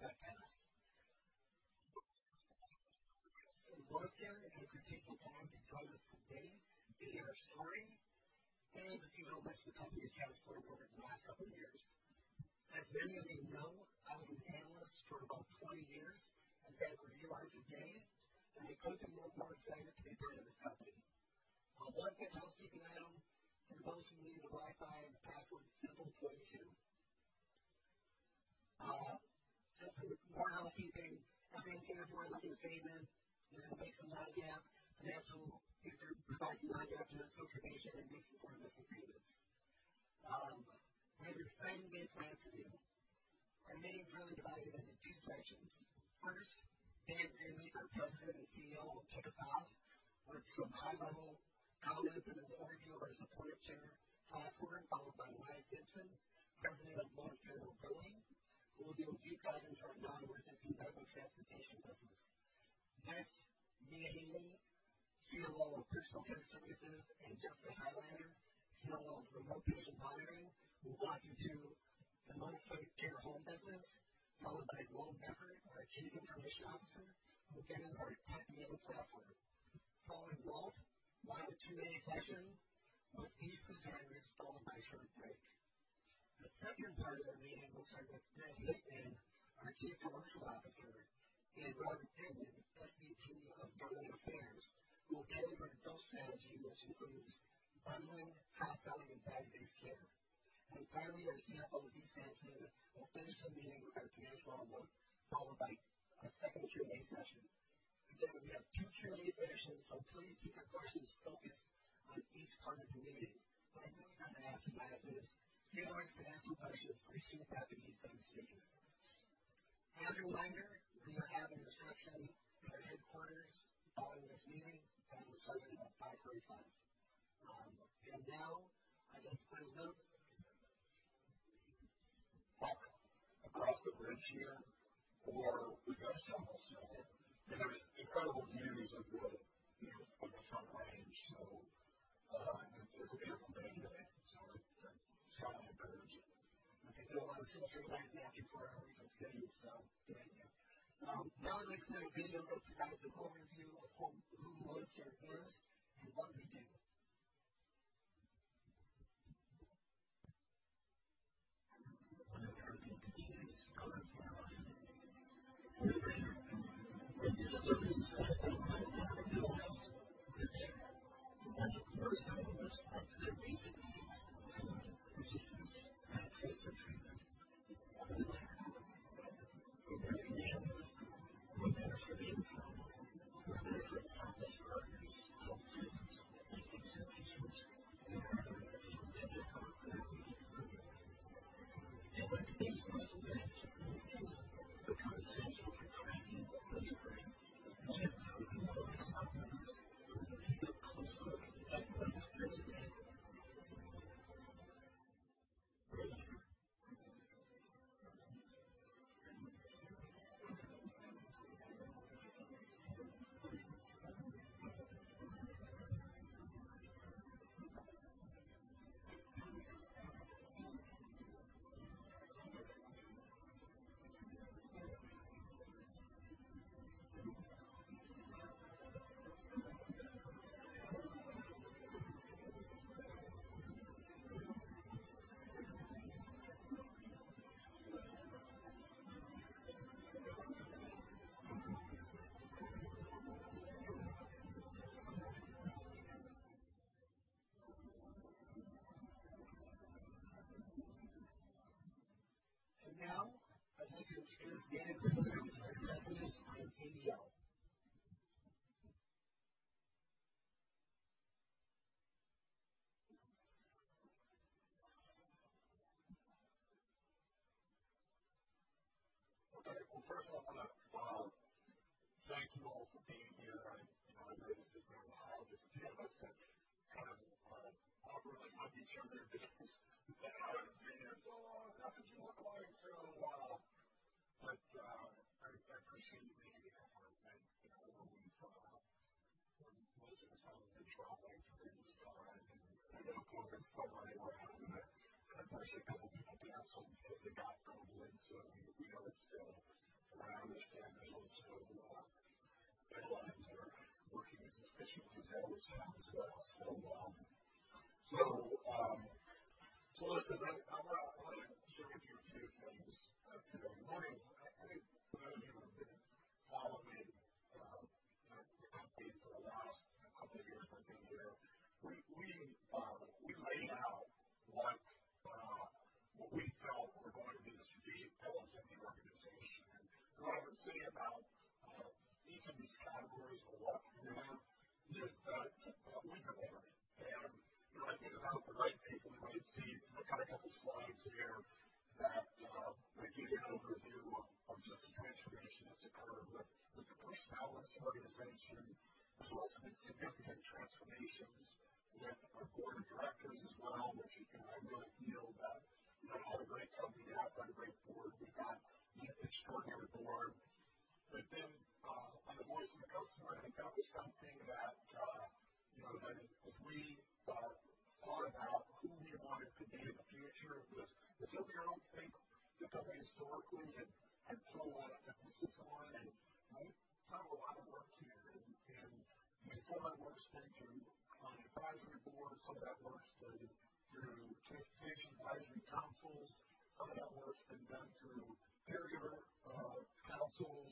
Both Karen and Christine will come on to join us today to hear our story and to see how much the company has transformed over the last couple of years. As many of you know, I was an analyst for about 20 years and family of ModivCare today, and I couldn't be more excited to be a part of this company. One quick housekeeping item, for those who need the Wi-Fi, the password is simple, 22. Just for more housekeeping, everyone will hear forward-looking statement we're going to take some non-GAAP financial and provide you some non-GAAP financial information and make some forward-looking statements. We have an exciting day planned for you. Our meeting is really divided into two sections. First, Dan Greenleaf, our President and CEO, will kick us off with some high-level comments and an overview of our supportive care platform, followed by Ilias Simpson, President of ModivCare Mobility, who will do a deep-dive into our non-emergency medical transportation business. Next, Mia Haney, COO of Personal Care Services, and Jessica Hylander, COO of Remote Patient Monitoring, will walk you through the ModivCare home business, followed by Walt Meffert, our Chief Information Officer, who will get into our tech-enabled platform. Following Walt, we'll have a Q&A session with these presenters, followed by a short break. The second part of our meeting will start with Brett Hickman, our Chief Commercial Officer, and Robert Pittman, SVP of Government Affairs, who will get into our duals strategy, which includes bundling, upselling, and value-based care. Finally, our CFO, Heath Sampson, will finish the meeting with our financial outlook, followed by a second Q&A session. Again, we have two Q&A sessions, so please keep your questions focused on each part of the meeting. What I'm really trying to ask you guys is save all your financial questions for Heath after he's done speaking. As a reminder, we are having a reception at our headquarters following this meeting that will start at 5:45 PM. And now I'd like to play a little video. I think I wanna stretch our legs after four hours on stage, so good idea. Now I'd like to play a video that provides an overview of who ModivCare is and what we do. Now I'd like to introduce Dan Greenleaf, our President and CEO. Okay. Well, first of all, I wanna thank you all for being here. I know this has been a while. There's a few of us that kind of awkwardly hug each other because, "Oh I haven't seen you in so long. That's what you look like." But I appreciate you making the effort, and you know, we've, you know most of us haven't been traveling for periods of time. And I know COVID is still running around. We had unfortunately, couple people cancelled because they got COVID, so we know it's still. And I understand, there's also airlines that are working as efficiently as they always have as well. Listen, I wanna share with you a few things today. One is I think for those of you who have been following the company for the last couple of years I've been here, we laid out what we felt were going to be the strategic pillars of the organization. What I would say about each of these categories, we'll walk through them, is that we delivered. You know, I think about the right people at the right seats, I got a couple slides here that they give you an overview of just the transformation that's occurred with your personnel and this organization. There's also been significant transformations with our board of directors as well which I really feel that how the great companies have had a great board. We've got an extraordinary board but then, on the voice of the customer I think that was something that, if we thought about who we wanted to be in the future was. It's something I don't think the company historically had put a lot emphasis on and we've done a lot of work here and some of that works been through client advisory boards, some of that work has been through transportation advisory councils. Some of that works has been done through caregiver councils.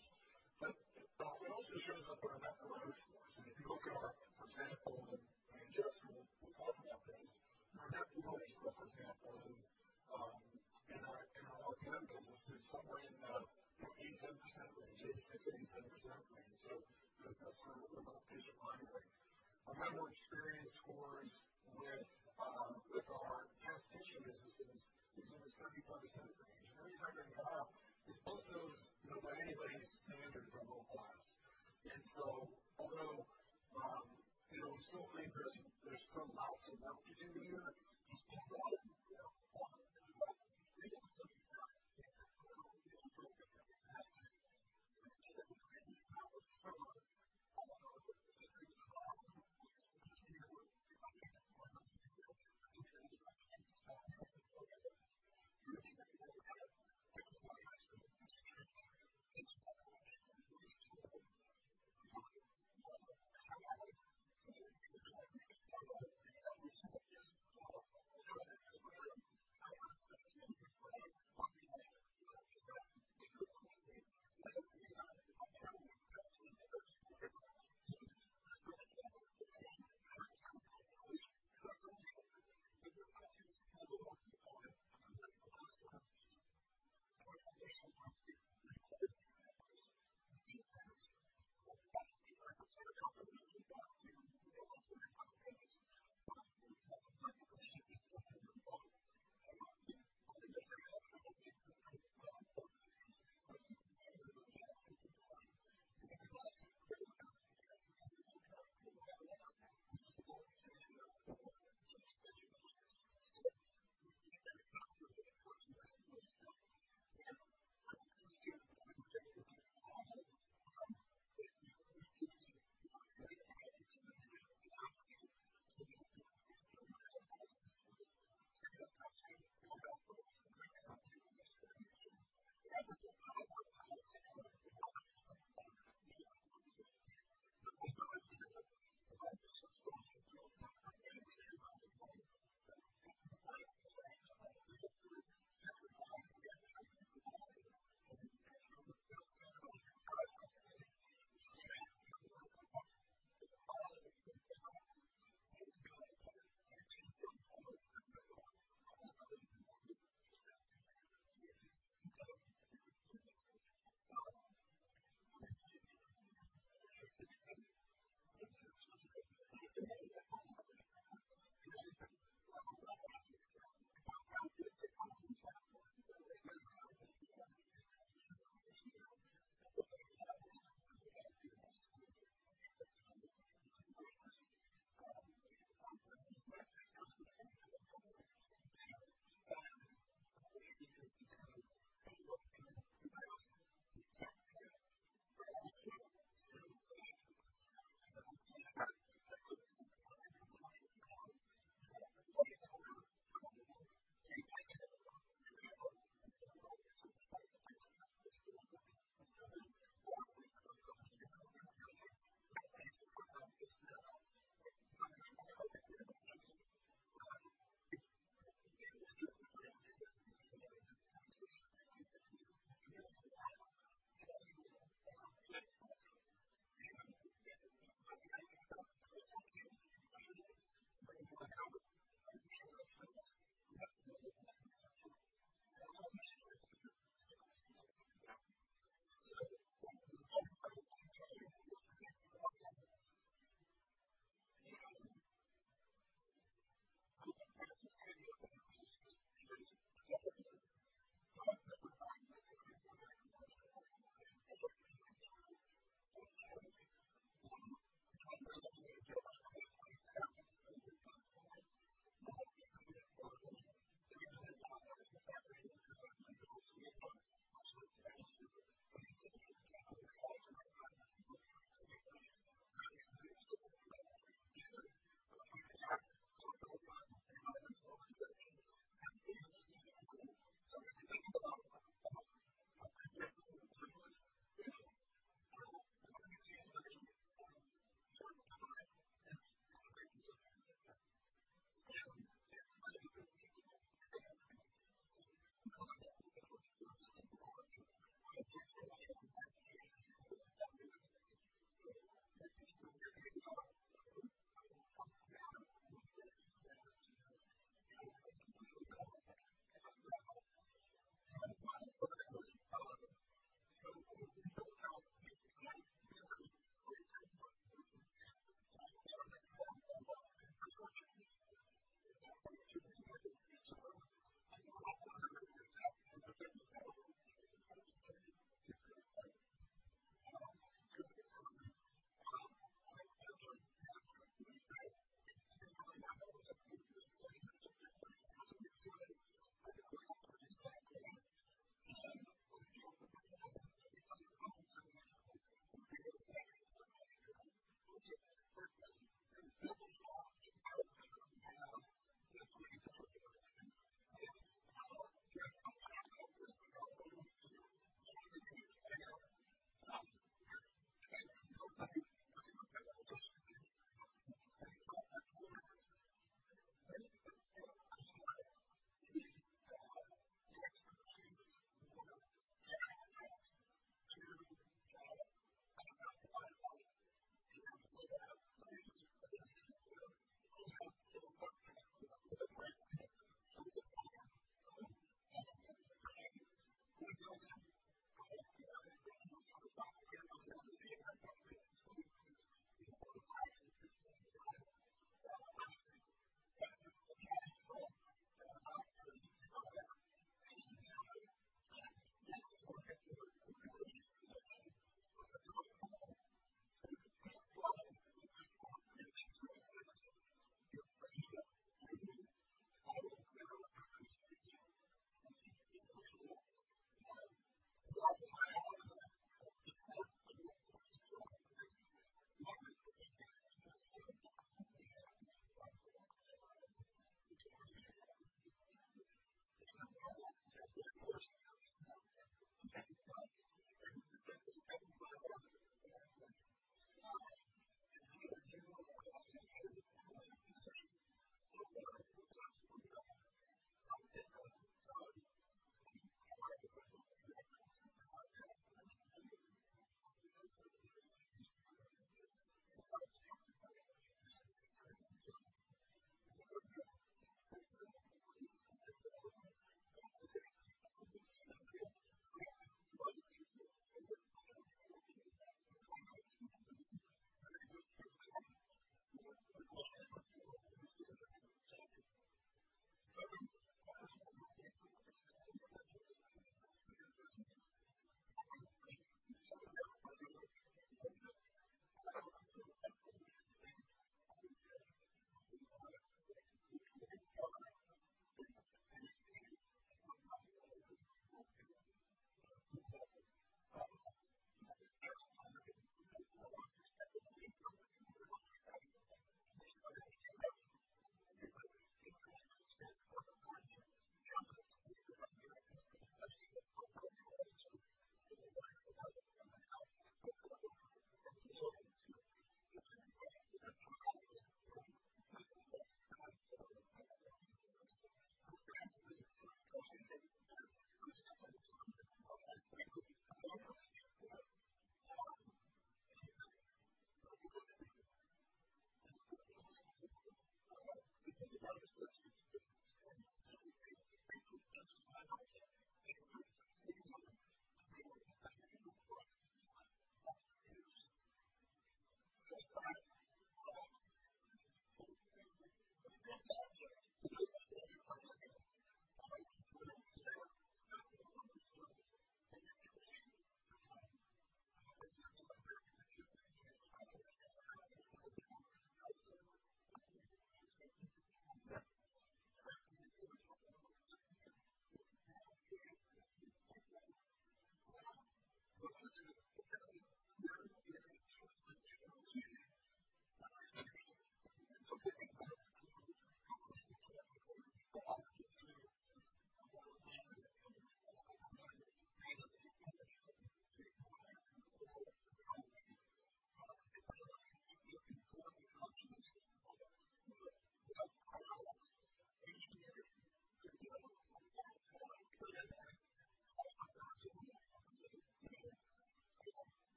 It also shows up in our Net Promoter Scores. If you look at our example and Jess will talk about these. Our Net Promoter Score for example in our RPM business is somewhere in the 87% range, 86-87% range so that sort of remote patient monitoring. Our Member Experience Scores with our transportation business is in 75% range. The reason I bring them up because both those by anybody standard are world-class although we still think there's still lots of work to do here,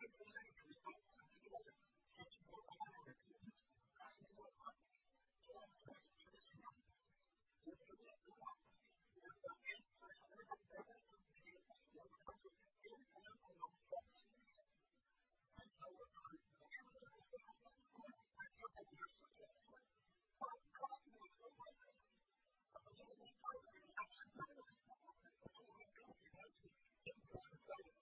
there's been a lot of work done as well. The other thing is that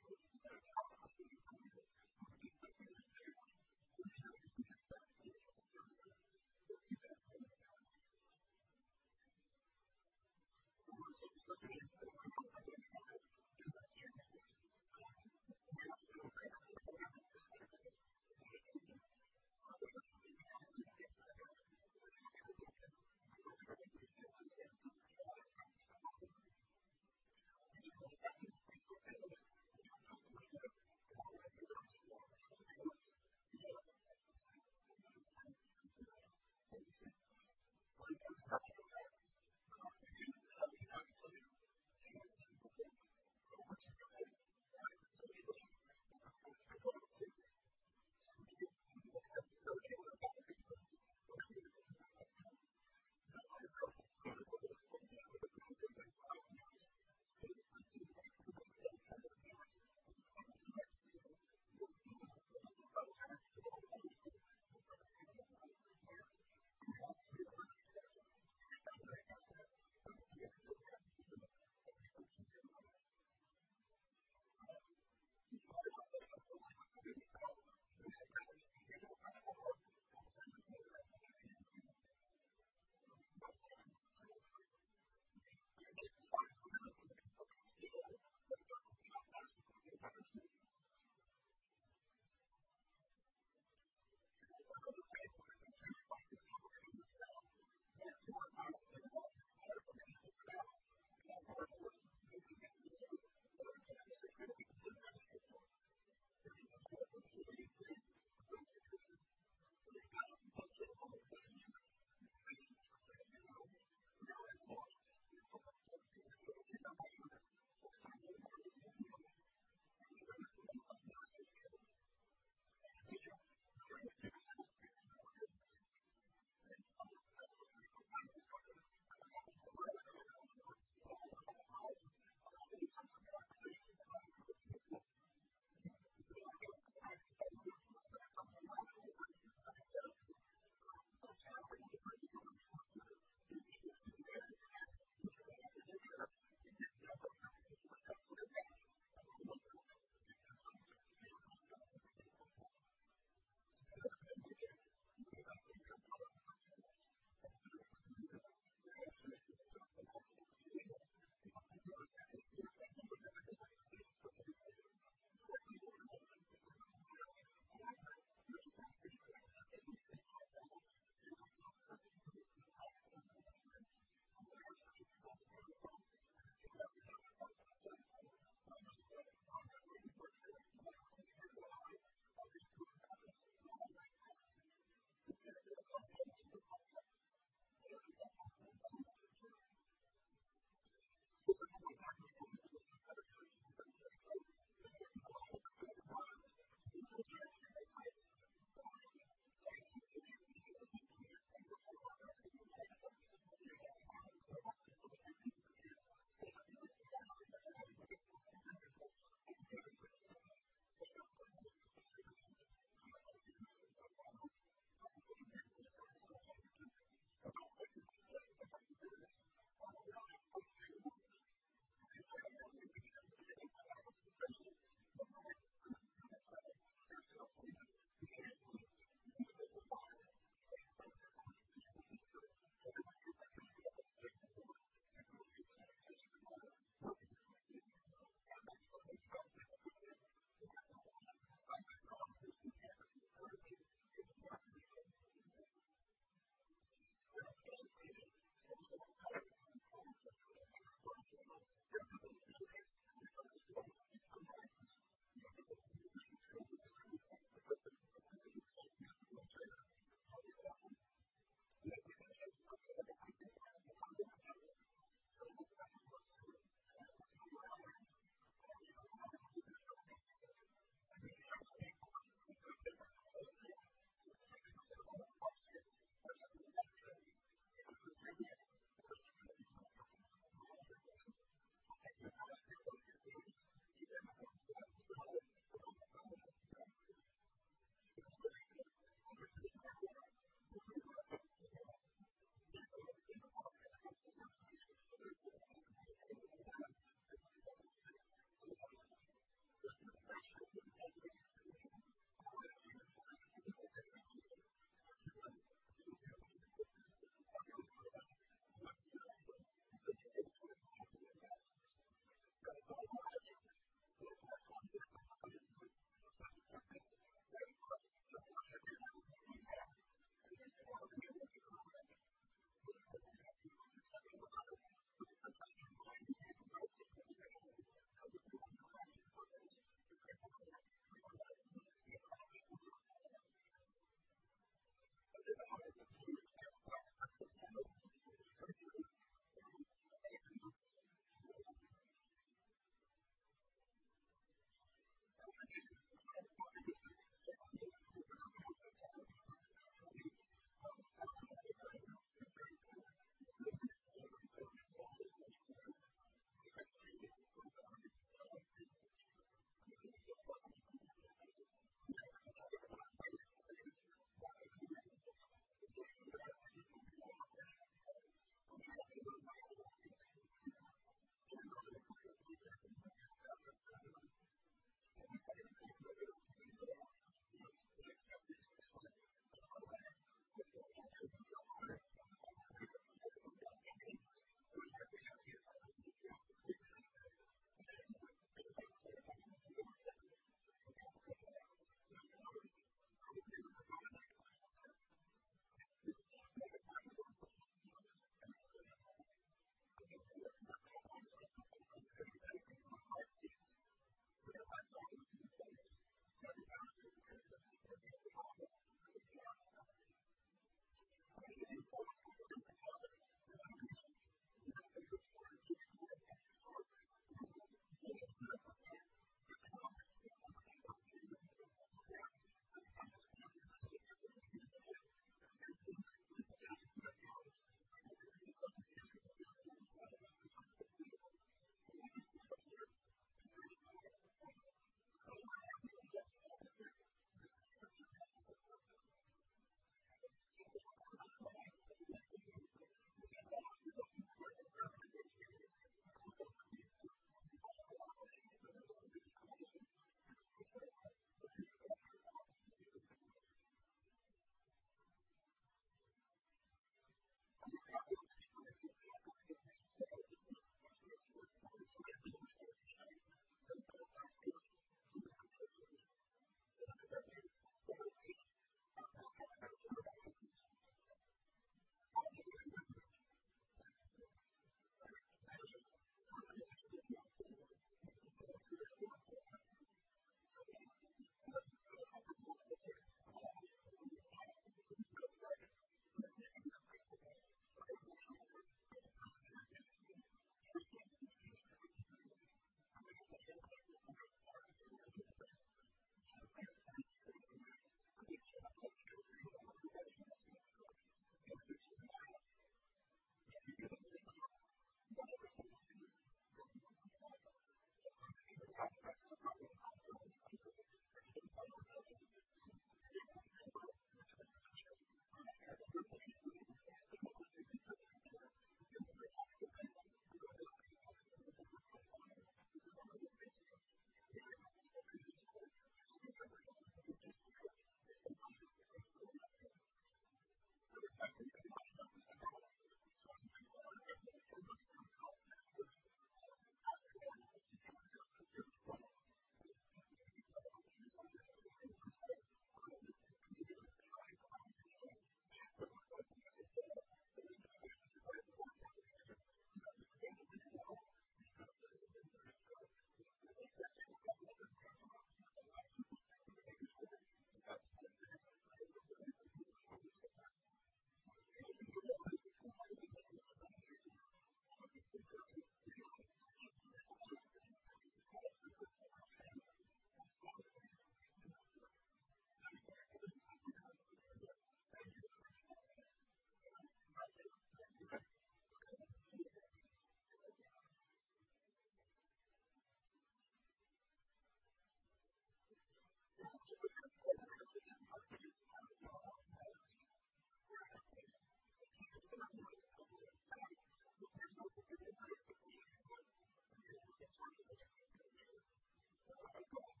we are really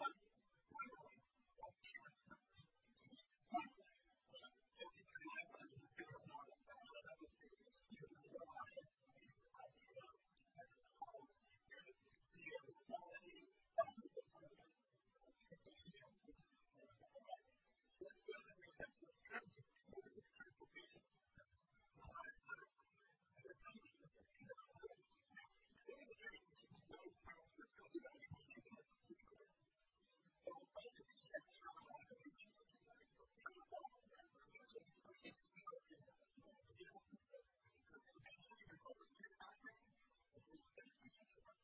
focused on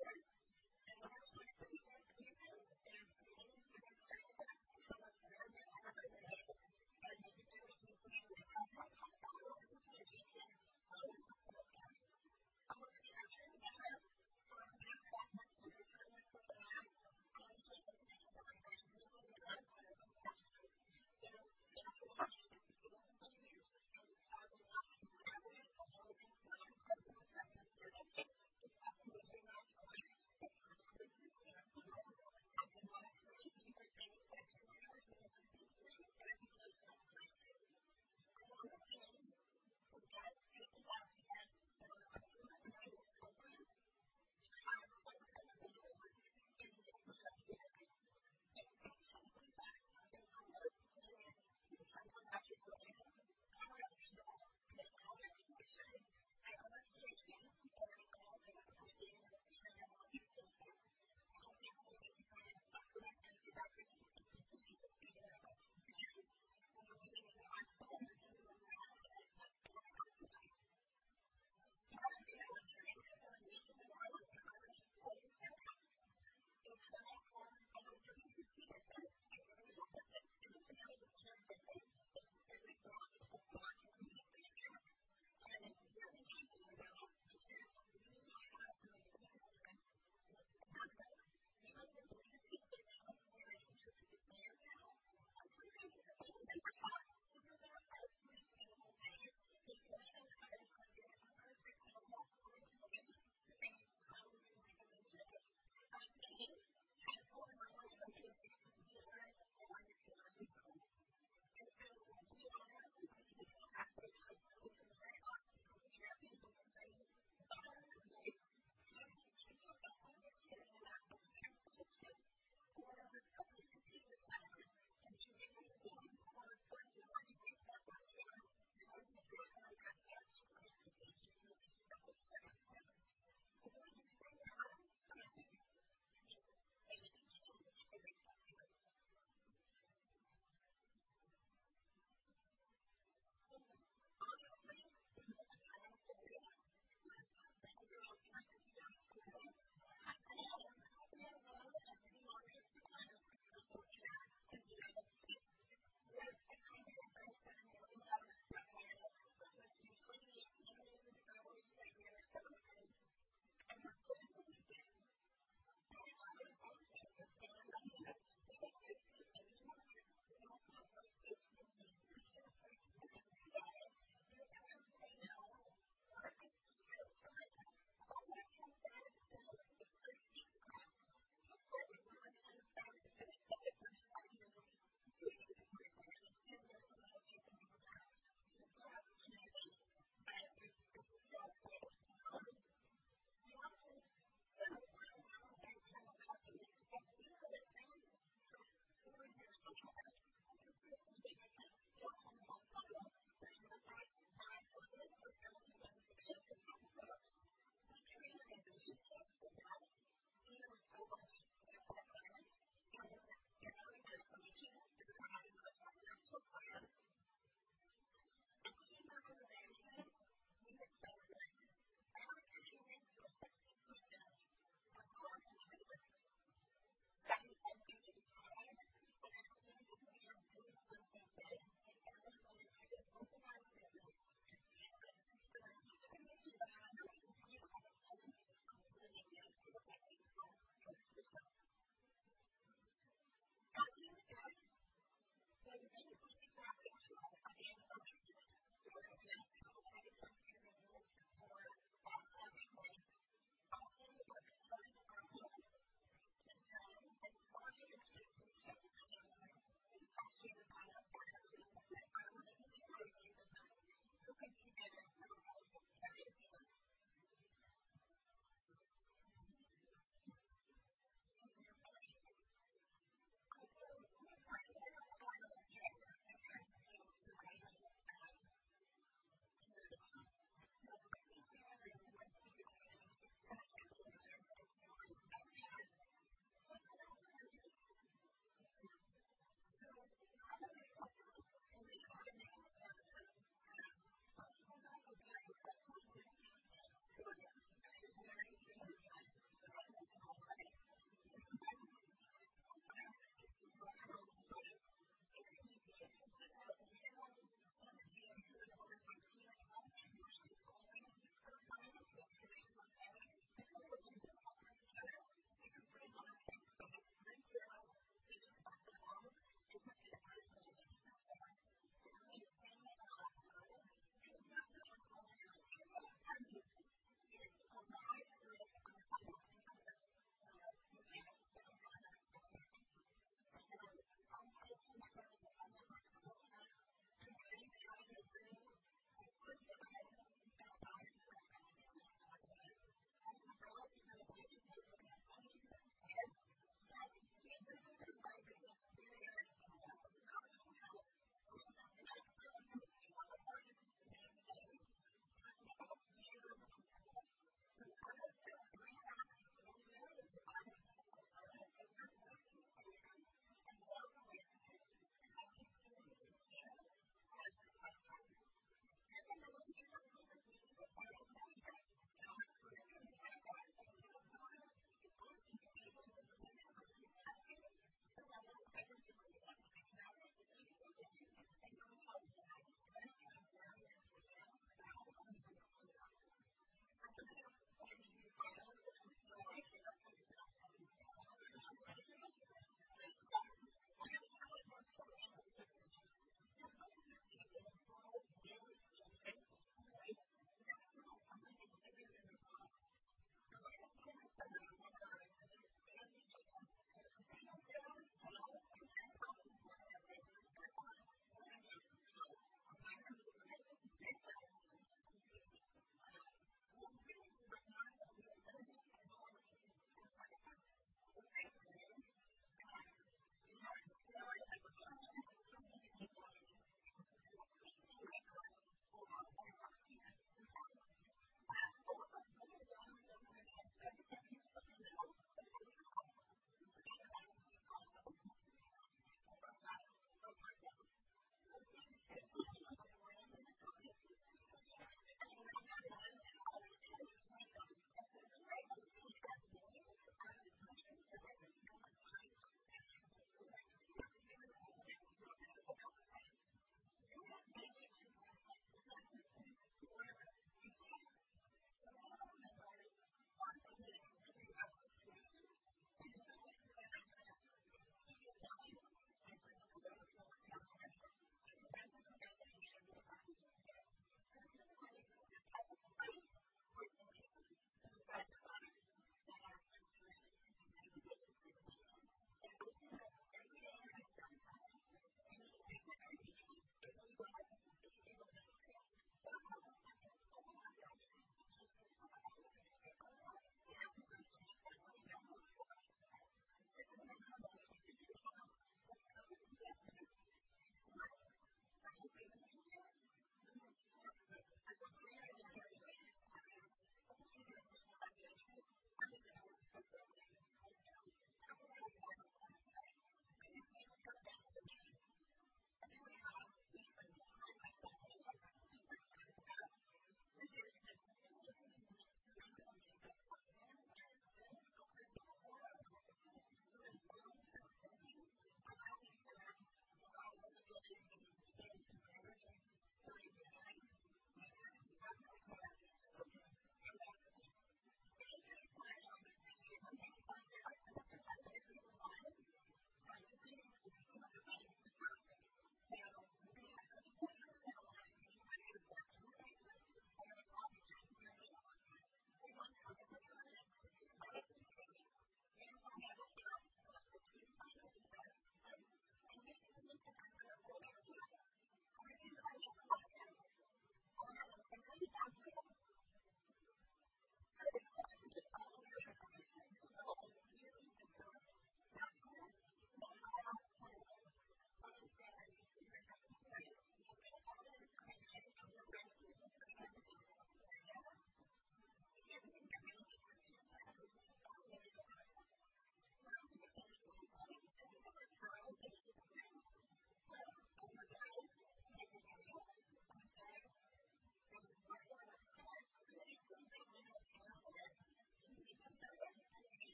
addressing,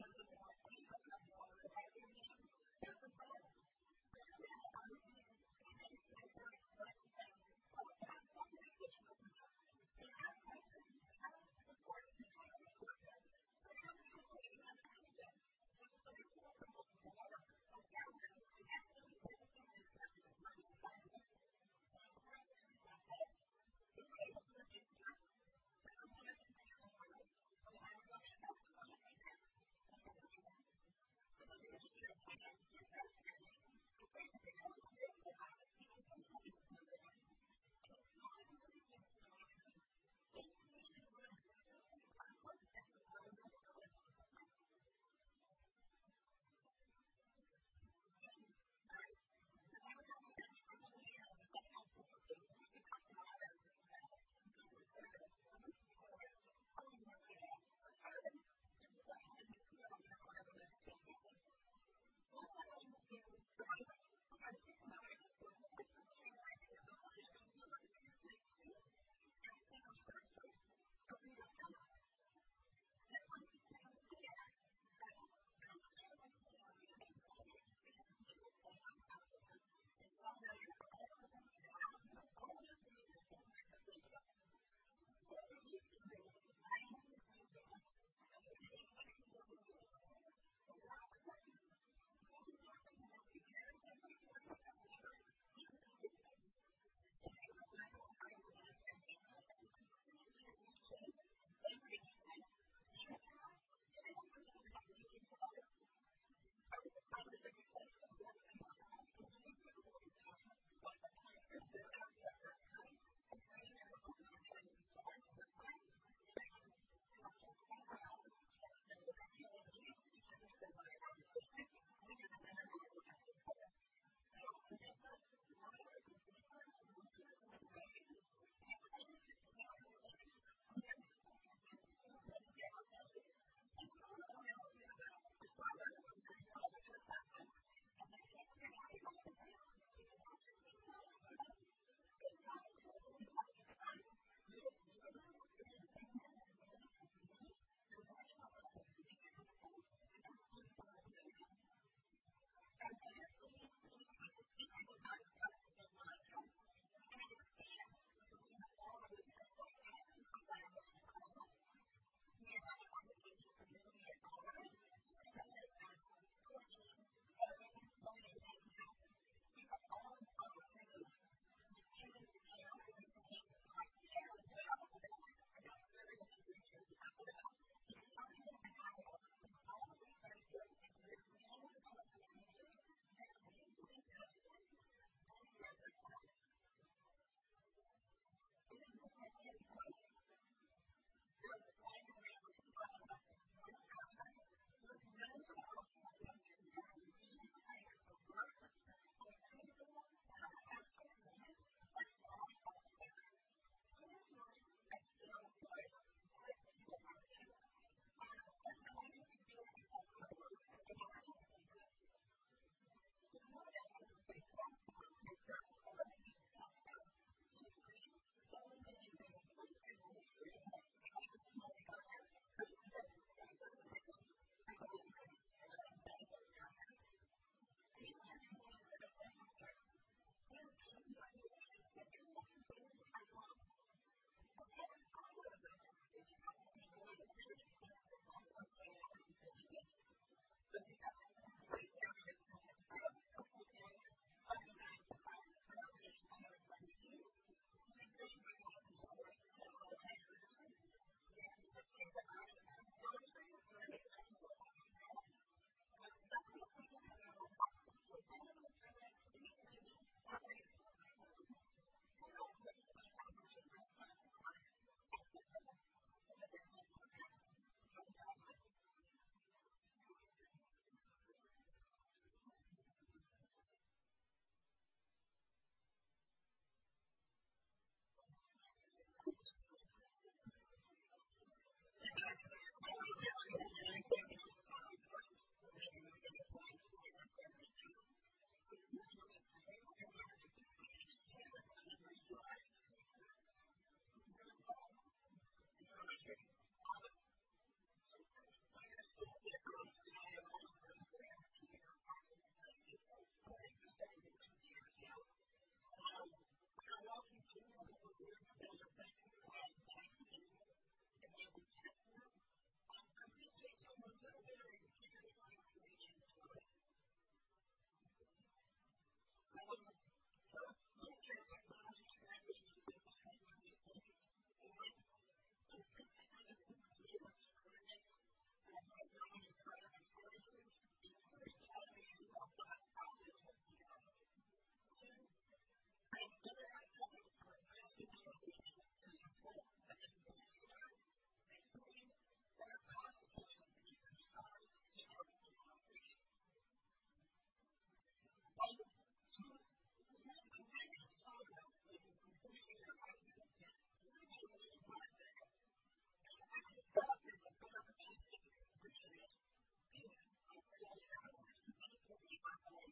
given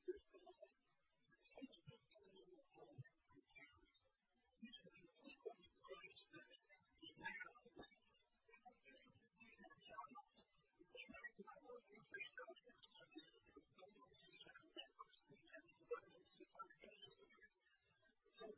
the communities that we serve,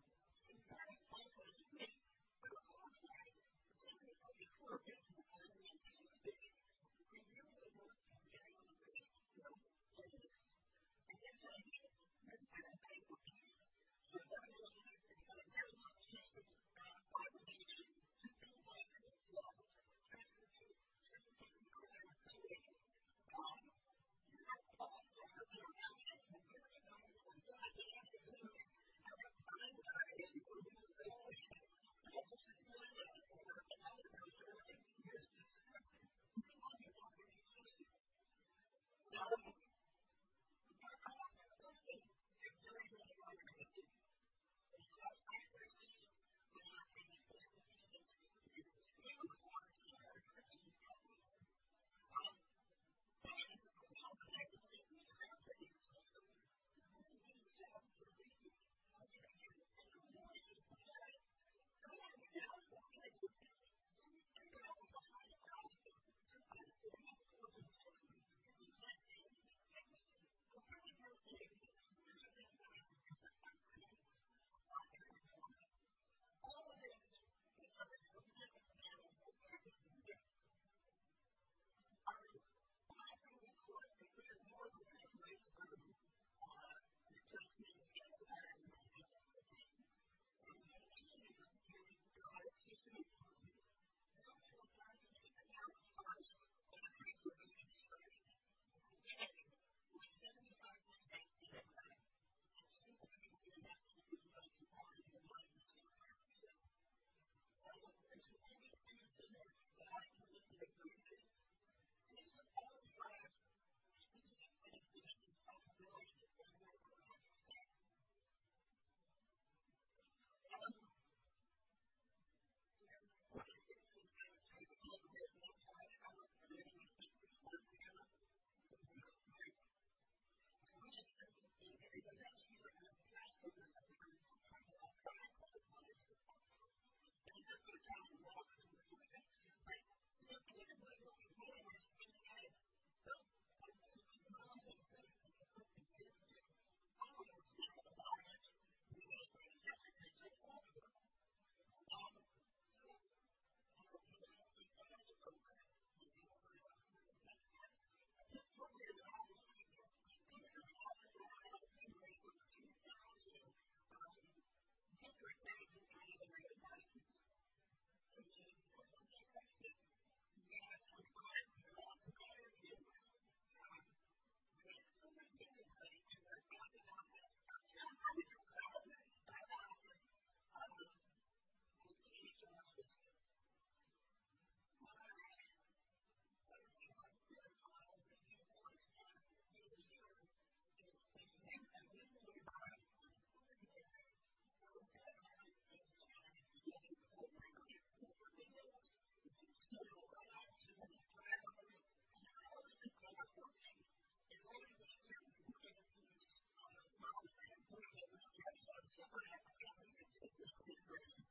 are digital divide, which you'll hear as time goes on here, you'll hear more about that.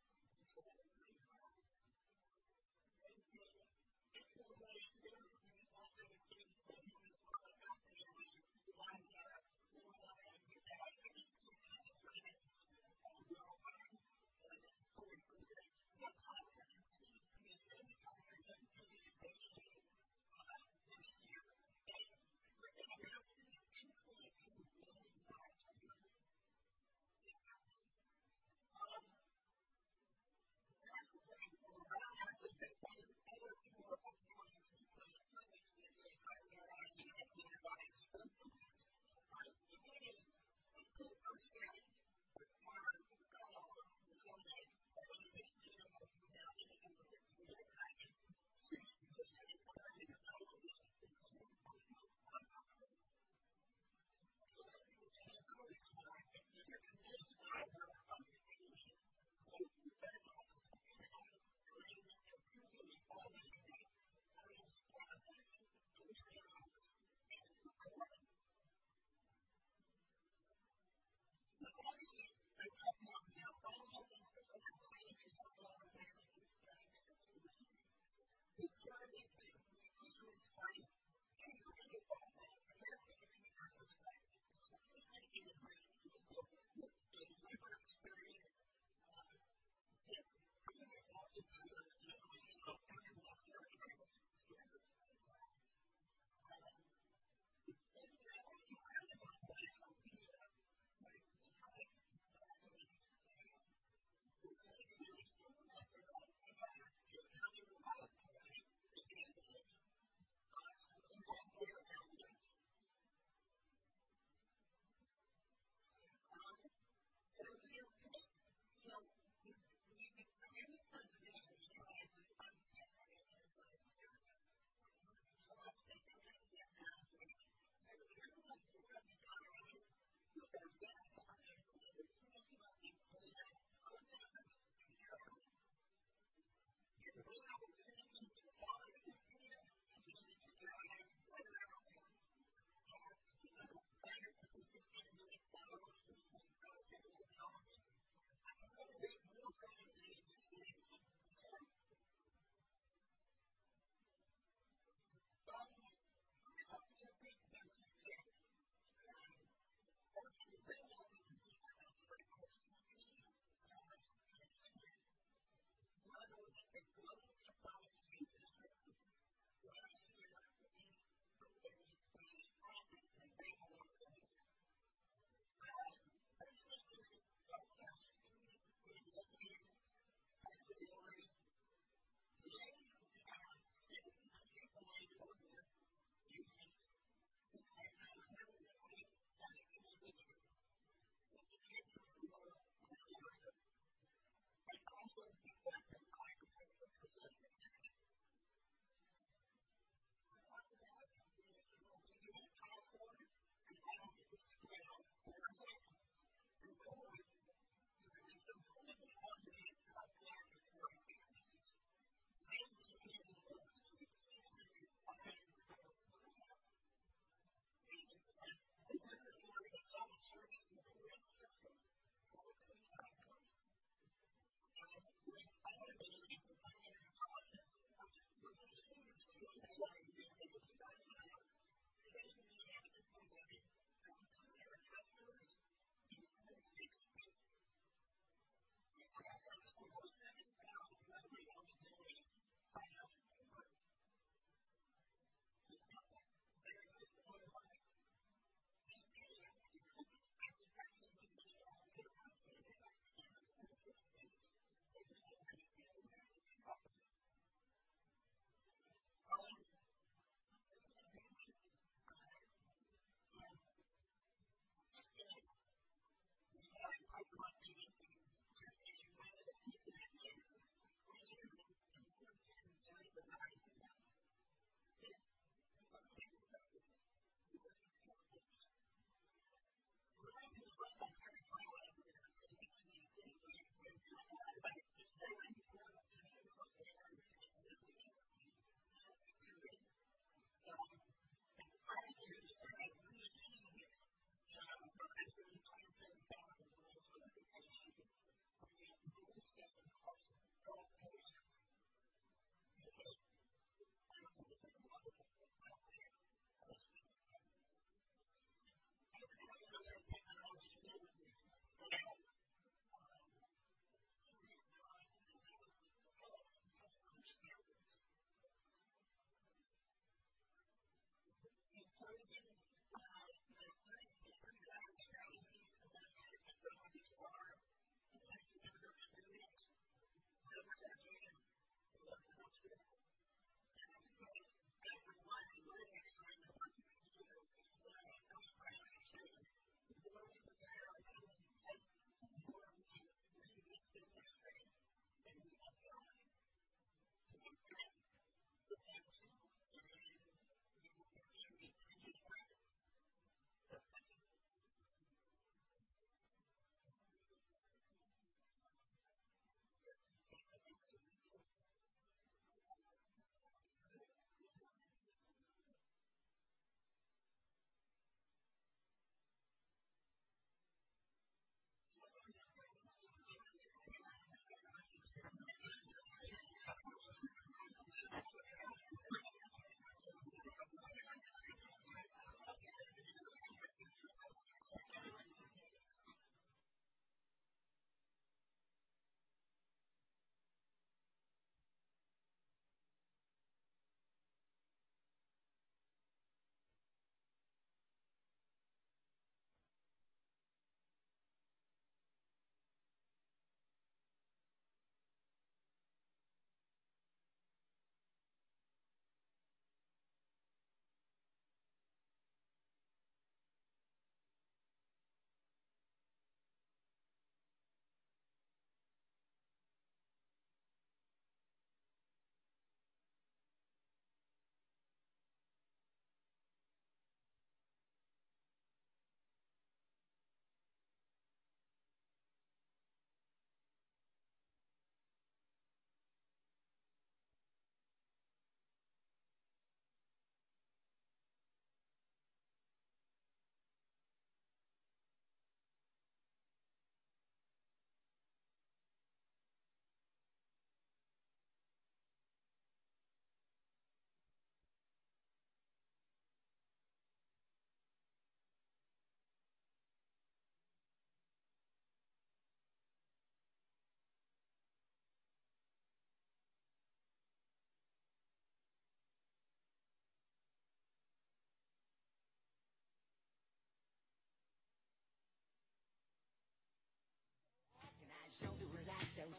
You're gonna hear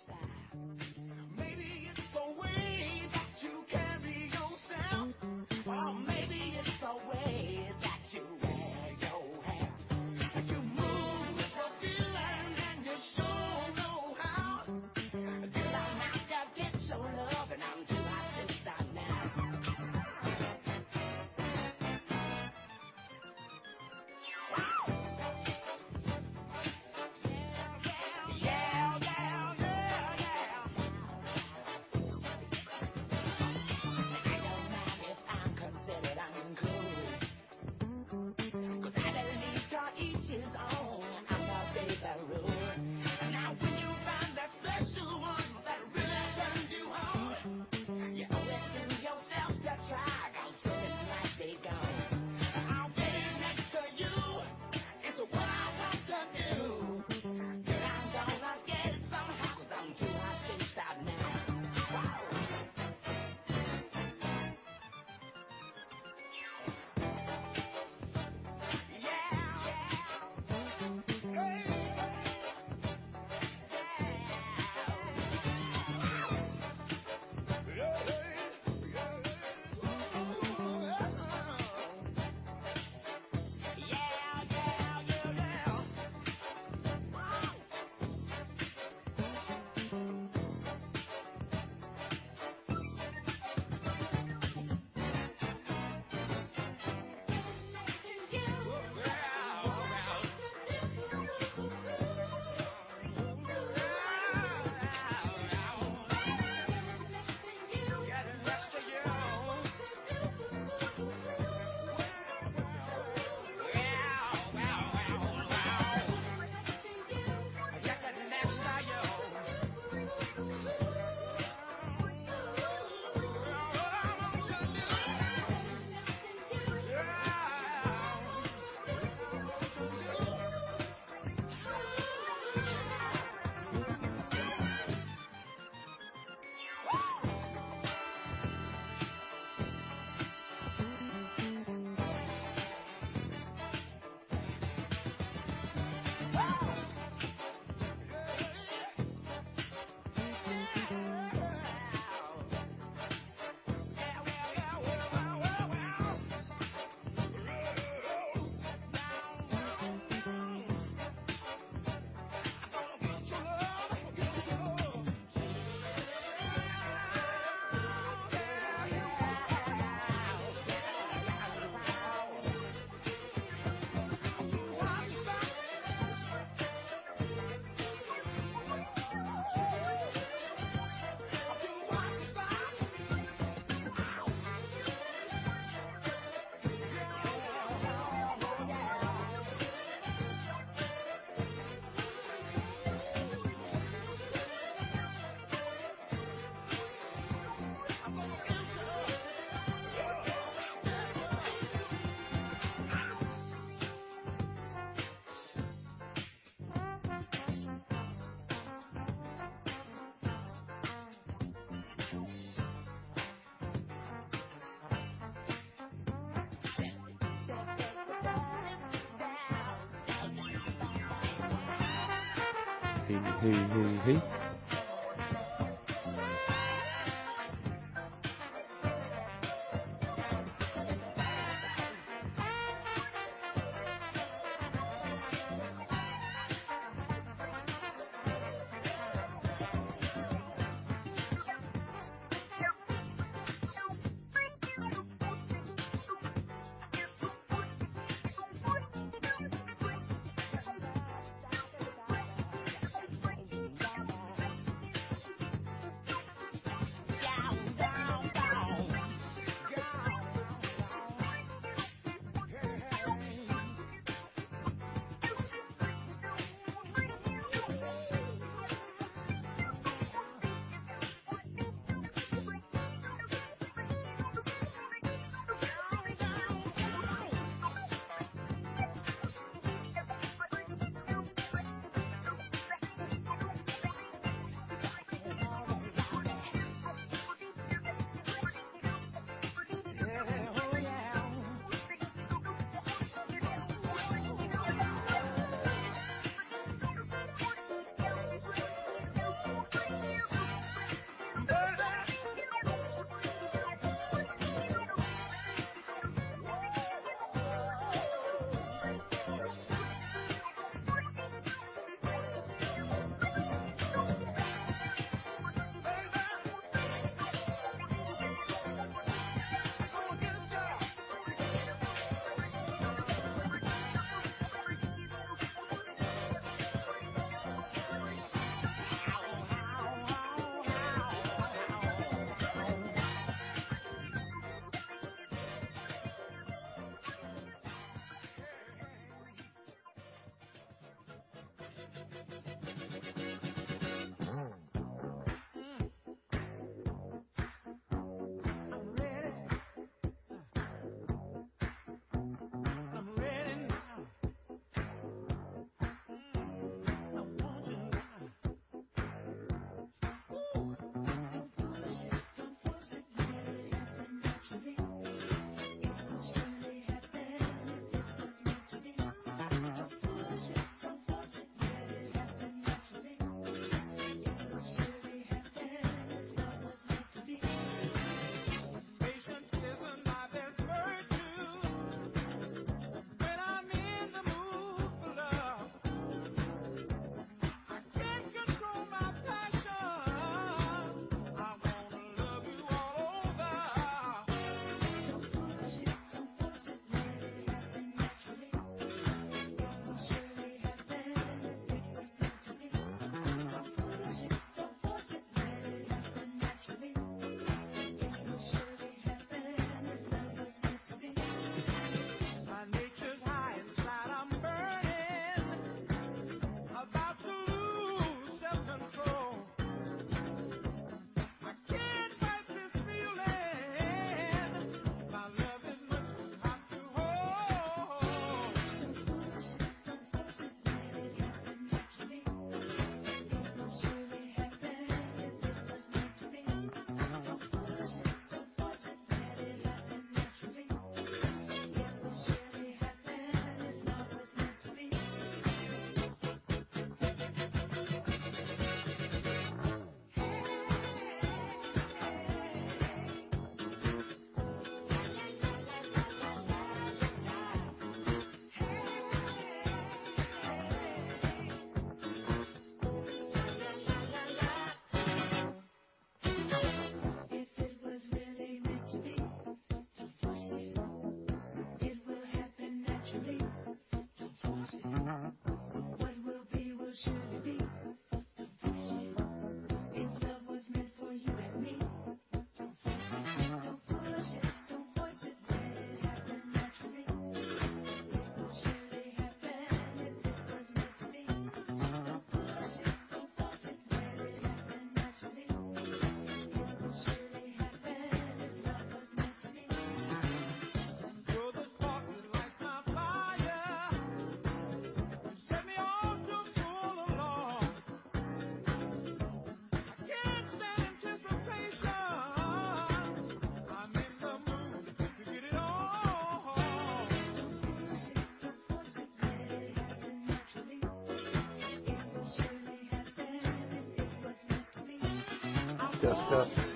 more about digital literacy and the issues that the patient populations that we serve have. As we think about the evolution of our business model, we're gonna continue to build on that.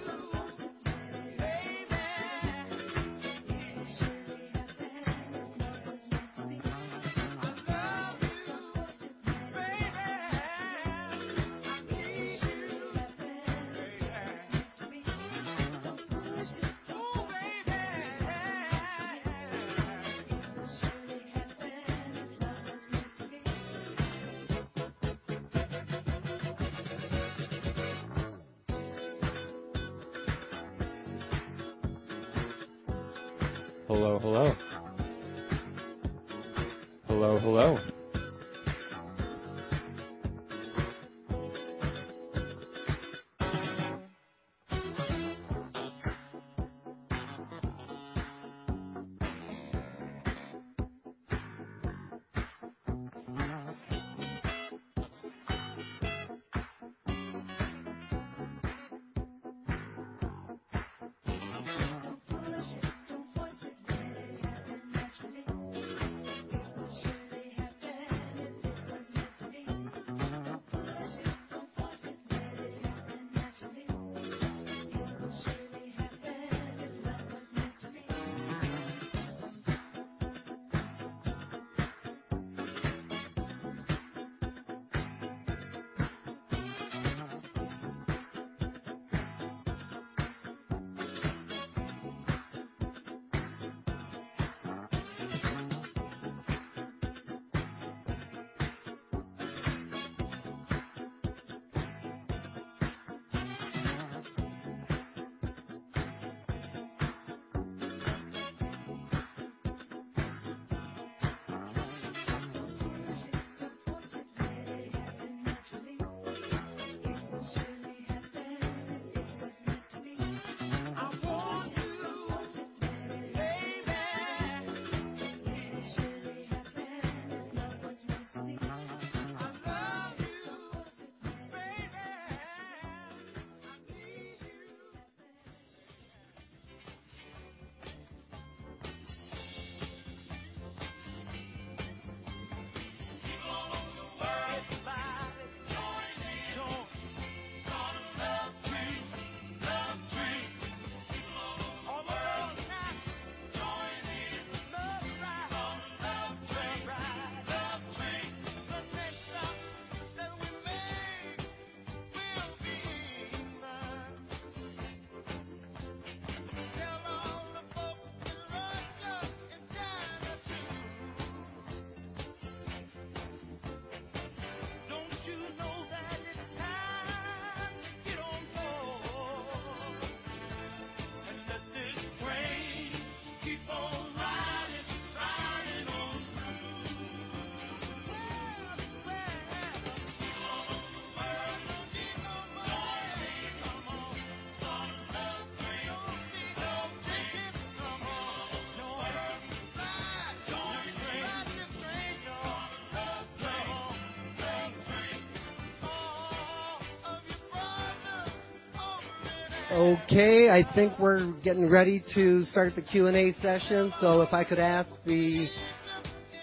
Okay. I think we're getting ready to start the Q&A session. If I could ask the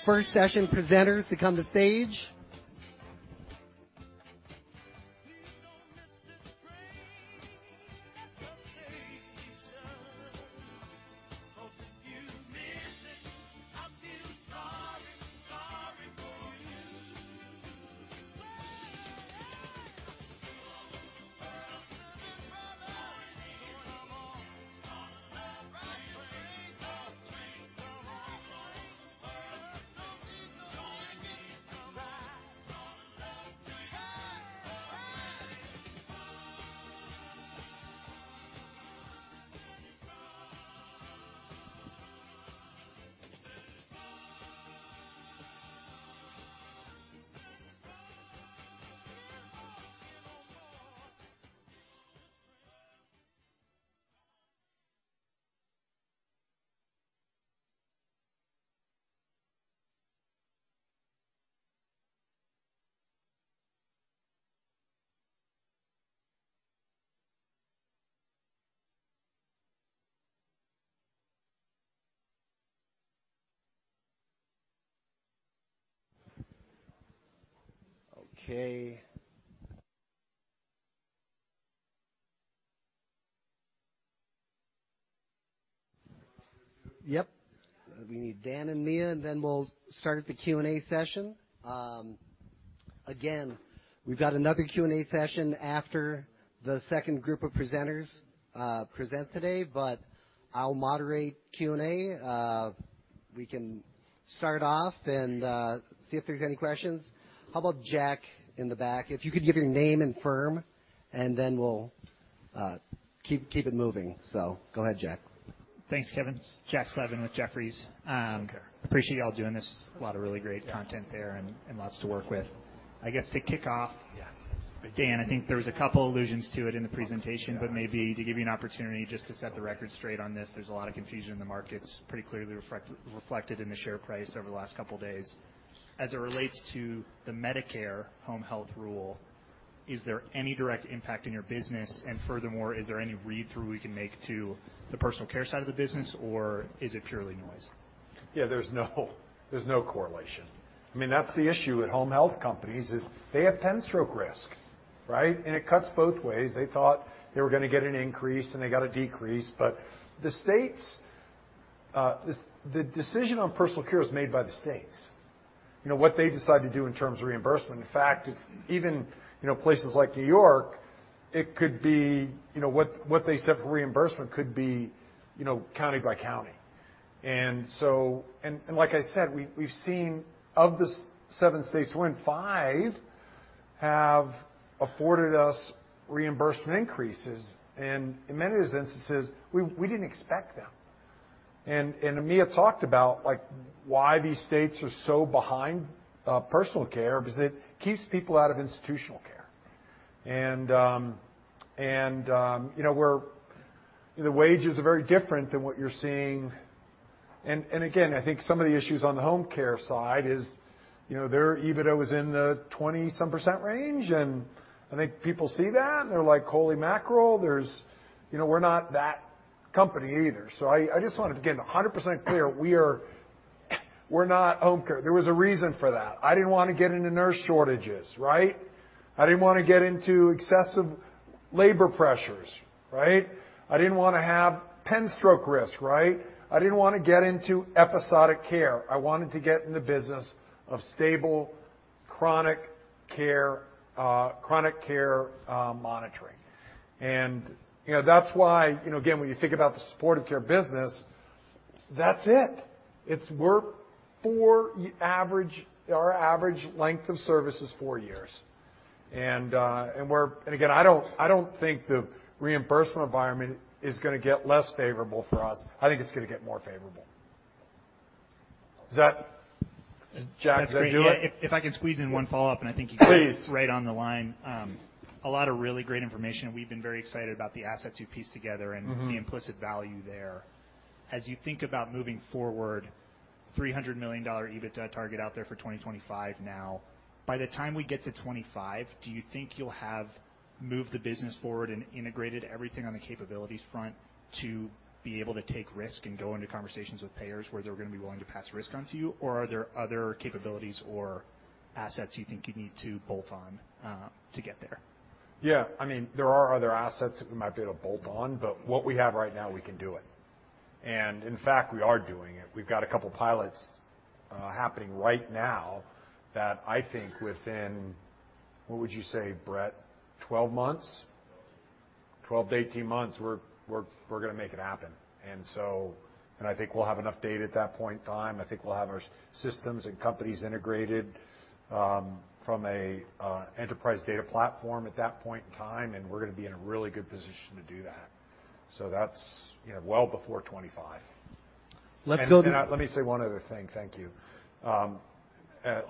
first session presenters to come to stage. Okay. Yep. We need Dan and Mia, and then we'll start the Q&A session. Again, we've got another Q&A session after the second group of presenters present today, but I'll moderate Q&A. We can start off and see if there's any questions. How about Jack in the back? If you could give your name and firm, and then we'll keep it moving. Go ahead, Jack. Thanks, Kevin. Jack Slevin with Jefferies. Okay. Appreciate you all doing this. A lot of really great content there and lots to work with. I guess to kick off. Yeah. Dan, I think there was a couple allusions to it in the presentation, but maybe to give you an opportunity just to set the record straight on this, there's a lot of confusion in the markets, pretty clearly reflected in the share price over the last couple of days. As it relates to the Medicare home health rule, is there any direct impact in your business? Furthermore, is there any read-through we can make to the personal care side of the business, or is it purely noise? Yeah, there's no correlation. I mean, that's the issue at home health companies is they have pen stroke risk, right? It cuts both ways. They thought they were gonna get an increase, and they got a decrease. The states, the decision on personal care is made by the states. You know, what they decide to do in terms of reimbursement. In fact, it's even, you know, places like New York, it could be, you know, what they set for reimbursement could be, you know, county by county. Like I said, we've seen of the 7 states in 5 have afforded us reimbursement increases. In many of those instances, we didn't expect them. Mia talked about, like, why these states are so behind personal care, because it keeps people out of institutional care. The wages are very different than what you're seeing. Again, I think some of the issues on the home care side is, you know, their EBITDA was in the 20-some% range, and I think people see that and they're like, "Holy mackerel." You know, we're not that company either. I just wanted to, again, 100% clear we're not home care. There was a reason for that. I didn't wanna get into nurse shortages, right? I didn't wanna get into excessive labor pressures, right? I didn't wanna have pen stroke risk, right? I didn't wanna get into episodic care. I wanted to get in the business of stable chronic care monitoring. You know, that's why, again, when you think about the supportive care business, that's it. Our average length of service is four years. Again, I don't think the reimbursement environment is gonna get less favorable for us. I think it's gonna get more favorable. Is that, Jack, does that do it? That's great. Yeah. If I can squeeze in one follow-up, and I think you- Please. Hit this right on the line. A lot of really great information. We've been very excited about the assets you pieced together. Mm-hmm. the implicit value there. As you think about moving forward, $300 million EBITDA target out there for 2025 now. By the time we get to 25, do you think you'll have moved the business forward and integrated everything on the capabilities front to be able to take risk and go into conversations with payers where they're gonna be willing to pass risk on to you? Or are there other capabilities or assets you think you need to bolt on, to get there? Yeah. I mean, there are other assets that we might be able to bolt on, but what we have right now, we can do it. In fact, we are doing it. We've got a couple pilots happening right now that I think within. What would you say, Brett? 12 months? 12. 12-18 months, we're gonna make it happen. I think we'll have enough data at that point in time. I think we'll have our systems and companies integrated from an enterprise data platform at that point in time, and we're gonna be in a really good position to do that. That's, you know, well before 25. Let me say one other thing. Thank you.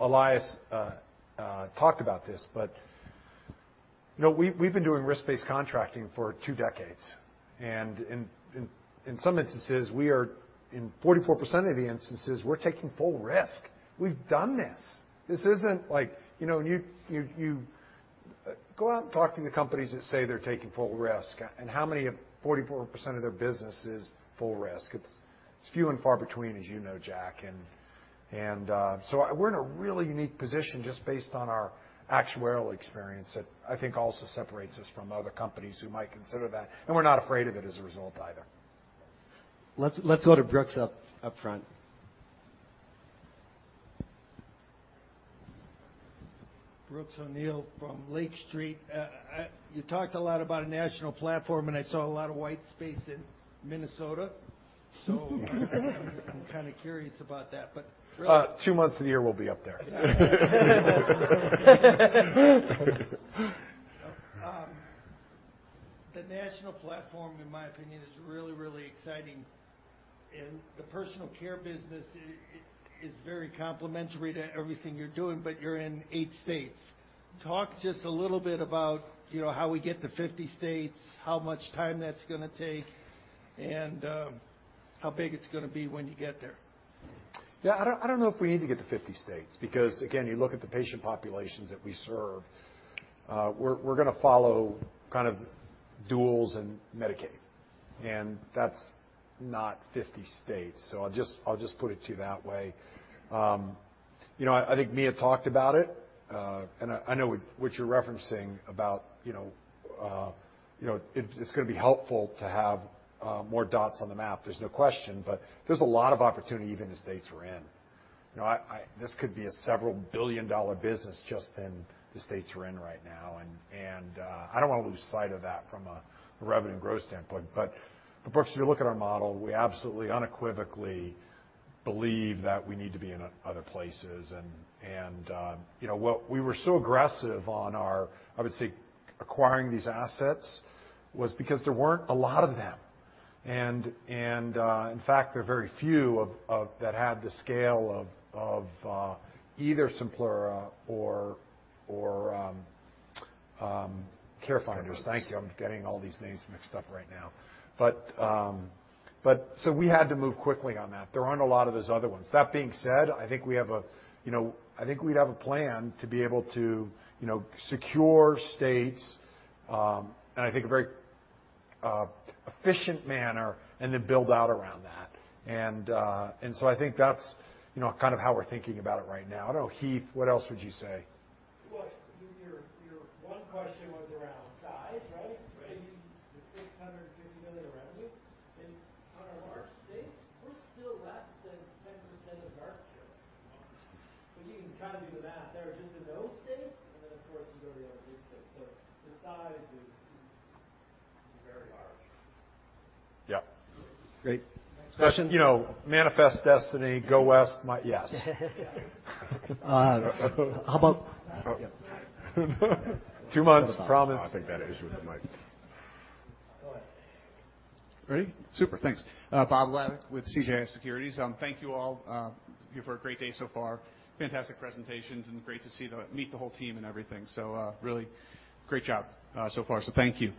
Ilias talked about this, but you know, we've been doing risk-based contracting for two decades. In some instances, we are in 44% of the instances, we're taking full risk. We've done this. This isn't like you know, you go out and talk to the companies that say they're taking full risk, and how many of 44% of their business is full risk? It's few and far between, as you know, Jack. We're in a really unique position just based on our actuarial experience that I think also separates us from other companies who might consider that, and we're not afraid of it as a result either. Let's go to Brooks up front. Brooks O'Neil from Lake Street. You talked a lot about a national platform, and I saw a lot of white space in Minnesota. I'm kinda curious about that, but. Two months a year, we'll be up there. The national platform, in my opinion, is really, really exciting. The personal care business is very complementary to everything you're doing, but you're in eight states. Talk just a little bit about, you know, how we get to 50 states, how much time that's gonna take, and how big it's gonna be when you get there. Yeah, I don't know if we need to get to 50 states because, again, you look at the patient populations that we serve. We're gonna follow kind of duals and Medicaid. That's not 50 states. I'll just put it to you that way. You know, I think Mia talked about it. I know what you're referencing about, you know, it's gonna be helpful to have more dots on the map. There's no question. There's a lot of opportunity even the states we're in. You know, I... This could be a several billion-dollar business just in the states we're in right now. I don't wanna lose sight of that from a revenue growth standpoint. Brooks, if you look at our model, we absolutely unequivocally believe that we need to be in other places. You know what? We were so aggressive on our, I would say, acquiring these assets was because there weren't a lot of them. In fact, there are very few that had the scale of either Simplura or CareFinders. Thank you. I'm getting all these names mixed up right now. We had to move quickly on that. There aren't a lot of those other ones. That being said, I think we have a, you know, I think we'd have a plan to be able to, you know, secure states, and I think very large. Yeah. Great. You know, manifest destiny, go west, yes. Uh, how about- Oh. Yeah. Two months, promise. Ready? Super. Thanks. Bob Labick with CJS Securities. Thank you all, you for a great day so far. Fantastic presentations, and great to see and meet the whole team and everything. Really great job so far. Thank you.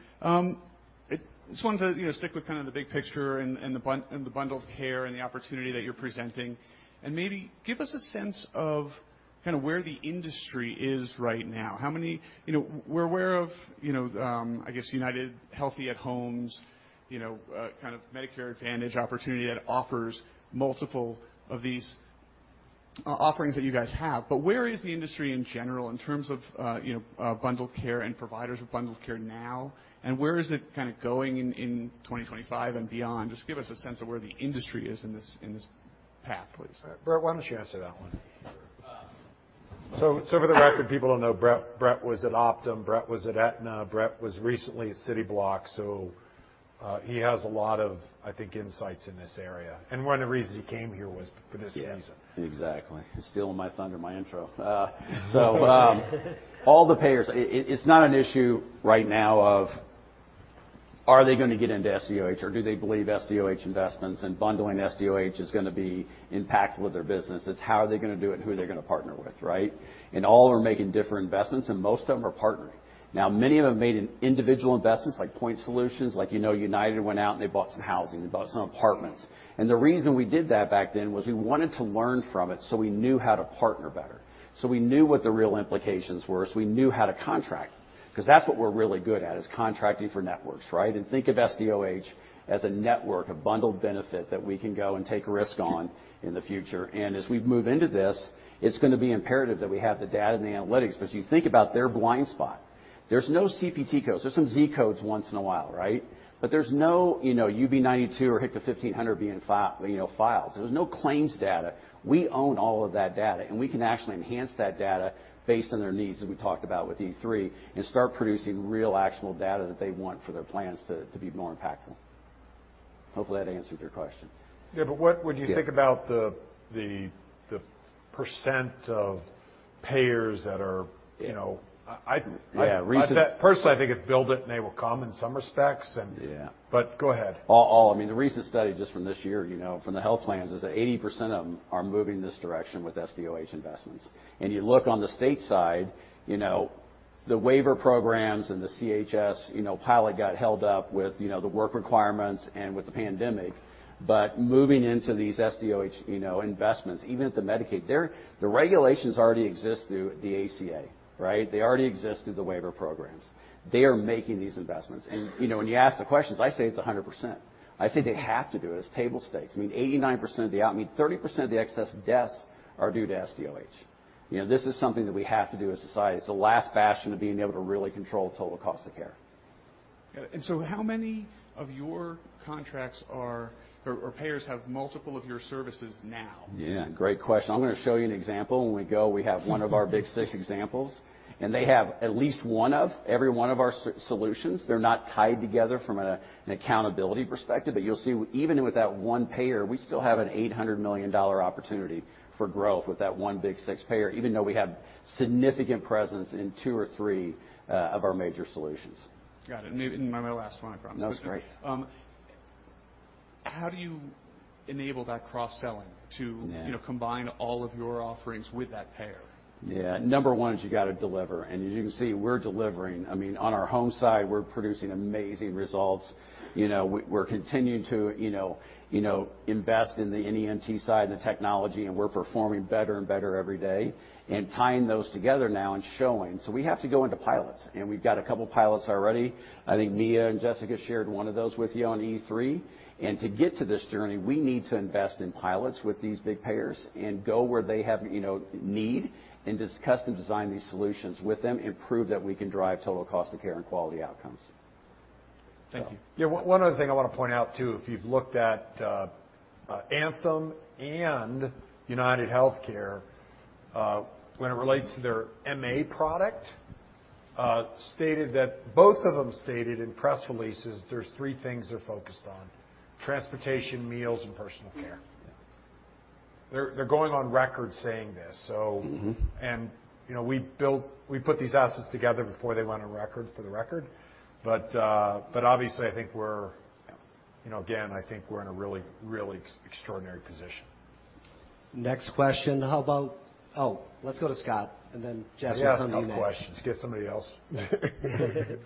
Just wanted to, you know, stick with kinda the big picture and the bundled care and the opportunity that you're presenting, and maybe give us a sense of kinda where the industry is right now. How many? You know, we're aware of, you know, I guess UnitedHealthcare at Home, you know, kind of Medicare Advantage opportunity that offers multiple of these offerings that you guys have. Where is the industry in general in terms of bundled care and providers of bundled care now? Where is it kinda going in 2025 and beyond? Just give us a sense of where the industry is in this path, please. Brett, why don't you answer that one? Sure. For the record, people don't know Brett. Brett was at Optum. Brett was at Aetna. Brett was recently at Cityblock, so he has a lot of, I think, insights in this area. One of the reasons he came here was for this reason. Yeah. Exactly. Stealing my thunder, my intro. All the payers, it's not an issue right now of are they gonna get into SDOH or do they believe SDOH investments and bundling SDOH is gonna be impactful with their business. It's how are they gonna do it and who they're gonna partner with, right? All of them are making different investments, and most of them are partnering. Now, many of them made individual investments like point solutions. Like, you know, United went out, and they bought some housing. They bought some apartments. The reason we did that back then was we wanted to learn from it, so we knew how to partner better, so we knew what the real implications were, so we knew how to contract, 'cause that's what we're really good at, is contracting for networks, right? Think of SDOH as a network, a bundled benefit that we can go and take risk on in the future. As we move into this, it's gonna be imperative that we have the data and the analytics, because you think about their blind spot. There's no CPT codes. There's some Z codes once in a while, right? But there's no, you know, UB-92 or HCFA 1500 being filed. So there's no claims data. We own all of that data, and we can actually enhance that data based on their needs, as we talked about with E3, and start producing real actionable data that they want for their plans to be more impactful. Hopefully, that answered your question. Yeah, what? Yeah. When you think about the percent of payers that are, you know, I Yeah. Personally, I think it's build it, and they will come in some respects. Yeah. Go ahead. All, I mean, the recent study just from this year, you know, from the health plans is that 80% of them are moving this direction with SDOH investments. You look on the state side, you know, the waiver programs and the HCBS, you know, pilot got held up with, you know, the work requirements and with the pandemic. Moving into these SDOH, you know, investments, even at the Medicaid, they're the regulations already exist through the ACA, right? They already exist through the waiver programs. They are making these investments. You know, when you ask the questions, I say it's 100%. I say they have to do it. It's table stakes. I mean, 30% of the excess deaths are due to SDOH. You know, this is something that we have to do as society. It's the last bastion of being able to really control total cost of care. Yeah. How many of your contracts or payers have multiple of your services now? Yeah, great question. I'm gonna show you an example. When we go, we have one of our Big Six examples, and they have at least one of every one of our solutions. They're not tied together from an accountability perspective. You'll see even with that one payer, we still have an $800 million opportunity for growth with that one Big Six payer, even though we have significant presence in two or three of our major solutions. Got it. My last one, I promise. No, that's great. How do you enable that cross-selling? Yeah. You know, combine all of your offerings with that payer? Yeah. Number one is you gotta deliver. As you can see, we're delivering. I mean, on our home side, we're producing amazing results. You know, we're continuing to, you know, you know, invest in the NEMT side of the technology, and we're performing better and better every day and tying those together now and showing. We have to go into pilots, and we've got a couple pilots already. I think Mia and Jessica shared one of those with you on E3. To get to this journey, we need to invest in pilots with these big payers and go where they have, you know, need and just custom design these solutions with them and prove that we can drive total cost of care and quality outcomes. Thank you. Yeah. One other thing I wanna point out, too. If you've looked at Anthem and UnitedHealthcare, when it relates to their MA product, both of them stated in press releases there's three things they're focused on, transportation, meals, and personal care. Yeah. They're going on record saying this, so. Mm-hmm. You know, we put these assets together before they went on record for the record. Obviously, I think we're, you know, again, in a really extraordinary position. Next question, let's go to Scott, and then Jessica, we'll come to you next. He asked a tough question. Let's get somebody else.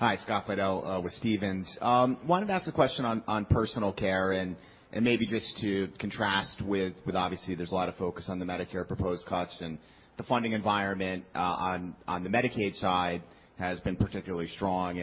Hi, Scott Fidel with Stephens. Wanted to ask a question on personal care and maybe just to contrast with obviously there's a lot of focus on the Medicare proposed cuts and the funding environment on the Medicaid side has been particularly strong.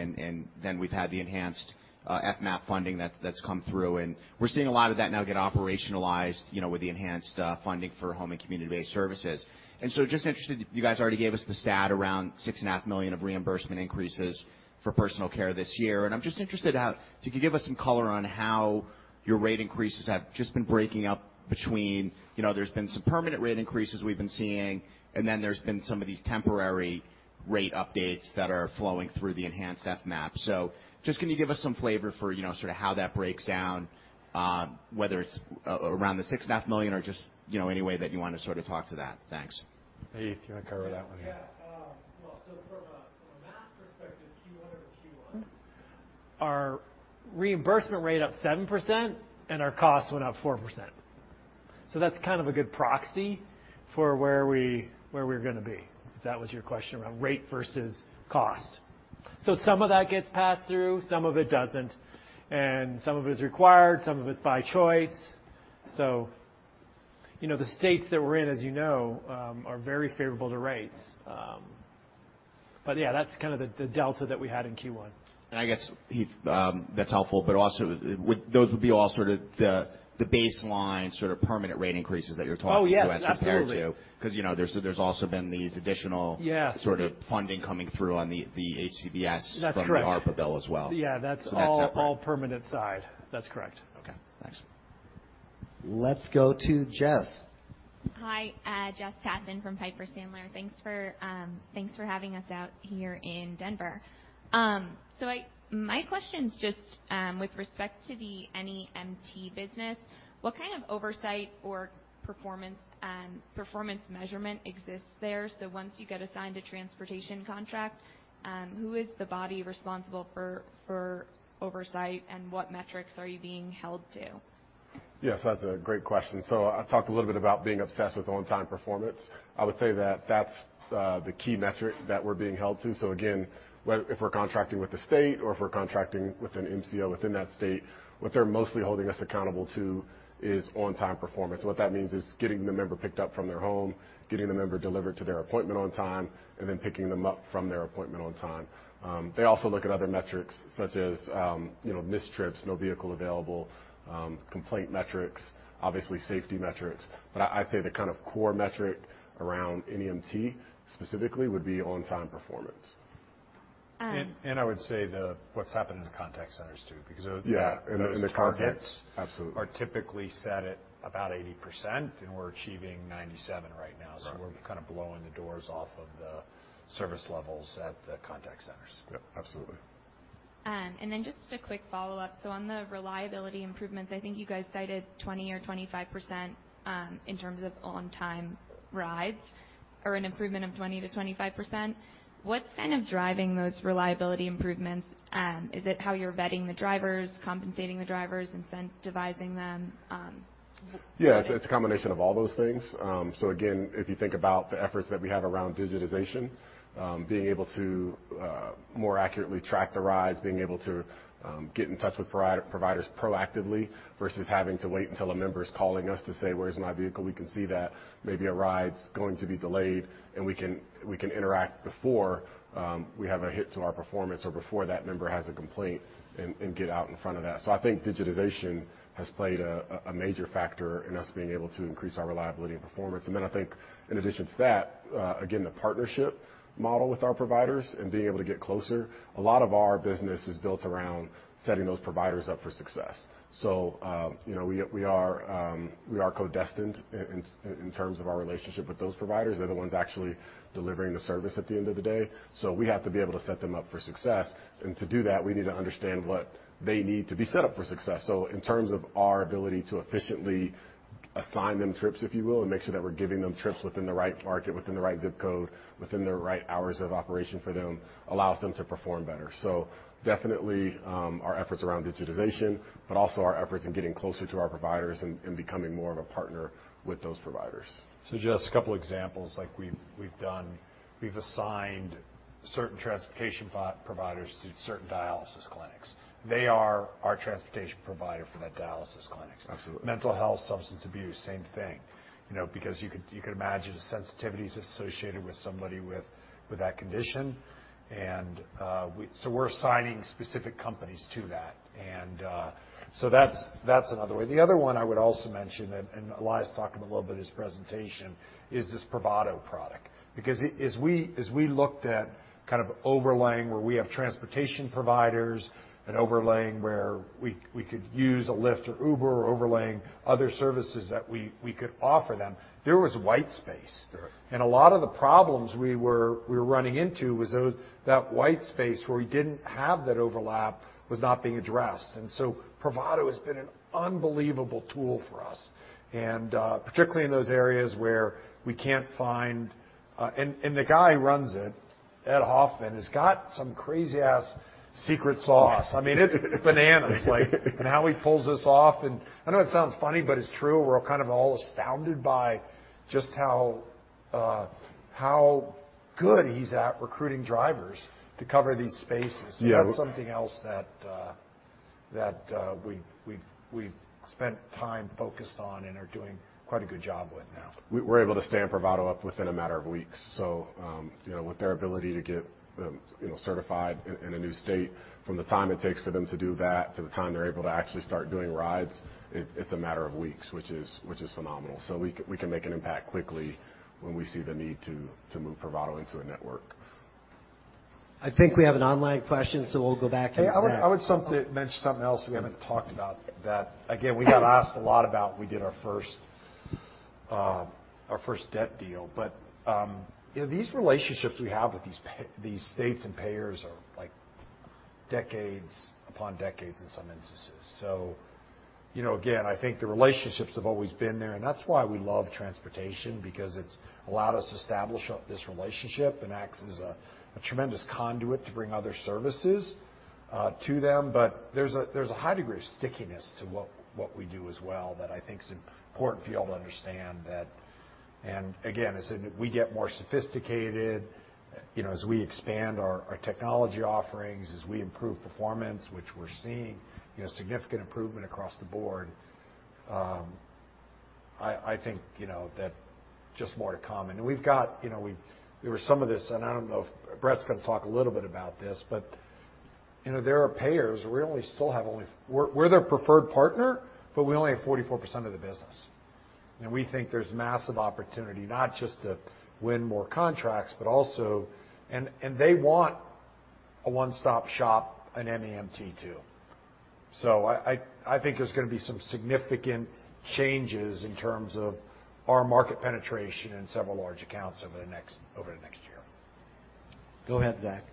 Then we've had the enhanced FMAP funding that's come through, and we're seeing a lot of that now get operationalized, you know, with the enhanced funding for home and community-based services. Just interested, you guys already gave us the stat around $6.5 million of reimbursement increases for personal care this year. I'm just interested how... If you could give us some color on how your rate increases have just been breaking up between, you know, there's been some permanent rate increases we've been seeing, and then there's been some of these temporary rate updates that are flowing through the enhanced FMAP. Just can you give us some flavor for, you know, sort of how that breaks down, whether it's around the 6.5 million or just, you know, any way that you wanna sort of talk to that? Thanks. Heath, do you wanna cover that one? Yeah. Well, from a math perspective, Q1 over Q1, our reimbursement rate up 7% and our costs went up 4%. That's kind of a good proxy for where we're gonna be, if that was your question around rate versus cost. Some of that gets passed through, some of it doesn't, and some of it's required, some of it's by choice. You know, the states that we're in, as you know, are very favorable to rates. But yeah, that's kind of the delta that we had in Q1. I guess, Heath, that's helpful, but also, would those be all sort of the baseline sort of permanent rate increases that you're talking to us compared to? Oh, yes. Absolutely. 'Cause, you know, there's also been these additional. Yes. Sort of funding coming through on the HCBS- That's correct. From the ARPA bill as well. Yeah, that's all. All separate. All permanent side. That's correct. Okay, thanks. Let's go to Jess. Hi, Jessica Tassan from Piper Sandler. Thanks for having us out here in Denver. My question is just with respect to the NEMT business, what kind of oversight or performance measurement exists there? Once you get assigned a transportation contract, who is the body responsible for oversight, and what metrics are you being held to? Yes, that's a great question. I talked a little bit about being obsessed with on-time performance. I would say that's the key metric that we're being held to. Again, if we're contracting with the state or if we're contracting with an MCO within that state, what they're mostly holding us accountable to is on-time performance. What that means is getting the member picked up from their home, getting the member delivered to their appointment on time, and then picking them up from their appointment on time. They also look at other metrics such as, you know, missed trips, no vehicle available, complaint metrics, obviously safety metrics. But I'd say the kind of core metric around NEMT specifically would be on-time performance. Um- I would say what's happened in the contact centers, too. Because Yeah. In the contact- Those targets. Absolutely. Are typically set at about 80%, and we're achieving 97% right now. Right. We're kind of blowing the doors off of the service levels at the contact centers. Yep, absolutely. Just a quick follow-up. On the reliability improvements, I think you guys cited 20 or 25%, in terms of on time rides or an improvement of 20%-25%. What's kind of driving those reliability improvements? Is it how you're vetting the drivers, compensating the drivers, incentivizing them? What- Yeah. It's a combination of all those things. Again, if you think about the efforts that we have around digitization, being able to more accurately track the rides, being able to get in touch with providers proactively versus having to wait until a member is calling us to say, "Where's my vehicle?" We can see that maybe a ride's going to be delayed, and we can interact before we have a hit to our performance or before that member has a complaint and get out in front of that. I think digitization has played a major factor in us being able to increase our reliability and performance. Then I think in addition to that, again, the partnership model with our providers and being able to get closer, a lot of our business is built around setting those providers up for success. You know, we are co-destined in terms of our relationship with those providers. They're the ones actually delivering the service at the end of the day. We have to be able to set them up for success. To do that, we need to understand what they need to be set up for success. In terms of our ability to efficiently assign them trips, if you will, and make sure that we're giving them trips within the right market, within the right ZIP code, within the right hours of operation for them, allows them to perform better. Definitely, our efforts around digitization, but also our efforts in getting closer to our providers and becoming more of a partner with those providers. Just a couple examples, like we've done. We've assigned certain transportation providers to certain dialysis clinics. They are our transportation provider for that dialysis clinic. Absolutely. Mental health, substance abuse, same thing, you know, because you could imagine the sensitivities associated with somebody with that condition. We're assigning specific companies to that. That's another way. The other one I would also mention, and Ilias talked about a little bit in his presentation, is this Privado product. Because as we looked at kind of overlaying where we have transportation providers and overlaying where we could use a Lyft or Uber or overlaying other services that we could offer them, there was white space. Sure. A lot of the problems we were running into was that white space where we didn't have that overlap was not being addressed. Privado has been an unbelievable tool for us, and particularly in those areas where we can't find. The guy who runs it, Ed Hoffman, has got some crazy-ass secret sauce. I mean, it's bananas. Like how he pulls this off and I know it sounds funny, but it's true. We're all kind of astounded by just how good he's at recruiting drivers to cover these spaces. Yeah. That's something else that we've spent time focused on and are doing quite a good job with now. We're able to stand Privado up within a matter of weeks. You know, with their ability to get certified in a new state, from the time it takes for them to do that to the time they're able to actually start doing rides, it's a matter of weeks, which is phenomenal. We can make an impact quickly when we see the need to move Privado into a network. I think we have an online question, so we'll go back to Zach. Hey, I would mention something else we haven't talked about that. Again, we got asked a lot about when we did our first debt deal. You know, these relationships we have with these states and payers are, like, decades upon decades in some instances. You know, again, I think the relationships have always been there, and that's why we love transportation because it's allowed us to establish up this relationship and acts as a tremendous conduit to bring other services to them. There's a high degree of stickiness to what we do as well that I think is important for you all to understand that. Again, as we get more sophisticated, you know, as we expand our technology offerings, as we improve performance, which we're seeing, you know, significant improvement across the board, I think, you know, that just more to come. We've got, you know, there were some of this, and I don't know if Brett's gonna talk a little bit about this, but, you know, there are payers we only still have only-- We're their preferred partner, but we only have 44% of the business. We think there's massive opportunity not just to win more contracts, but also, and they want a one-stop shop, a NEMT too. I think there's gonna be some significant changes in terms of our market penetration in several large accounts over the next year. Go ahead, Zach.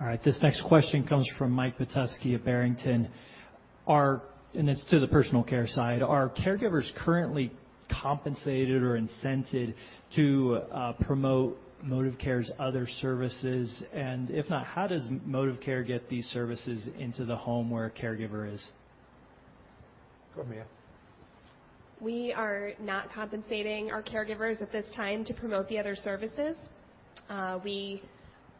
All right, this next question comes from Mike Petusky at Barrington Research. It's to the personal care side. Are caregivers currently compensated or incented to promote ModivCare's other services? And if not, how does ModivCare get these services into the home where a caregiver is? Go, Mia. We are not compensating our caregivers at this time to promote the other services. We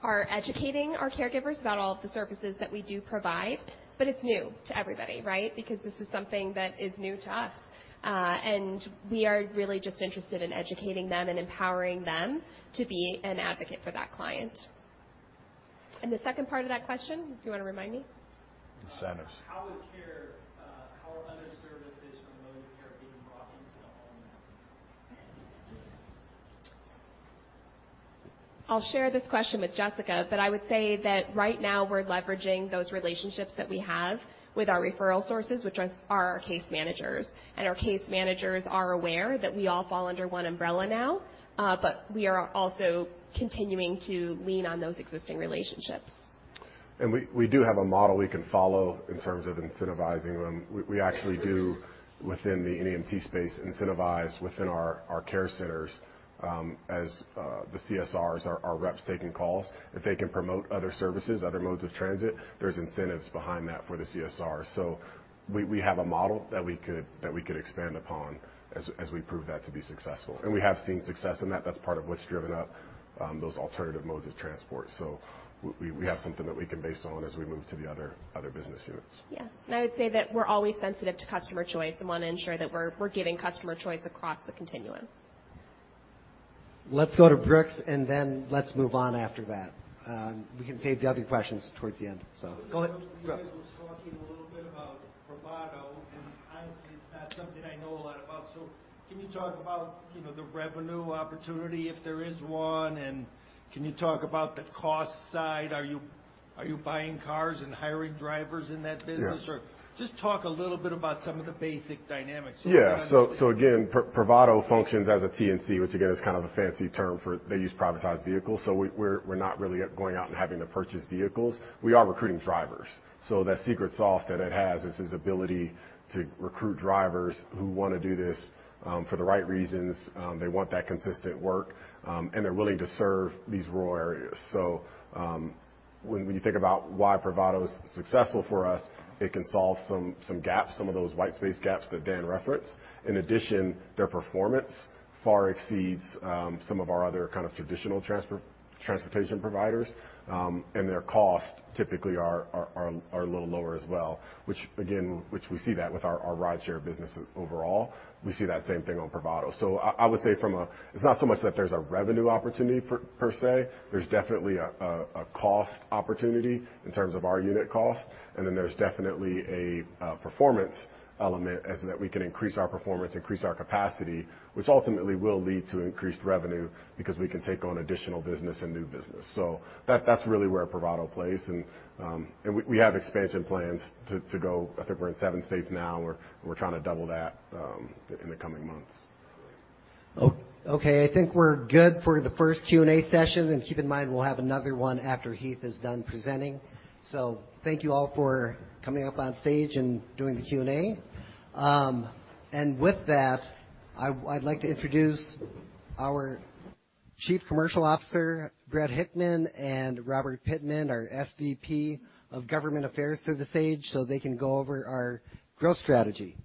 are educating our caregivers about all of the services that we do provide, but it's new to everybody, right? Because this is something that is new to us. We are really just interested in educating them and empowering them to be an advocate for that client. The second part of that question, if you wanna remind me. Incentives. How are other services from ModivCare being brought into the home now? I'll share this question with Jessica, but I would say that right now we're leveraging those relationships that we have with our referral sources, which are our case managers. Our case managers are aware that we all fall under one umbrella now, but we are also continuing to lean on those existing relationships. We do have a model we can follow in terms of incentivizing them. We actually do within the NEMT space, incentivize within our care centers, as the CSRs, our reps taking calls. If they can promote other services, other modes of transit, there's incentives behind that for the CSR. We have a model that we could expand upon as we prove that to be successful. We have seen success in that. That's part of what's driven up those alternative modes of transport. We have something that we can base on as we move to the other business units. Yeah. I would say that we're always sensitive to customer choice and wanna ensure that we're giving customer choice across the continuum. Let's go to Brooks, and then let's move on after that. We can save the other questions towards the end. Go ahead, Brooks. You guys were talking a little bit about Privado, and honestly, it's not something I know a lot about. Can you talk about, you know, the revenue opportunity, if there is one, and can you talk about the cost side? Are you buying cars and hiring drivers in that business? Yes. Just talk a little bit about some of the basic dynamics so I can understand. Yeah. Again, Privado functions as a TNC, which again is kind of a fancy term for they use privatized vehicles. We're not really going out and having to purchase vehicles. We are recruiting drivers. That secret sauce that it has is its ability to recruit drivers who wanna do this, for the right reasons, they want that consistent work, and they're willing to serve these rural areas. When you think about why Privado is successful for us, it can solve some gaps, some of those white space gaps that Dan referenced. In addition, their performance far exceeds some of our other kind of traditional transportation providers. Their costs typically are a little lower as well, which again we see that with our rideshare business overall, we see that same thing on Privado. I would say from a. It's not so much that there's a revenue opportunity per se. There's definitely a cost opportunity in terms of our unit cost, and then there's definitely a performance element as that we can increase our performance, increase our capacity, which ultimately will lead to increased revenue because we can take on additional business and new business. That's really where Privado plays. We have expansion plans to go. I think we're in seven states now. We're trying to double that in the coming months. Okay. I think we're good for the first Q&A session. Keep in mind, we'll have another one after Heath is done presenting. Thank you all for coming up on stage and doing the Q&A. With that, I'd like to introduce our Chief Commercial Officer, Brett Hickman, and Robert Pittman, our SVP of Government Affairs to the stage so they can go over our growth strategy.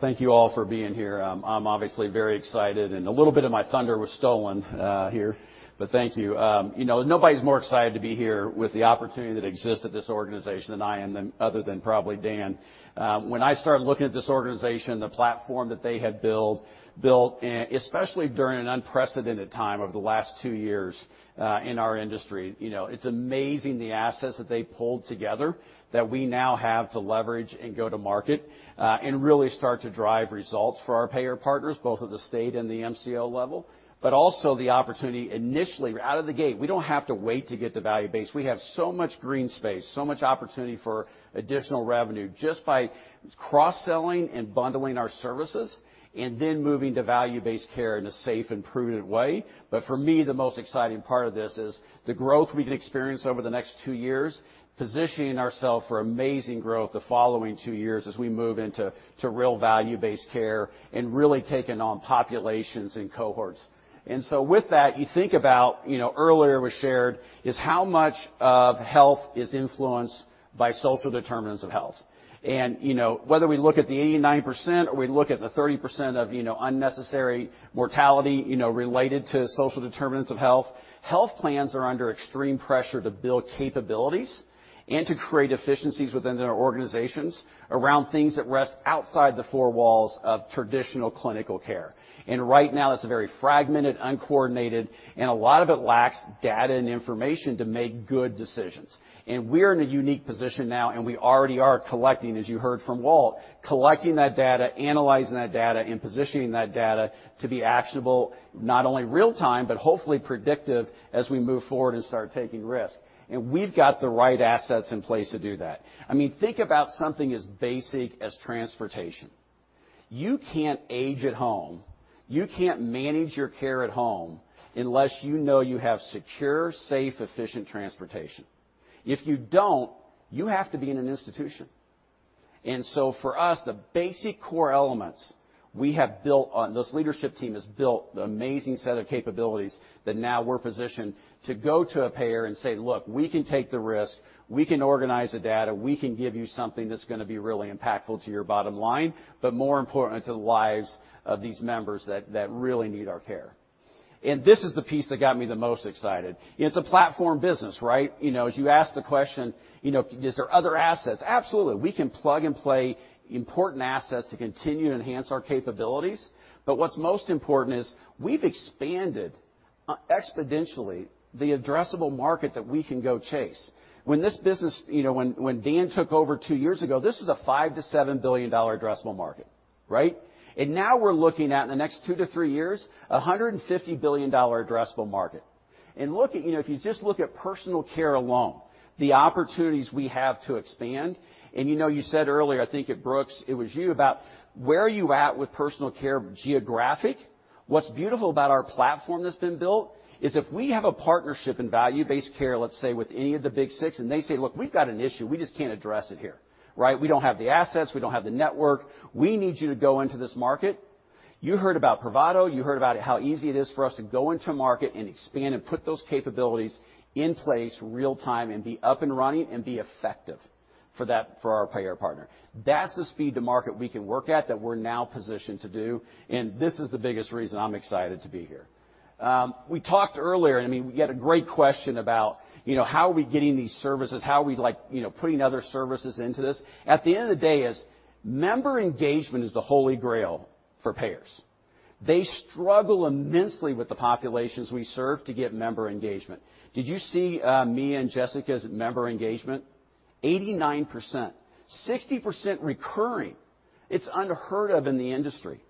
Thank you all for being here. I'm obviously very excited, and a little bit of my thunder was stolen here, but thank you. You know, nobody's more excited to be here with the opportunity that exists at this organization than I am, other than probably Dan. When I started looking at this organization, the platform that they had built, especially during an unprecedented time over the last two years in our industry, you know, it's amazing the assets that they pulled together that we now have to leverage and go to market, and really start to drive results for our payer partners, both at the state and the MCO level, but also the opportunity initially out of the gate. We don't have to wait to get to value-based. We have so much green space, so much opportunity for additional revenue just by cross-selling and bundling our services and then moving to value-based care in a safe and prudent way. For me, the most exciting part of this is the growth we can experience over the next two years, positioning ourselves for amazing growth the following two years as we move into real value-based care and really taking on populations and cohorts. With that, you think about, you know, earlier we shared is how much of health is influenced by social determinants of health. You know, whether we look at the 89% or we look at the 30% of, you know, unnecessary mortality, you know, related to social determinants of health plans are under extreme pressure to build capabilities and to create efficiencies within their organizations around things that rest outside the four walls of traditional clinical care. Right now, that's very fragmented, uncoordinated, and a lot of it lacks data and information to make good decisions. We're in a unique position now, and we already are collecting, as you heard from Walt, collecting that data, analyzing that data, and positioning that data to be actionable, not only real-time, but hopefully predictive as we move forward and start taking risks. We've got the right assets in place to do that. I mean, think about something as basic as transportation. You can't age at home, you can't manage your care at home unless you know you have secure, safe, efficient transportation. If you don't, you have to be in an institution. For us, the basic core elements we have built on, this leadership team has built the amazing set of capabilities that now we're positioned to go to a payer and say, "Look, we can take the risk, we can organize the data, we can give you something that's gonna be really impactful to your bottom line, but more importantly, to the lives of these members that really need our care." This is the piece that got me the most excited. It's a platform business, right? You know, as you ask the question, you know, is there other assets? Absolutely. We can plug and play important assets to continue to enhance our capabilities. What's most important is we've expanded exponentially the addressable market that we can go chase. When this business you know, when Dan took over 2 years ago, this was a $5-$7 billion addressable market, right? Now we're looking at in the next 2-3 years, a $150 billion addressable market. Look at, you know, if you just look at personal care alone, the opportunities we have to expand, and you know, you said earlier, I think it Brooks, it was you about where are you at with personal care geographically? What's beautiful about our platform that's been built is if we have a partnership in value-based care, let's say, with any of the big six, and they say, "Look, we've got an issue, we just can't address it here," right? We don't have the assets, we don't have the network. We need you to go into this market. You heard about Privado. You heard about how easy it is for us to go into a market and expand and put those capabilities in place real time and be up and running and be effective for that, for our payer partner. That's the speed to market we can work at that we're now positioned to do, and this is the biggest reason I'm excited to be here. We talked earlier, and I mean, we had a great question about, you know, how are we getting these services? How are we like, you know, putting other services into this? At the end of the day, member engagement is the holy grail for payers. They struggle immensely with the populations we serve to get member engagement. Did you see me and Jessica's member engagement? 89%. 60% recurring. It's unheard of in the industry,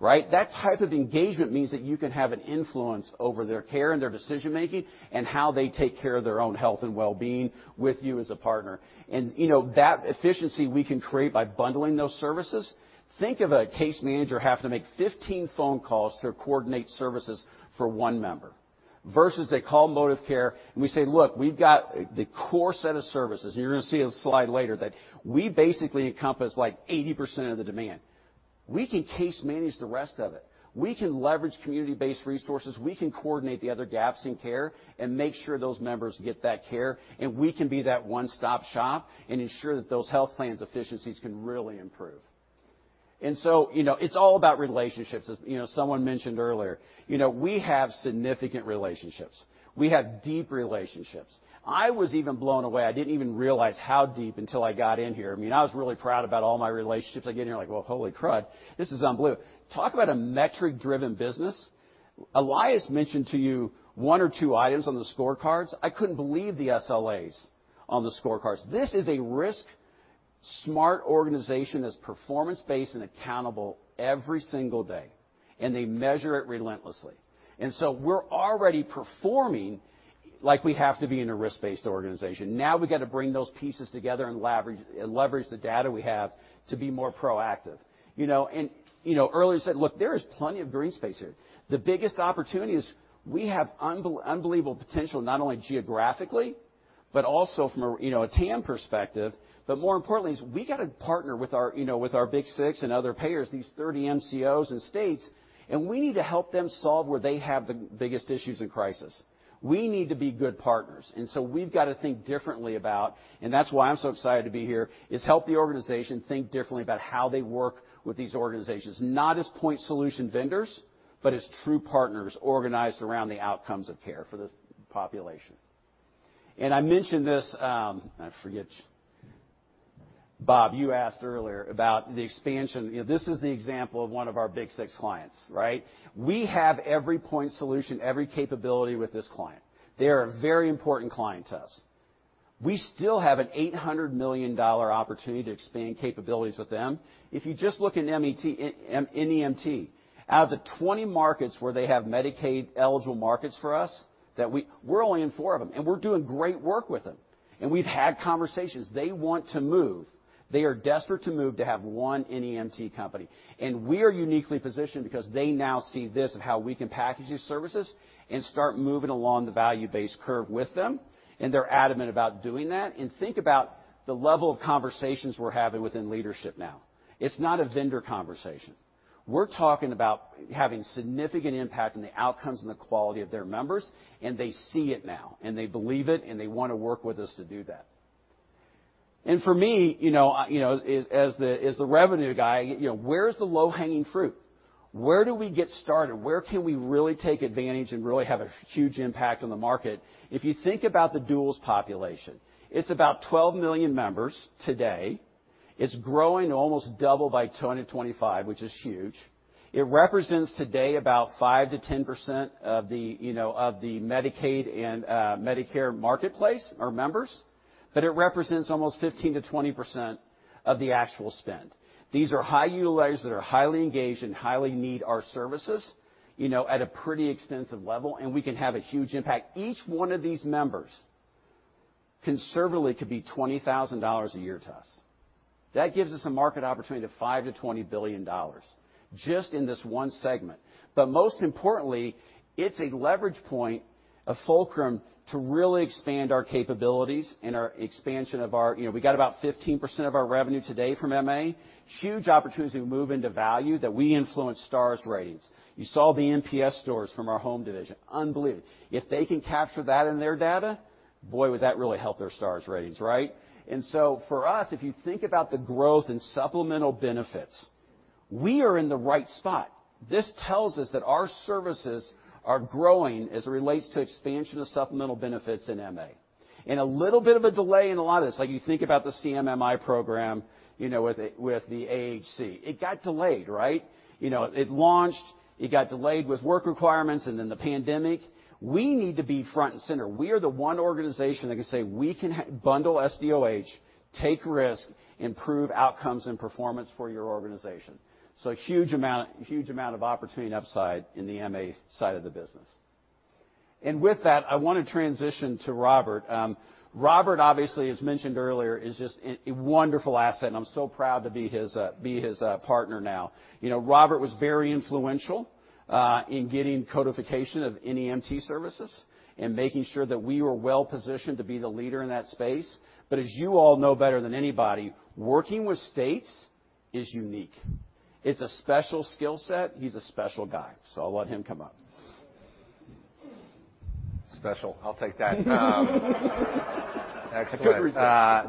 right? That type of engagement means that you can have an influence over their care and their decision-making and how they take care of their own health and wellbeing with you as a partner. You know, that efficiency we can create by bundling those services. Think of a case manager having to make 15 phone calls to coordinate services for one member versus they call ModivCare, and we say, "Look, we've got the core set of services." You're gonna see a slide later that we basically encompass like 80% of the demand. We can case manage the rest of it. We can leverage community-based resources. We can coordinate the other gaps in care and make sure those members get that care, and we can be that one-stop shop and ensure that those health plans efficiencies can really improve. You know, it's all about relationships. As you know, someone mentioned earlier, you know, we have significant relationships. We have deep relationships. I was even blown away. I didn't even realize how deep until I got in here. I mean, I was really proud about all my relationships. Again, you're like, "Well, holy crud. This is unbelievable." Talk about a metric-driven business. Ilias mentioned to you one or two items on the scorecards. I couldn't believe the SLAs on the scorecards. This is a risk-smart organization that's performance-based and accountable every single day, and they measure it relentlessly. We're already performing like we have to be in a risk-based organization. Now we got to bring those pieces together and leverage the data we have to be more proactive. You know, and you know, earlier you said, look, there is plenty of green space here. The biggest opportunity is we have unbelievable potential, not only geographically, but also from a, you know, a TAM perspective. But more importantly is we got to partner with our, you know, with our Big Six and other payers, these 30 MCOs and states, and we need to help them solve where they have the biggest issues in crisis. We need to be good partners, and so we've got to think differently about. That's why I'm so excited to be here, is help the organization think differently about how they work with these organizations, not as point solution vendors, but as true partners organized around the outcomes of care for the population. I mentioned this. I forget. Bob, you asked earlier about the expansion. You know, this is the example of one of our Big Six clients, right? We have every point solution, every capability with this client. They are a very important client to us. We still have an $800 million opportunity to expand capabilities with them. If you just look at NEMT, out of the 20 markets where they have Medicaid-eligible markets for us that we're only in 4 of them, and we're doing great work with them. We've had conversations. They want to move. They are desperate to move to have one NEMT company. We are uniquely positioned because they now see this and how we can package these services and start moving along the value-based curve with them, and they're adamant about doing that. Think about the level of conversations we're having within leadership now. It's not a vendor conversation. We're talking about having significant impact on the outcomes and the quality of their members, and they see it now, and they believe it, and they want to work with us to do that. For me, you know, as the revenue guy, you know, where's the low-hanging fruit? Where do we get started? Where can we really take advantage and really have a huge impact on the market? If you think about the duals population, it's about 12 million members today. It's growing almost double by 2025, which is huge. It represents today about 5%-10% of the, you know, of the Medicaid and Medicare marketplace or members, but it represents almost 15%-20% of the actual spend. These are high utilizers that are highly engaged and highly need our services, you know, at a pretty extensive level, and we can have a huge impact. Each one of these members conservatively could be $20,000 a year to us. That gives us a market opportunity of $5 billion-$20 billion just in this one segment. But most importantly, it's a leverage point, a fulcrum to really expand our capabilities and our expansion of our. You know, we got about 15% of our revenue today from MA. Huge opportunity to move into value that we influence Star Ratings. You saw the NPS scores from our home division. Unbelievable. If they can capture that in their data, boy, would that really help their Star Ratings, right? For us, if you think about the growth in supplemental benefits, we are in the right spot. This tells us that our services are growing as it relates to expansion of supplemental benefits in MA. A little bit of a delay in a lot of this, like you think about the CMMI program, you know, with the AHC. It got delayed, right? You know, it launched, it got delayed with work requirements and then the pandemic. We need to be front and center. We are the one organization that can say we can bundle SDOH, take risk, improve outcomes and performance for your organization. Huge amount of opportunity and upside in the MA side of the business. With that, I want to transition to Robert. Robert obviously, as mentioned earlier, is just a wonderful asset, and I'm so proud to be his partner now. You know, Robert was very influential in getting codification of NEMT services and making sure that we were well-positioned to be the leader in that space. As you all know better than anybody, working with states is unique. It's a special skill set. He's a special guy, so I'll let him come up. Special. I'll take that. Excellent. I couldn't resist.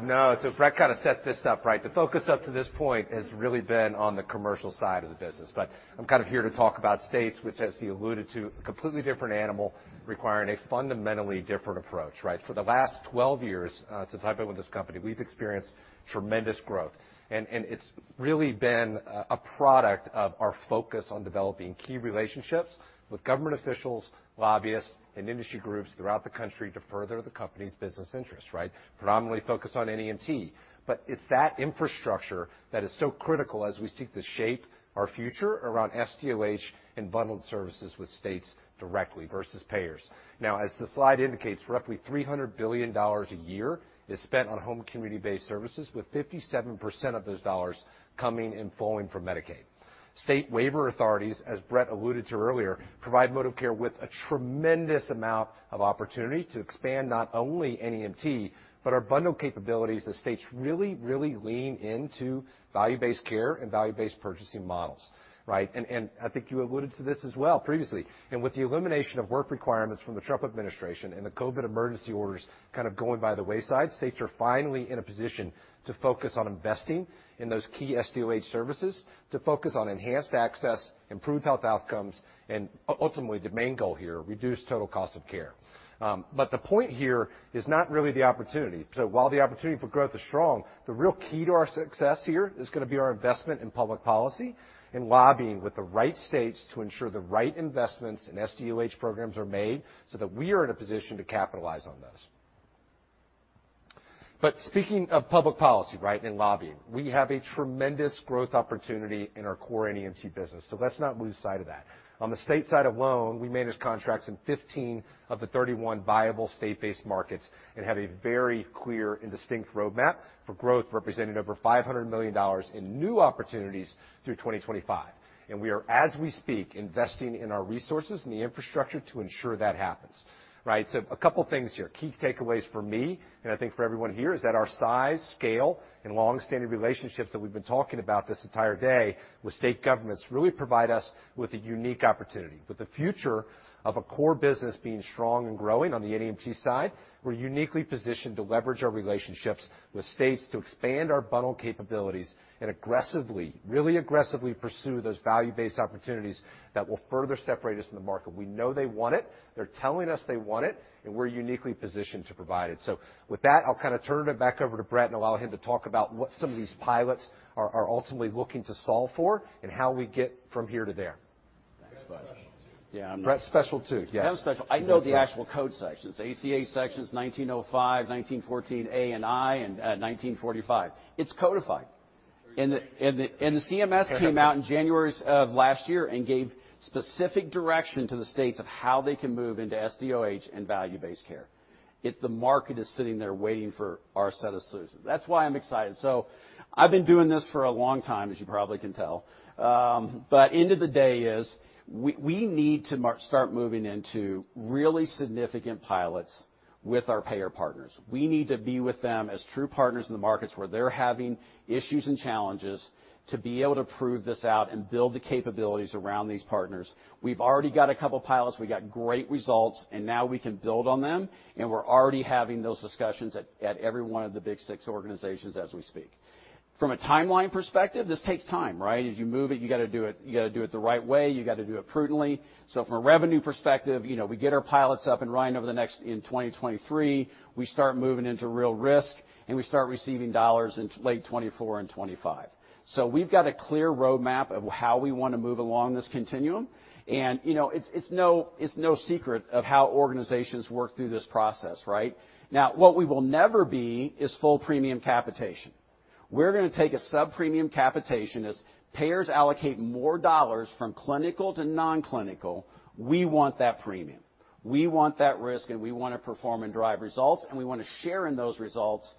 No. Brett kind of set this up right. The focus up to this point has really been on the commercial side of the business, but I'm kind of here to talk about states, which as he alluded to, a completely different animal requiring a fundamentally different approach, right? For the last 12 years, since I've been with this company, we've experienced tremendous growth. It's really been a product of our focus on developing key relationships with government officials, lobbyists, and industry groups throughout the country to further the company's business interests, right? Predominantly focused on NEMT. It's that infrastructure that is so critical as we seek to shape our future around SDOH and bundled services with states directly versus payers. Now, as the slide indicates, roughly $300 billion a year is spent on home community-based services, with 57% of those dollars coming and flowing from Medicaid. State waiver authorities, as Brett alluded to earlier, provide ModivCare with a tremendous amount of opportunity to expand not only NEMT, but our bundle capabilities as states really, really lean into value-based care and value-based purchasing models, right? I think you alluded to this as well previously. With the elimination of work requirements from the Trump administration and the COVID emergency orders kind of going by the wayside, states are finally in a position to focus on investing in those key SDOH services, to focus on enhanced access, improved health outcomes, and ultimately, the main goal here, reduce total cost of care. But the point here is not really the opportunity. While the opportunity for growth is strong, the real key to our success here is gonna be our investment in public policy and lobbying with the right states to ensure the right investments in SDOH programs are made so that we are in a position to capitalize on those. Speaking of public policy, right, and lobbying, we have a tremendous growth opportunity in our core NEMT business, so let's not lose sight of that. On the state side alone, we manage contracts in 15 of the 31 viable state-based markets and have a very clear and distinct roadmap for growth, representing over $500 million in new opportunities through 2025. We are, as we speak, investing in our resources and the infrastructure to ensure that happens, right? A couple things here. Key takeaways for me, and I think for everyone here, is that our size, scale, and long-standing relationships that we've been talking about this entire day with state governments really provide us with a unique opportunity. With the future of a core business being strong and growing on the NEMT side, we're uniquely positioned to leverage our relationships with states to expand our bundle capabilities and aggressively, really aggressively pursue those value-based opportunities that will further separate us in the market. We know they want it, they're telling us they want it, and we're uniquely positioned to provide it. With that, I'll kind of turn it back over to Brett and allow him to talk about what some of these pilots are ultimately looking to solve for and how we get from here to there. Thanks, bud. Brett's special too. Yes. I am special. I know the actual code sections. ACA Sections 1905, 1914, and 1945. It's codified. CMS came out in January of last year and gave specific direction to the states of how they can move into SDOH and value-based care if the market is sitting there waiting for our set of solutions. That's why I'm excited. I've been doing this for a long time, as you probably can tell. End of the day, we need to start moving into really significant pilots with our payer partners. We need to be with them as true partners in the markets where they're having issues and challenges to be able to prove this out and build the capabilities around these partners. We've already got a couple pilots. We got great results, and now we can build on them, and we're already having those discussions at every one of the Big Six organizations as we speak. From a timeline perspective, this takes time, right? As you move it, you gotta do it the right way. You gotta do it prudently. From a revenue perspective, you know, we get our pilots up and running over the next in 2023. We start moving into real risk, and we start receiving dollars in late 2024 and 2025. We've got a clear roadmap of how we wanna move along this continuum. You know, it's no secret of how organizations work through this process, right? Now, what we will never be is full premium capitation. We're gonna take a sub-premium capitation. As payers allocate more dollars from clinical to non-clinical, we want that premium. We want that risk, and we wanna perform and drive results, and we wanna share in those results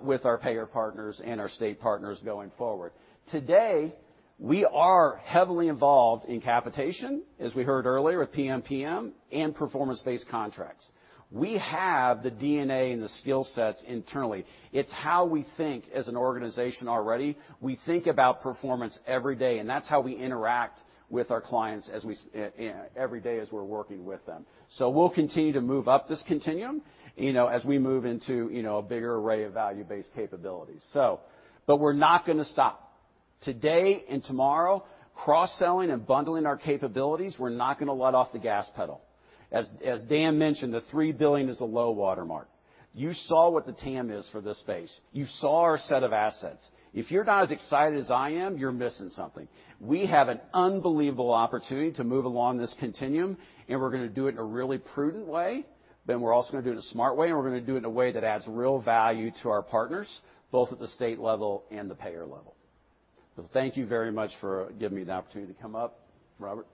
with our payer partners and our state partners going forward. Today, we are heavily involved in capitation, as we heard earlier with PMPM and performance-based contracts. We have the DNA and the skill sets internally. It's how we think as an organization already. We think about performance every day, and that's how we interact with our clients every day as we're working with them. We'll continue to move up this continuum, you know, as we move into, you know, a bigger array of value-based capabilities. We're not gonna stop. Today and tomorrow, cross-selling and bundling our capabilities, we're not gonna let off the gas pedal. As Dan mentioned, the $3 billion is a low watermark. You saw what the TAM is for this space. You saw our set of assets. If you're not as excited as I am, you're missing something. We have an unbelievable opportunity to move along this continuum, and we're gonna do it in a really prudent way. We're also gonna do it in a smart way, and we're gonna do it in a way that adds real value to our partners, both at the state level and the payer level. Well, thank you very much for giving me the opportunity to come up, Robert.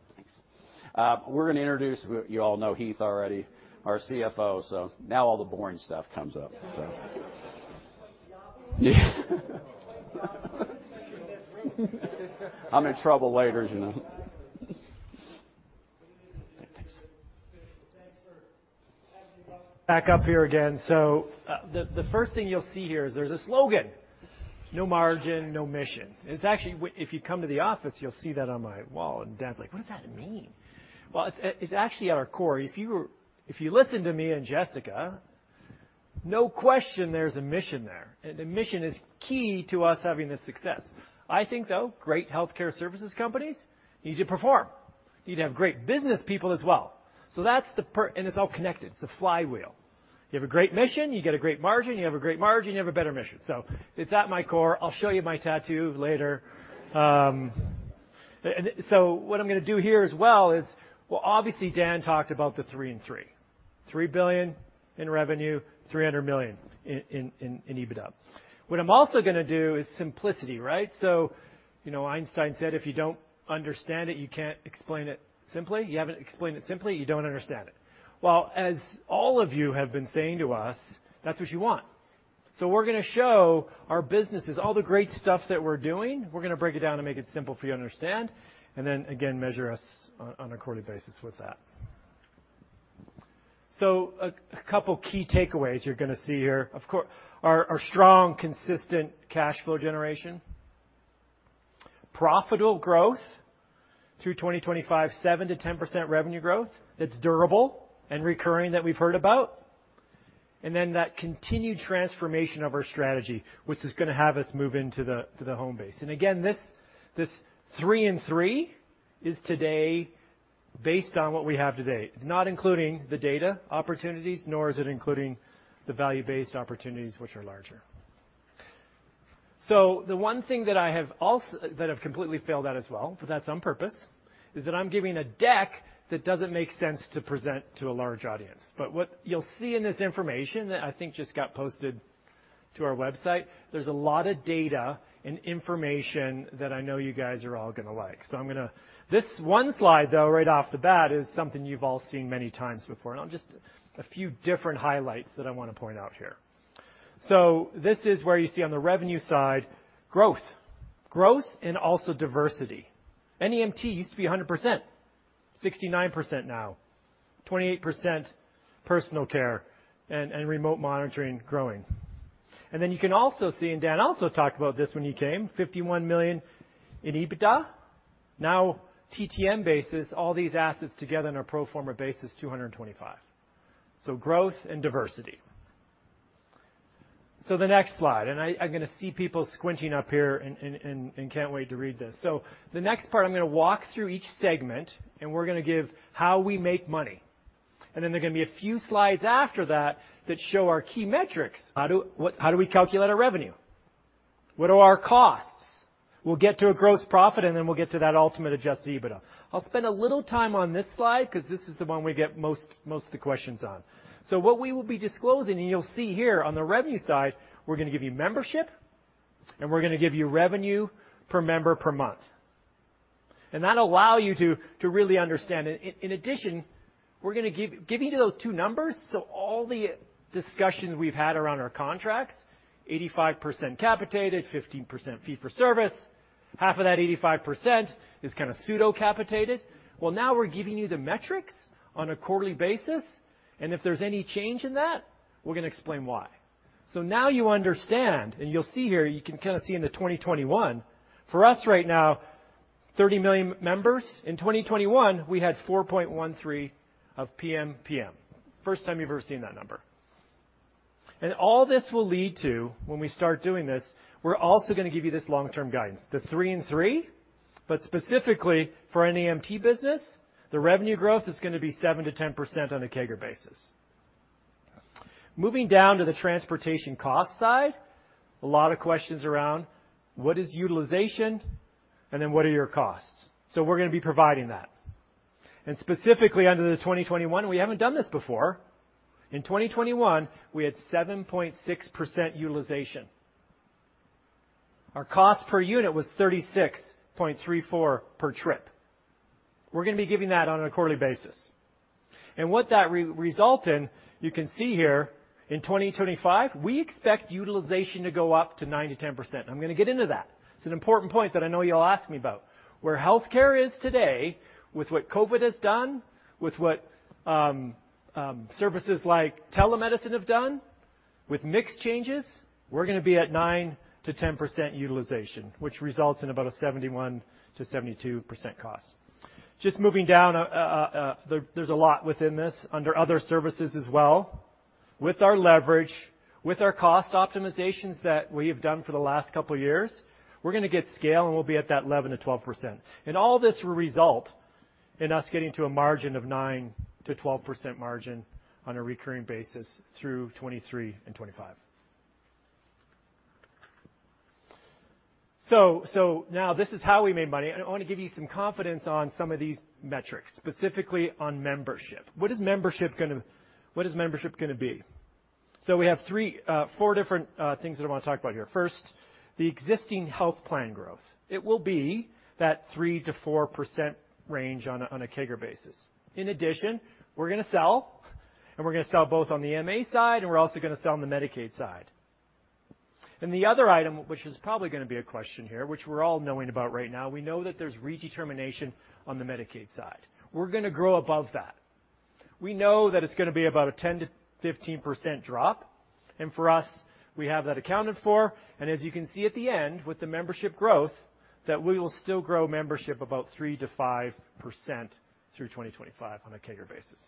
Thanks. We're gonna introduce. You all know Heath already, our CFO. Now all the boring stuff comes up. Yeah. I'm in trouble later, Gina. Thanks. Thanks for having me back up here again. The first thing you'll see here is there's a slogan, "No margin, no mission." It's actually. If you come to the office, you'll see that on my wall, and Dan's like, "What does that mean?" Well, it's actually at our core. If you listen to me and Jessica, no question there's a mission there, and the mission is key to us having this success. I think, though, great healthcare services companies need to perform. You need to have great business people as well. That's the. It's all connected. It's a flywheel. You have a great mission, you get a great margin. You have a great margin, you have a better mission. It's at my core. I'll show you my tattoo later. What I'm gonna do here as well is, well, obviously Dan talked about the 3 and 3. $3 billion in revenue, $300 million in EBITDA. What I'm also gonna do is simplicity, right? You know, Einstein said, "If you don't understand it, you can't explain it simply. You haven't explained it simply, you don't understand it." Well, as all of you have been saying to us, that's what you want. We're gonna show our businesses, all the great stuff that we're doing, we're gonna break it down and make it simple for you to understand, and then again measure us on a quarterly basis with that. A couple key takeaways you're gonna see here, of course, are strong, consistent cash flow generation. Profitable growth through 2025, 7%-10% revenue growth that's durable and recurring that we've heard about. That continued transformation of our strategy, which is gonna have us move into the home base. Again, this three and three is today based on what we have today. It's not including the data opportunities, nor is it including the value-based opportunities which are larger. The one thing that I've completely failed at as well, but that's on purpose, is that I'm giving a deck that doesn't make sense to present to a large audience. What you'll see in this information that I think just got posted to our website, there's a lot of data and information that I know you guys are all gonna like. I'm gonna this one slide, though, right off the bat is something you've all seen many times before. Now just a few different highlights that I wanna point out here. This is where you see on the revenue side, growth. Growth and also diversity. NEMT used to be 100%, 69% now. 28% personal care and remote monitoring growing. And then you can also see, and Dan also talked about this when he came, $51 million in EBITDA. Now TTM basis, all these assets together on a pro forma basis, $225 million. Growth and diversity. The next slide, and I'm gonna see people squinting up here and can't wait to read this. The next part, I'm gonna walk through each segment, and we're gonna give how we make money. Then there are gonna be a few slides after that that show our key metrics. How do we calculate our revenue? What are our costs? We'll get to a gross profit, and then we'll get to that ultimate adjusted EBITDA. I'll spend a little time on this slide because this is the one we get most of the questions on. What we will be disclosing, and you'll see here on the revenue side, we're gonna give you membership, and we're gonna give you revenue per member per month. That'll allow you to really understand it. In addition, we're gonna give you those two numbers, so all the discussions we've had around our contracts, 85% capitated, 15% fee for service, half of that 85% is kind of pseudo capitated. Well, now we're giving you the metrics on a quarterly basis, and if there's any change in that, we're gonna explain why. Now you understand, and you'll see here, you can kind of see into 2021. For us right now, 30 million members. In 2021, we had 4.13 PMPM. First time you've ever seen that number. All this will lead to, when we start doing this, we're also gonna give you this long-term guidance. The three and three, but specifically for NEMT business, the revenue growth is gonna be 7%-10% on a CAGR basis. Moving down to the transportation cost side, a lot of questions around what is utilization, and then what are your costs. We're gonna be providing that. Specifically under the 2021, we haven't done this before. In 2021, we had 7.6% utilization. Our cost per unit was $36.34 per trip. We're gonna be giving that on a quarterly basis. What that results in, you can see here in 2025, we expect utilization to go up to 9%-10%. I'm gonna get into that. It's an important point that I know you'll ask me about. Where healthcare is today with what COVID has done, with what services like telemedicine have done, with mix changes, we're gonna be at 9%-10% utilization, which results in about a 71%-72% cost. Just moving down, there's a lot within this under other services as well. With our leverage, with our cost optimizations that we have done for the last couple years, we're gonna get scale, and we'll be at that 11%-12%. All this will result in us getting to a margin of 9%-12% margin on a recurring basis through 2023 and 2025. Now this is how we made money, and I want to give you some confidence on some of these metrics, specifically on membership. What is membership gonna be? We have three, four different things that I want to talk about here. First, the existing health plan growth. It will be that 3%-4% range on a CAGR basis. In addition, we're gonna sell, and we're gonna sell both on the MA side, and we're also gonna sell on the Medicaid side. The other item, which is probably gonna be a question here, which we're all knowing about right now, we know that there's redetermination on the Medicaid side. We're gonna grow above that. We know that it's gonna be about a 10%-15% drop, and for us, we have that accounted for. As you can see at the end with the membership growth, that we will still grow membership about 3%-5% through 2025 on a CAGR basis.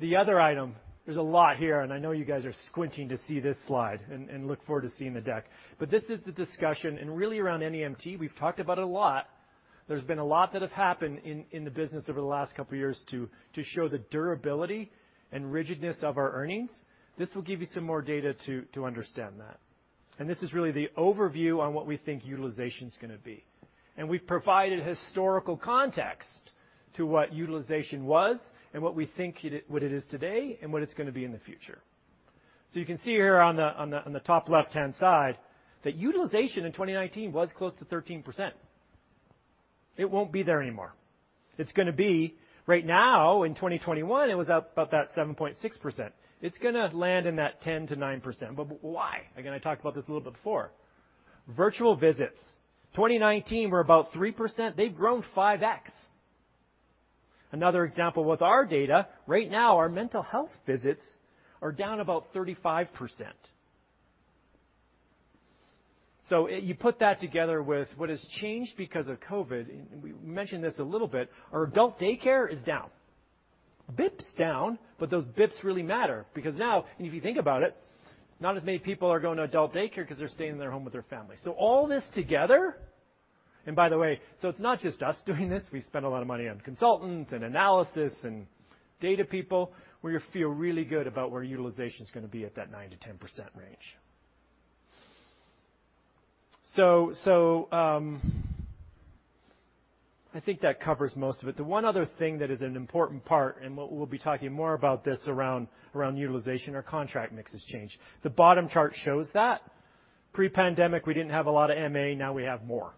The other item, there's a lot here, and I know you guys are squinting to see this slide and look forward to seeing the deck, but this is the discussion, and really around NEMT, we've talked about it a lot. There's been a lot that have happened in the business over the last couple of years to show the durability and rigidness of our earnings. This will give you some more data to understand that. This is really the overview on what we think utilization's gonna be. We've provided historical context to what utilization was and what we think it is today and what it's gonna be in the future. You can see here on the top left-hand side that utilization in 2019 was close to 13%. It won't be there anymore. It's gonna be right now, in 2021, it was up about that 7.6%. It's gonna land in that 10%-9%. But why? Again, I talked about this a little bit before. Virtual visits. 2019 were about 3%. They've grown 5x. Another example with our data, right now our mental health visits are down about 35%. You put that together with what has changed because of COVID, and we mentioned this a little bit, our adult daycare is down. BIPs down, but those BIPs really matter because now, and if you think about it, not as many people are going to adult daycare 'cause they're staying in their home with their family. All this together, and by the way, it's not just us doing this. We spend a lot of money on consultants and analysis and data people, we feel really good about where utilization's gonna be at that 9%-10% range. I think that covers most of it. The one other thing that is an important part, and we'll be talking more about this around utilization, our contract mix has changed. The bottom chart shows that. Pre-pandemic, we didn't have a lot of MA. Now we have more,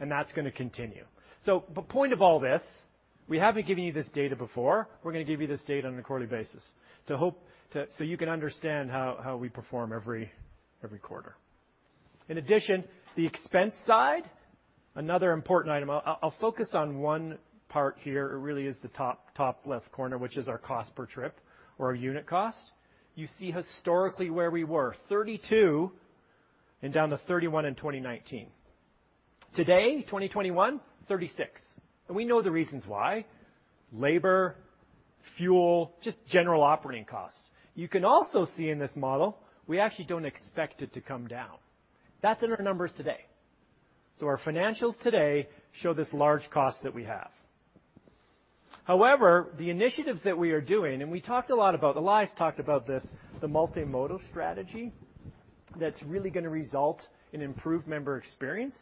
and that's gonna continue. The point of all this, we haven't given you this data before. We're gonna give you this data on a quarterly basis so you can understand how we perform every quarter. In addition, the expense side, another important item. I'll focus on one part here. It really is the top left corner, which is our cost per trip or our unit cost. You see historically where we were, $32 and down to $31 in 2019. Today, 2021, $36. We know the reasons why. Labor, fuel, just general operating costs. You can also see in this model, we actually don't expect it to come down. That's in our numbers today. Our financials today show this large cost that we have. However, the initiatives that we are doing, and we talked a lot about, Ilias talked about this, the multimodal strategy that's really gonna result in improved member experience.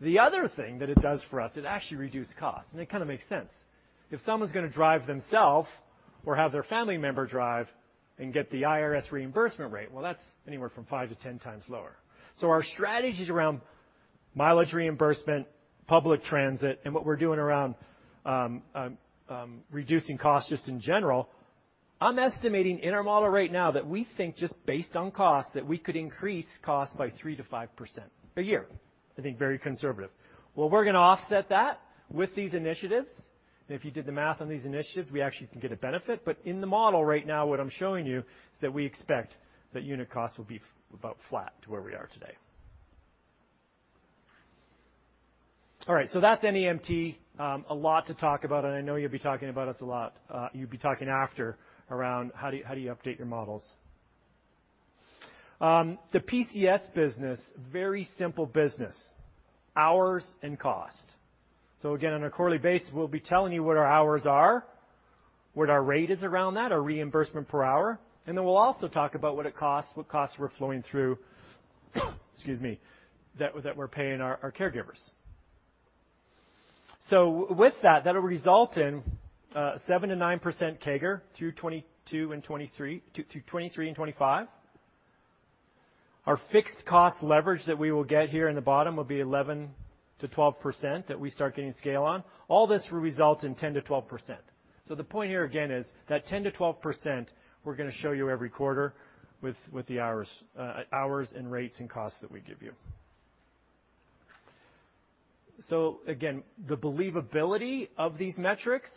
The other thing that it does for us, it actually reduce costs, and it kinda makes sense. If someone's gonna drive themself or have their family member drive and get the IRS reimbursement rate, well, that's anywhere from 5-10 times lower. Our strategies around mileage reimbursement, public transit, and what we're doing around reducing costs just in general, I'm estimating in our model right now that we think just based on cost that we could decrease cost by 3%-5% a year. I think very conservative. Well, we're gonna offset that with these initiatives, and if you did the math on these initiatives, we actually can get a benefit. But in the model right now, what I'm showing you is that we expect that unit costs will be about flat to where we are today. All right, so that's NEMT. A lot to talk about, and I know you'll be talking about us a lot, you'll be talking after around how do you update your models. The PCS business, very simple business, hours and cost. So again, on a quarterly basis, we'll be telling you what our hours are, what our rate is around that, our reimbursement per hour, and then we'll also talk about what it costs, what costs we're flowing through, excuse me, that we're paying our caregivers. With that'll result in 7%-9% CAGR through 2022 and 2023, through 2023 and 2025. Our fixed cost leverage that we will get here in the bottom will be 11%-12% that we start getting scale on. All this will result in 10%-12%. The point here again is that 10%-12% we're gonna show you every quarter with the hours and rates and costs that we give you. Again, the believability of these metrics.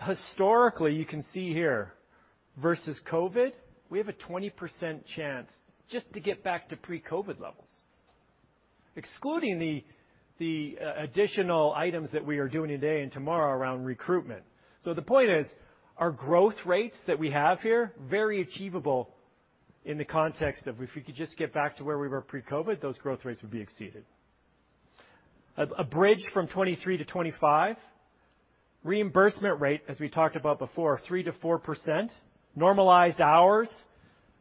Historically, you can see here versus COVID, we have a 20% chance just to get back to pre-COVID levels, excluding the additional items that we are doing today and tomorrow around recruitment. The point is our growth rates that we have here, very achievable in the context of if we could just get back to where we were pre-COVID, those growth rates would be exceeded. A bridge from 23 to 25. Reimbursement rate, as we talked about before, 3%-4%. Normalized hours.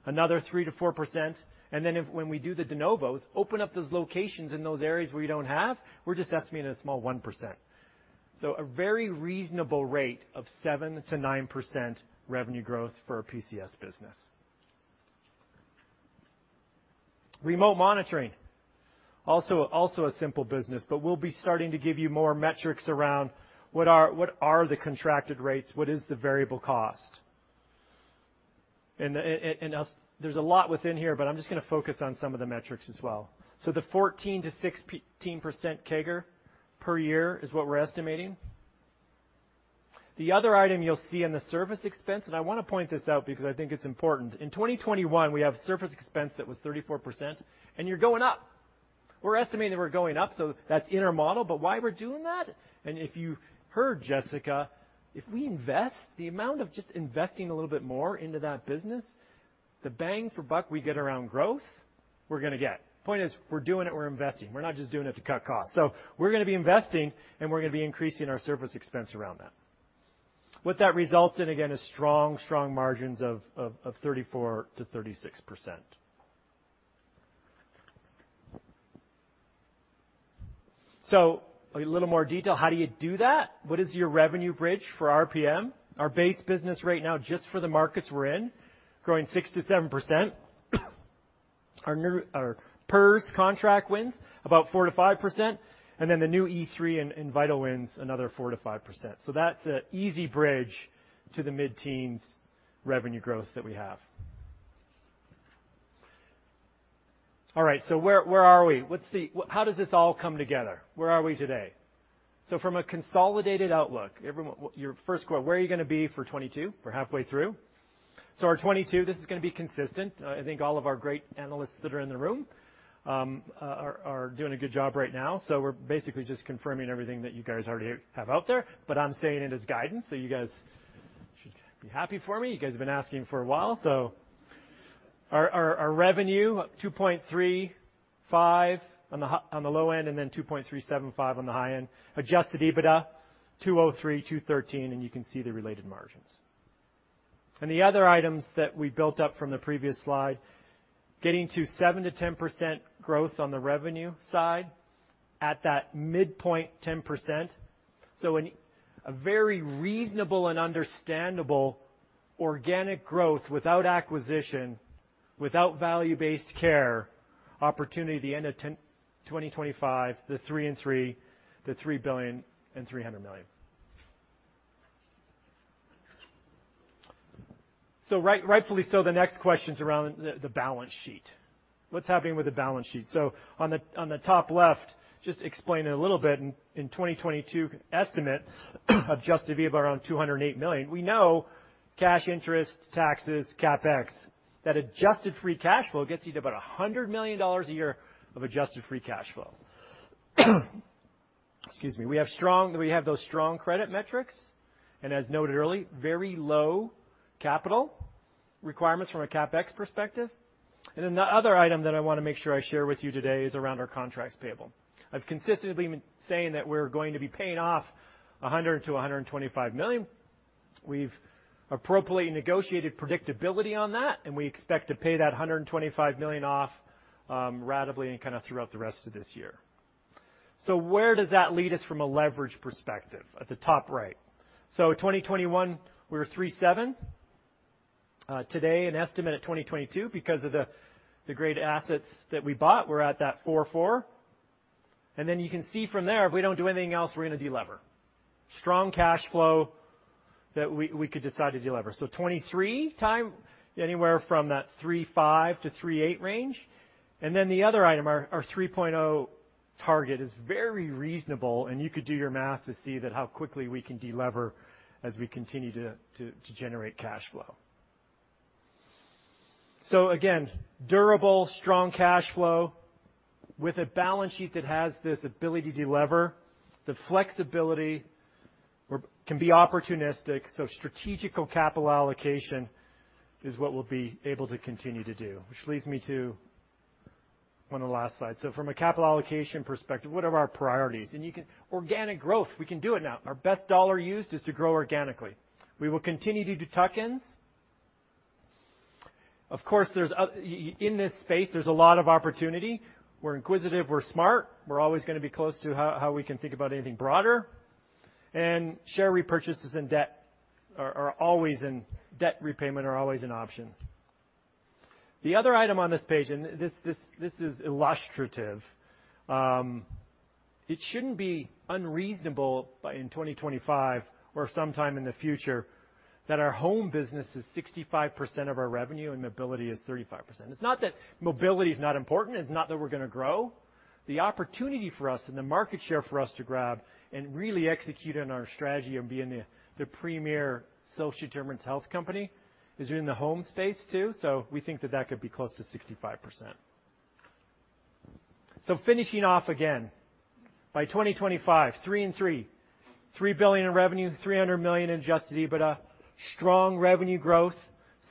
Another 3%-4%. Then if when we do the de novos, open up those locations in those areas where you don't have, we're just estimating a small 1%. A very reasonable rate of 7%-9% revenue growth for our PCS business. Remote monitoring, also a simple business, but we'll be starting to give you more metrics around what are the contracted rates, what is the variable cost. There's a lot within here, but I'm just gonna focus on some of the metrics as well. The 14%-16% CAGR per year is what we're estimating. The other item you'll see in the service expense, and I wanna point this out because I think it's important. In 2021, we have service expense that was 34%, and you're going up. We're estimating we're going up, so that's in our model. But why we're doing that, and if you heard Jessica, if we invest, the amount of just investing a little bit more into that business, the bang for buck we get around growth, we're gonna get. Point is, we're doing it, we're investing. We're not just doing it to cut costs. We're gonna be investing, and we're gonna be increasing our service expense around that. What that results in, again, is strong margins of 34%-36%. A little more detail. How do you do that? What is your revenue bridge for RPM? Our base business right now, just for the markets we're in, growing 6%-7%. Our new PERS contract wins about 4%-5%, and then the new E3 and Vital wins another 4%-5%. That's an easy bridge to the mid-teens revenue growth that we have. All right, where are we? Well, how does this all come together? Where are we today? From a consolidated outlook, everyone, your first quarter, where are you gonna be for 2022? We're halfway through. Our 2022, this is gonna be consistent. I think all of our great analysts that are in the room are doing a good job right now. We're basically just confirming everything that you guys already have out there, but I'm saying it as guidance, so you guys should be happy for me. You guys have been asking for a while. Our revenue, $2.35 on the low end, and then $2.375 on the high end. Adjusted EBITDA, $203-$213, and you can see the related margins. The other items that we built up from the previous slide, getting to 7%-10% growth on the revenue side at that midpoint 10%. A very reasonable and understandable organic growth without acquisition, without value-based care opportunity at the end of 2025, the $3.3 billion. Rightfully so, the next question's around the balance sheet. What's happening with the balance sheet? On the top left, just to explain it a little bit, in 2022 estimate, adjusted EBITDA of around $208 million. We know cash interest, taxes, CapEx, that adjusted free cash flow gets you to about $100 million a year of adjusted free cash flow. Excuse me. We have those strong credit metrics, and as noted earlier, very low capital requirements from a CapEx perspective. Then the other item that I wanna make sure I share with you today is around our contracts payable. I've consistently been saying that we're going to be paying off $100-$125 million. We've appropriately negotiated predictability on that, and we expect to pay that $125 million off, ratably and kinda throughout the rest of this year. Where does that lead us from a leverage perspective? At the top right. 2021, we were 3.7. Today, an estimate at 2022 because of the great assets that we bought, we're at that 4.4. Then you can see from there, if we don't do anything else, we're gonna delever. Strong cash flow that we could decide to delever. '23 time, anywhere from that 3.5-3.8 range. Then the other item, our 3.0 target is very reasonable, and you could do your math to see how quickly we can delever as we continue to generate cash flow. Again, durable, strong cash flow with a balance sheet that has this ability to delever, the flexibility to be opportunistic, strategic capital allocation is what we'll be able to continue to do, which leads me to one of the last slides. From a capital allocation perspective, what are our priorities? You can organic growth, we can do it now. Our best dollar used is to grow organically. We will continue to do tuck-ins. Of course, in this space, there's a lot of opportunity. We're inquisitive, we're smart, we're always gonna be close to how we can think about anything broader, and share repurchases and debt repayment are always an option. The other item on this page, this is illustrative, it shouldn't be unreasonable by in 2025 or sometime in the future that our home business is 65% of our revenue and mobility is 35%. It's not that mobility is not important, it's not that we're gonna grow. The opportunity for us and the market share for us to grab and really execute on our strategy of being the premier social determinants of health company is in the home space too, so we think that could be close to 65%. Finishing off again, by 2025, $3.3 billion in revenue, $300 million in adjusted EBITDA. Strong revenue growth,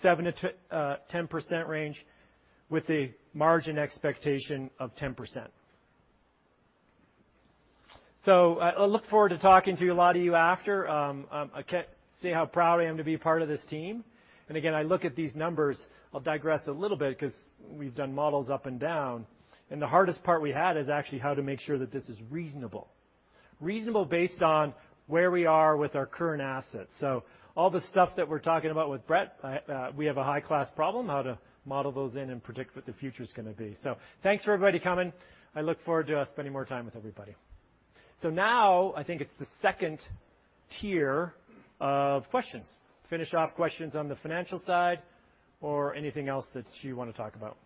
7%-10% range with a margin expectation of 10%. I look forward to talking to a lot of you after. I can't say how proud I am to be a part of this team. Again, I look at these numbers. I'll digress a little bit 'cause we've done models up and down, and the hardest part we had is actually how to make sure that this is reasonable. Reasonable based on where we are with our current assets. All the stuff that we're talking about with Brett, we have a high-class problem, how to model those in and predict what the future's gonna be. Thanks for everybody coming. I look forward to spending more time with everybody. Now I think it's the second tier of questions. Finish off questions on the financial side or anything else that you wanna talk about.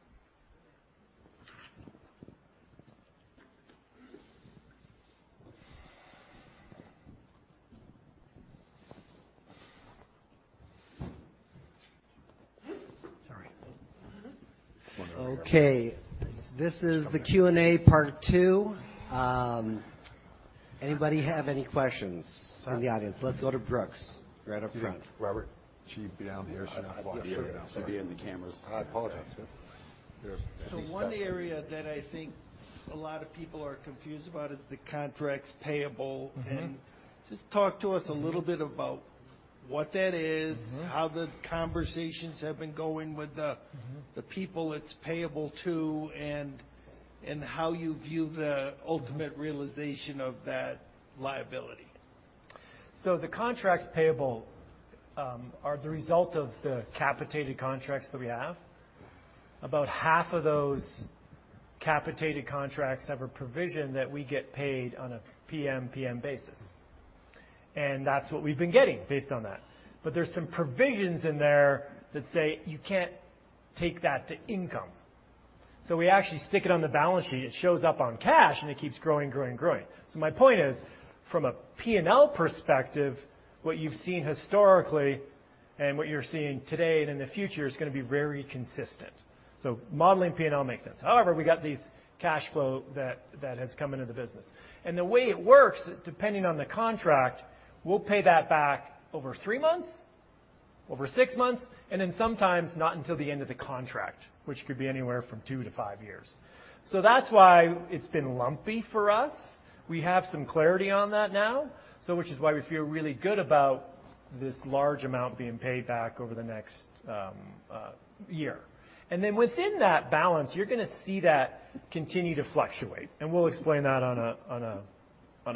Sorry. One over there. Okay. This is the Q&A part two. Anybody have any questions in the audience? Let's go to Brooks, right up front. Robert, should he be down here? Should not call you here now. Should be in the cameras. I apologize. Yeah. One area that I think a lot of people are confused about is the contracts payable. Mm-hmm. Just talk to us a little bit about what that is. Mm-hmm how the conversations have been going with the Mm-hmm the people it's payable to, and how you view the ultimate realization of that liability. The contracts payable are the result of the capitated contracts that we have. About half of those capitated contracts have a provision that we get paid on a PMPM basis. That's what we've been getting based on that. There's some provisions in there that say, "You can't take that to income." We actually stick it on the balance sheet. It shows up on cash, and it keeps growing and growing and growing. My point is, from a P&L perspective, what you've seen historically and what you're seeing today and in the future is gonna be very consistent. Modeling P&L makes sense. However, we got this cash flow that has come into the business. The way it works, depending on the contract, we'll pay that back over 3 months, over 6 months, and then sometimes not until the end of the contract, which could be anywhere from 2-5 years. That's why it's been lumpy for us. We have some clarity on that now, which is why we feel really good about this large amount being paid back over the next year. Then within that balance, you're gonna see that continue to fluctuate, and we'll explain that on a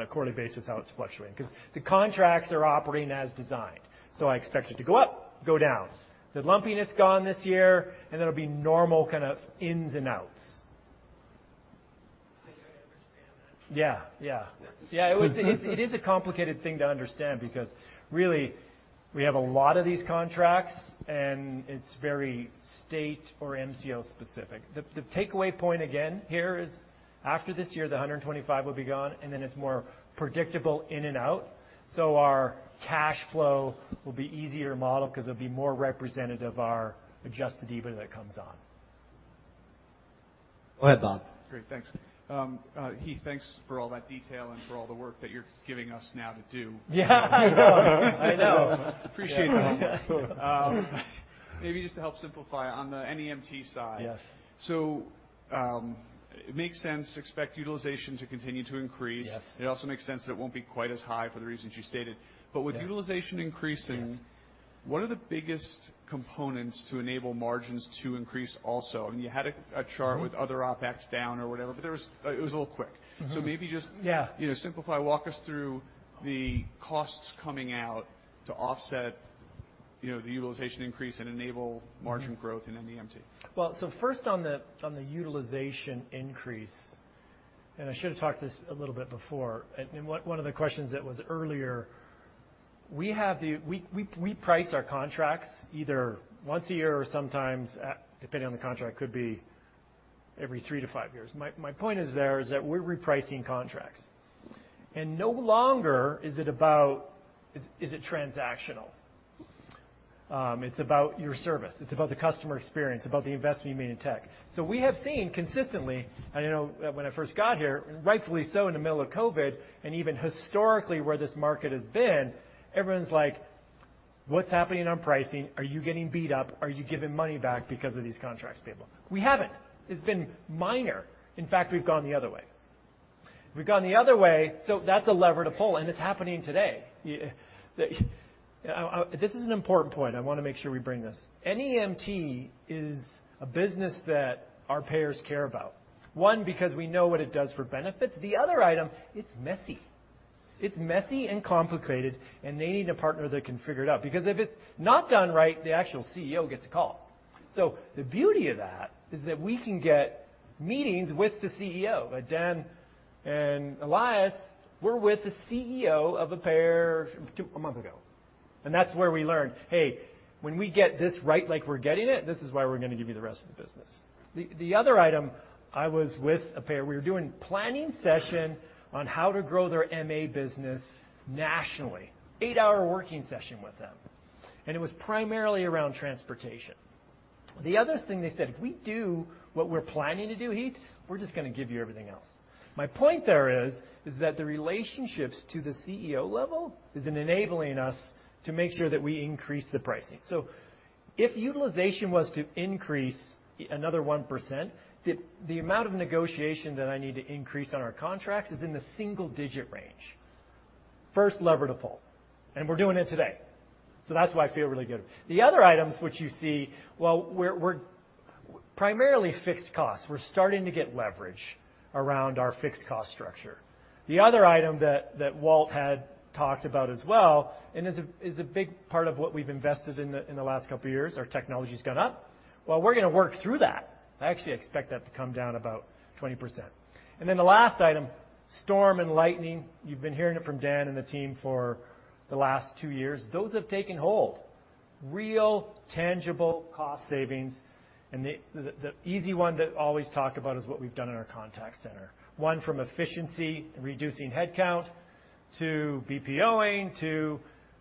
quarterly basis, how it's fluctuating. 'Cause the contracts are operating as designed, so I expect it to go up, go down. The lumpiness gone this year, and it'll be normal kind of ins and outs. I think I understand that. It is a complicated thing to understand because really we have a lot of these contracts, and it's very state or MCO specific. The takeaway point again here is after this year, the $125 will be gone, and then it's more predictable in and out. Our cash flow will be easier to model 'cause it'll be more representative our adjusted EBITDA that comes on. Go ahead, Bob. Great. Thanks. Heath, thanks for all that detail and for all the work that you're giving us now to do. Yeah. I know. Appreciate it. Yeah. Yeah. Maybe just to help simplify on the NEMT side. Yes. It makes sense. Expect utilization to continue to increase. Yes. It also makes sense that it won't be quite as high for the reasons you stated. Yes. With utilization increasing. Yes What are the biggest components to enable margins to increase also? You had a chart with other OpEx down or whatever, but it was a little quick. Mm-hmm. So maybe just- Yeah You know, simplify, walk us through the costs coming out to offset, you know, the utilization increase and enable Mm-hmm Margin growth in NEMT. Well, first on the utilization increase, and I should have talked this a little bit before. One of the questions that was earlier, we price our contracts either once a year or sometimes, depending on the contract, could be every three to five years. My point is that we're repricing contracts. No longer is it about, is it transactional. It's about your service, it's about the customer experience, about the investment you made in tech. We have seen consistently, and you know, when I first got here, rightfully so in the middle of COVID and even historically where this market has been, everyone's like, "What's happening on pricing? Are you getting beat up? Are you giving money back because of these contracts payable?" We haven't. It's been minor. In fact, we've gone the other way, so that's a lever to pull, and it's happening today. This is an important point. I wanna make sure we bring this. NEMT is a business that our payers care about. One, because we know what it does for benefits. The other item, it's messy. It's messy and complicated, and they need a partner that can figure it out. Because if it's not done right, the actual CEO gets a call. The beauty of that is that we can get meetings with the CEO. Dan and Elias were with the CEO of a payer a month ago. That's where we learned, "Hey, when we get this right like we're getting it, this is why we're gonna give you the rest of the business." The other item, I was with a payer. We were doing planning session on how to grow their MA business nationally. 8-hour working session with them. It was primarily around transportation. The other thing they said, "If we do what we're planning to do, Heath, we're just gonna give you everything else." My point there is that the relationships to the CEO level is enabling us to make sure that we increase the pricing. If utilization was to increase by another 1%, the amount of negotiation that I need to increase on our contracts is in the single-digit range. First lever to pull, we're doing it today. That's why I feel really good. The other items which you see, well, we're primarily fixed costs. We're starting to get leverage around our fixed cost structure. The other item that Walt had talked about as well, and is a big part of what we've invested in the last couple of years, our technology's gone up. Well, we're gonna work through that. I actually expect that to come down about 20%. Then the last item, Project Storm and Lightning, you've been hearing it from Dan and the team for the last two years. Those have taken hold. Real tangible cost savings, and the easy one that always talk about is what we've done in our contact center. Won from efficiency, reducing headcount, to BPO-ing, to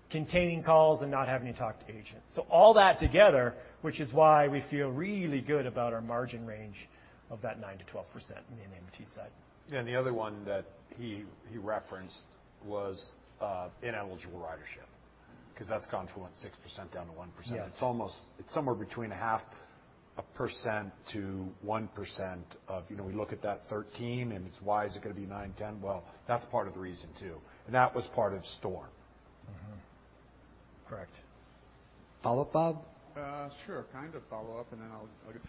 containing calls and not having to talk to agents. All that together, which is why we feel really good about our margin range of that 9%-12% in the NEMT side. Yeah. The other one that he referenced was ineligible ridership because that's gone from what, 6% down to 1%. Yes. It's somewhere between 0.5%-1% of, you know, we look at that 13%, and it's why is it gonna be 9, 10? Well, that's part of the reason, too. That was part of Storm. Correct. Follow up, Bob? Sure. Kind of follow-up, and then I'll get.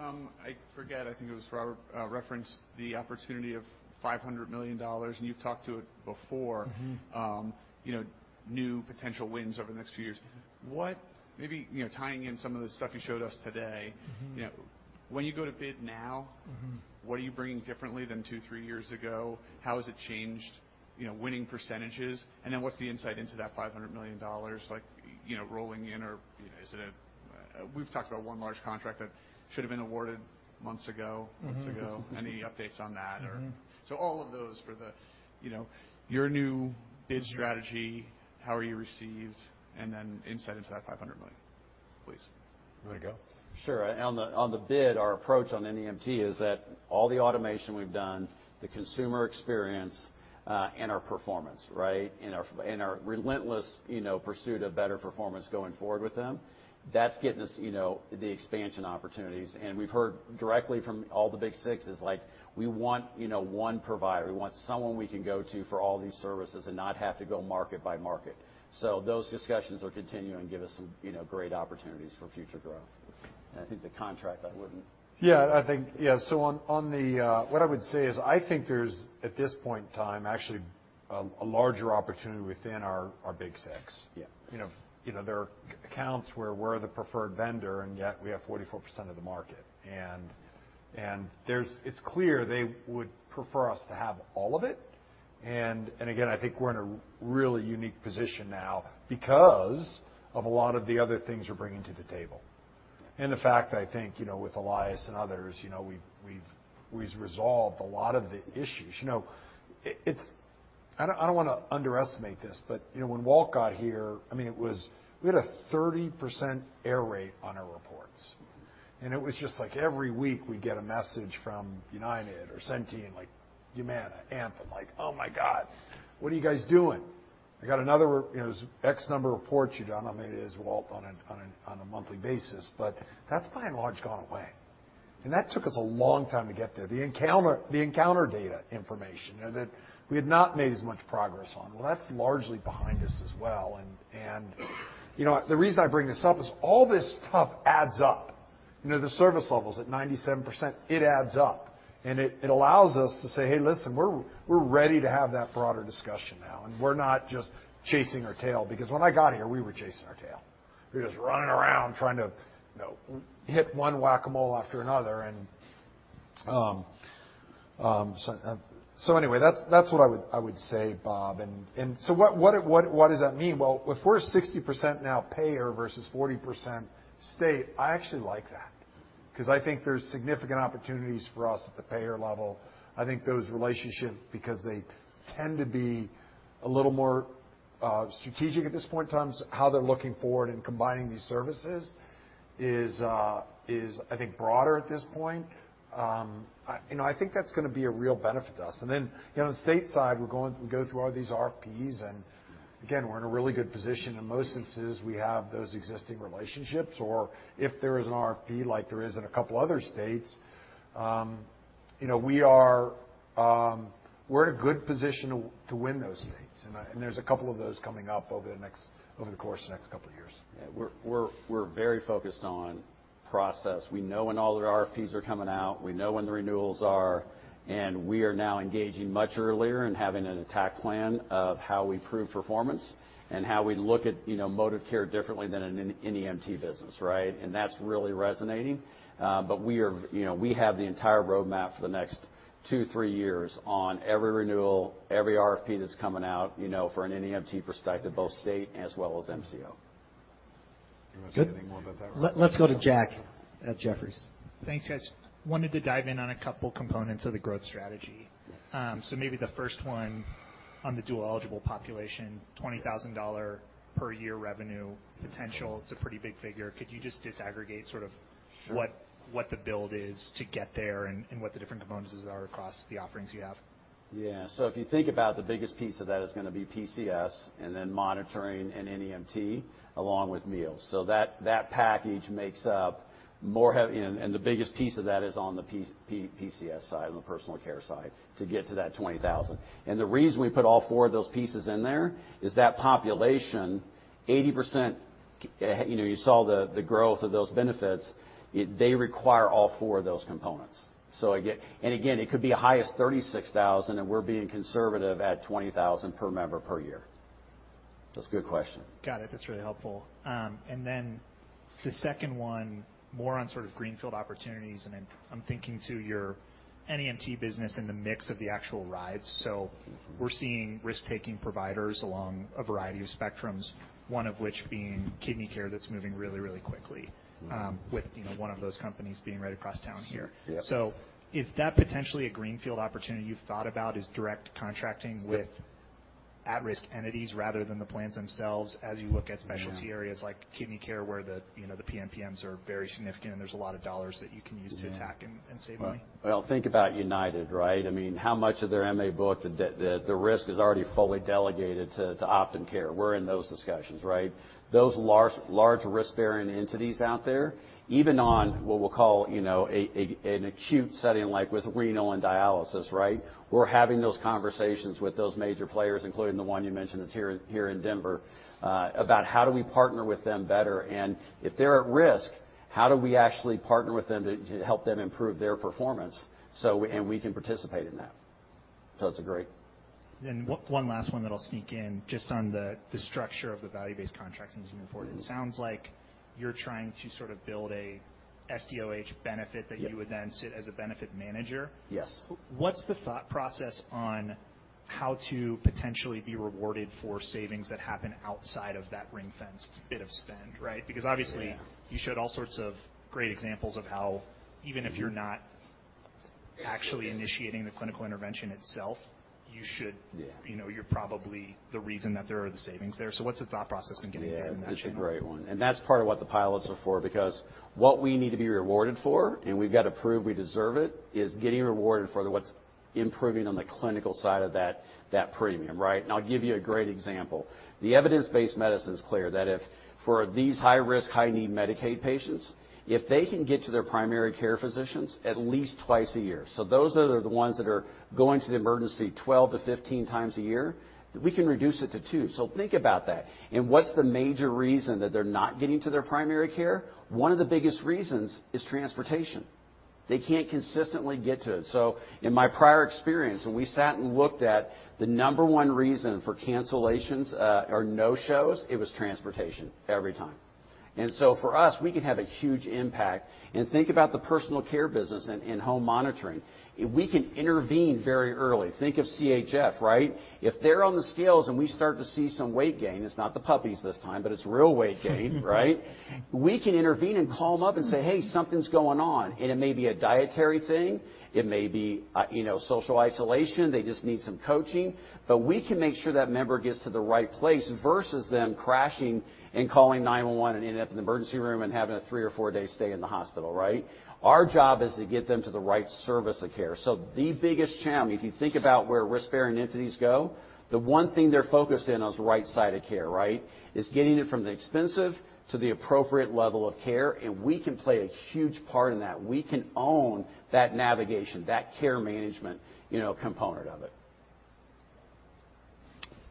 I forget, I think it was Robert referenced the opportunity of $500 million, and you've talked to it before. Mm-hmm. You know, new potential wins over the next few years. Maybe, you know, tying in some of the stuff you showed us today. Mm-hmm. You know, when you go to bid now. Mm-hmm. What are you bringing differently than two, three years ago? How has it changed, you know, winning percentages? Then what's the insight into that $500 million like, you know, rolling in? Or, you know, we've talked about one large contract that should have been awarded months ago. Mm-hmm. Months ago. Any updates on that or? Mm-hmm. All of those for the, you know, your new bid strategy, how are you received, and then insight into that $500 million, please. You want me to go? Sure. On the bid, our approach on NEMT is that all the automation we've done, the consumer experience, and our performance, right? Our relentless, you know, pursuit of better performance going forward with them, that's getting us, you know, the expansion opportunities. We've heard directly from all the big six is like, "We want, you know, one provider. We want someone we can go to for all these services and not have to go market by market." Those discussions will continue and give us, you know, great opportunities for future growth. I think the contract, I wouldn't. What I would say is I think there's at this point in time actually a larger opportunity within our Big Six. Yeah. You know, there are accounts where we're the preferred vendor, and yet we have 44% of the market. There's—it's clear they would prefer us to have all of it. Again, I think we're in a really unique position now because of a lot of the other things we're bringing to the table. The fact, I think, you know, with Ilias and others, you know, we've resolved a lot of the issues. You know, it's—I don't wanna underestimate this, but, you know, when Walt got here, I mean, it was—we had a 30% error rate on our reports. It was just like every week we get a message from United or Centene, like Humana, Anthem, like, "Oh, my God, what are you guys doing? I got another, you know, X number of reports you've done." I mean, it is Walt on a monthly basis, but that's by and large gone away. That took us a long time to get there. The encounter data information, you know, that we had not made as much progress on. Well, that's largely behind us as well. You know, the reason I bring this up is all this stuff adds up. You know, the service levels at 97%, it adds up. It allows us to say, "Hey, listen, we're ready to have that broader discussion now, and we're not just chasing our tail." Because when I got here, we were chasing our tail. We were just running around trying to, you know, hit one whack-a-mole after another. Anyway, that's what I would say, Bob. What does that mean? Well, if we're 60% now payer versus 40% state, I actually like that because I think there's significant opportunities for us at the payer level. I think those relationships, because they tend to be a little more strategic at this point in time, how they're looking forward and combining these services is I think broader at this point. You know, I think that's gonna be a real benefit to us. You know, the state side, we go through all these RFPs, and again, we're in a really good position. In most instances, we have those existing relationships, or if there is an RFP like there is in a couple other states, you know, we're in a good position to win those states. There's a couple of those coming up over the course of the next couple of years. Yeah. We're very focused on process. We know when all the RFPs are coming out, we know when the renewals are, and we are now engaging much earlier and having an attack plan of how we prove performance and how we look at, you know, ModivCare differently than an NEMT business, right? That's really resonating. We are, you know, we have the entire roadmap for the next two, three years on every renewal, every RFP that's coming out, you know, for an NEMT perspective, both state as well as MCO. You wanna say anything more about that, Rob? Let's go to Jack at Jefferies. Thanks, guys. Wanted to dive in on a couple components of the growth strategy. Maybe the first one on the dual-eligible population, $20,000 per year revenue potential, it's a pretty big figure. Could you just disaggregate. Sure. What the build is to get there and what the different components are across the offerings you have? If you think about the biggest piece of that is gonna be PCS and then monitoring and NEMT along with meals. That package makes up more and the biggest piece of that is on the PCS side, on the personal care side to get to that $20,000. The reason we put all four of those pieces in there is that population, 80%, you know, you saw the growth of those benefits, they require all four of those components. Again, it could be as high as $36,000, and we're being conservative at $20,000 per member per year. That's a good question. Got it. That's really helpful. The second one, more on sort of greenfield opportunities, and then I'm thinking to your NEMT business in the mix of the actual rides. We're seeing risk-taking providers along a variety of spectrums, one of which being kidney care that's moving really, really quickly, with, you know, one of those companies being right across town here. Yep. Is that potentially a greenfield opportunity you've thought about is direct contracting with at-risk entities rather than the plans themselves as you look at specialty areas like kidney care where the, you know, the PMPMs are very significant, and there's a lot of dollars that you can use to attack and save money? Think about United, right? I mean, how much of their MA book the risk is already fully delegated to Optum Care. We're in those discussions, right? Those large risk-bearing entities out there, even on what we'll call, you know, an acute setting like with renal and dialysis, right? We're having those conversations with those major players, including the one you mentioned that's here in Denver about how do we partner with them better. If they're at risk, how do we actually partner with them to help them improve their performance so we can participate in that. It's a great- One last one that I'll sneak in just on the structure of the value-based contracting as you move forward. It sounds like you're trying to sort of build a SDOH benefit that you would then sit as a benefit manager. Yes. What's the thought process on how to potentially be rewarded for savings that happen outside of that ring-fenced bit of spend, right? Because obviously. Yeah. -you showed all sorts of great examples of how even if you're not actually initiating the clinical intervention itself, you should- Yeah. You know, you're probably the reason that there are the savings there. What's the thought process in getting there from that channel? Yeah. That's a great one. That's part of what the pilots are for because what we need to be rewarded for, and we've got to prove we deserve it, is getting rewarded for what's improving on the clinical side of that premium, right? I'll give you a great example. The evidence-based medicine is clear that if for these high-risk, high-need Medicaid patients, if they can get to their primary care physicians at least twice a year. Those are the ones that are going to the emergency 12-15 times a year, we can reduce it to 2. Think about that. What's the major reason that they're not getting to their primary care? One of the biggest reasons is transportation. They can't consistently get to it. In my prior experience, when we sat and looked at the number one reason for cancellations or no shows, it was transportation every time. For us, we can have a huge impact. Think about the personal care business in home monitoring. If we can intervene very early, think of CHF, right? If they're on the scales and we start to see some weight gain, it's not the puppies this time, but it's real weight gain, right? We can intervene and call them up and say, "Hey, something's going on." It may be a dietary thing, it may be, you know, social isolation, they just need some coaching, but we can make sure that member gets to the right site of care versus them crashing and calling 911 and ending up in the emergency room and having a 3- or 4-day stay in the hospital, right? Our job is to get them to the right site of care. The biggest challenge, if you think about where risk-bearing entities go, the one thing they're focused in on is right-sized care, right? Is getting it from the expensive to the appropriate level of care, and we can play a huge part in that. We can own that navigation, that care management, you know, component of it.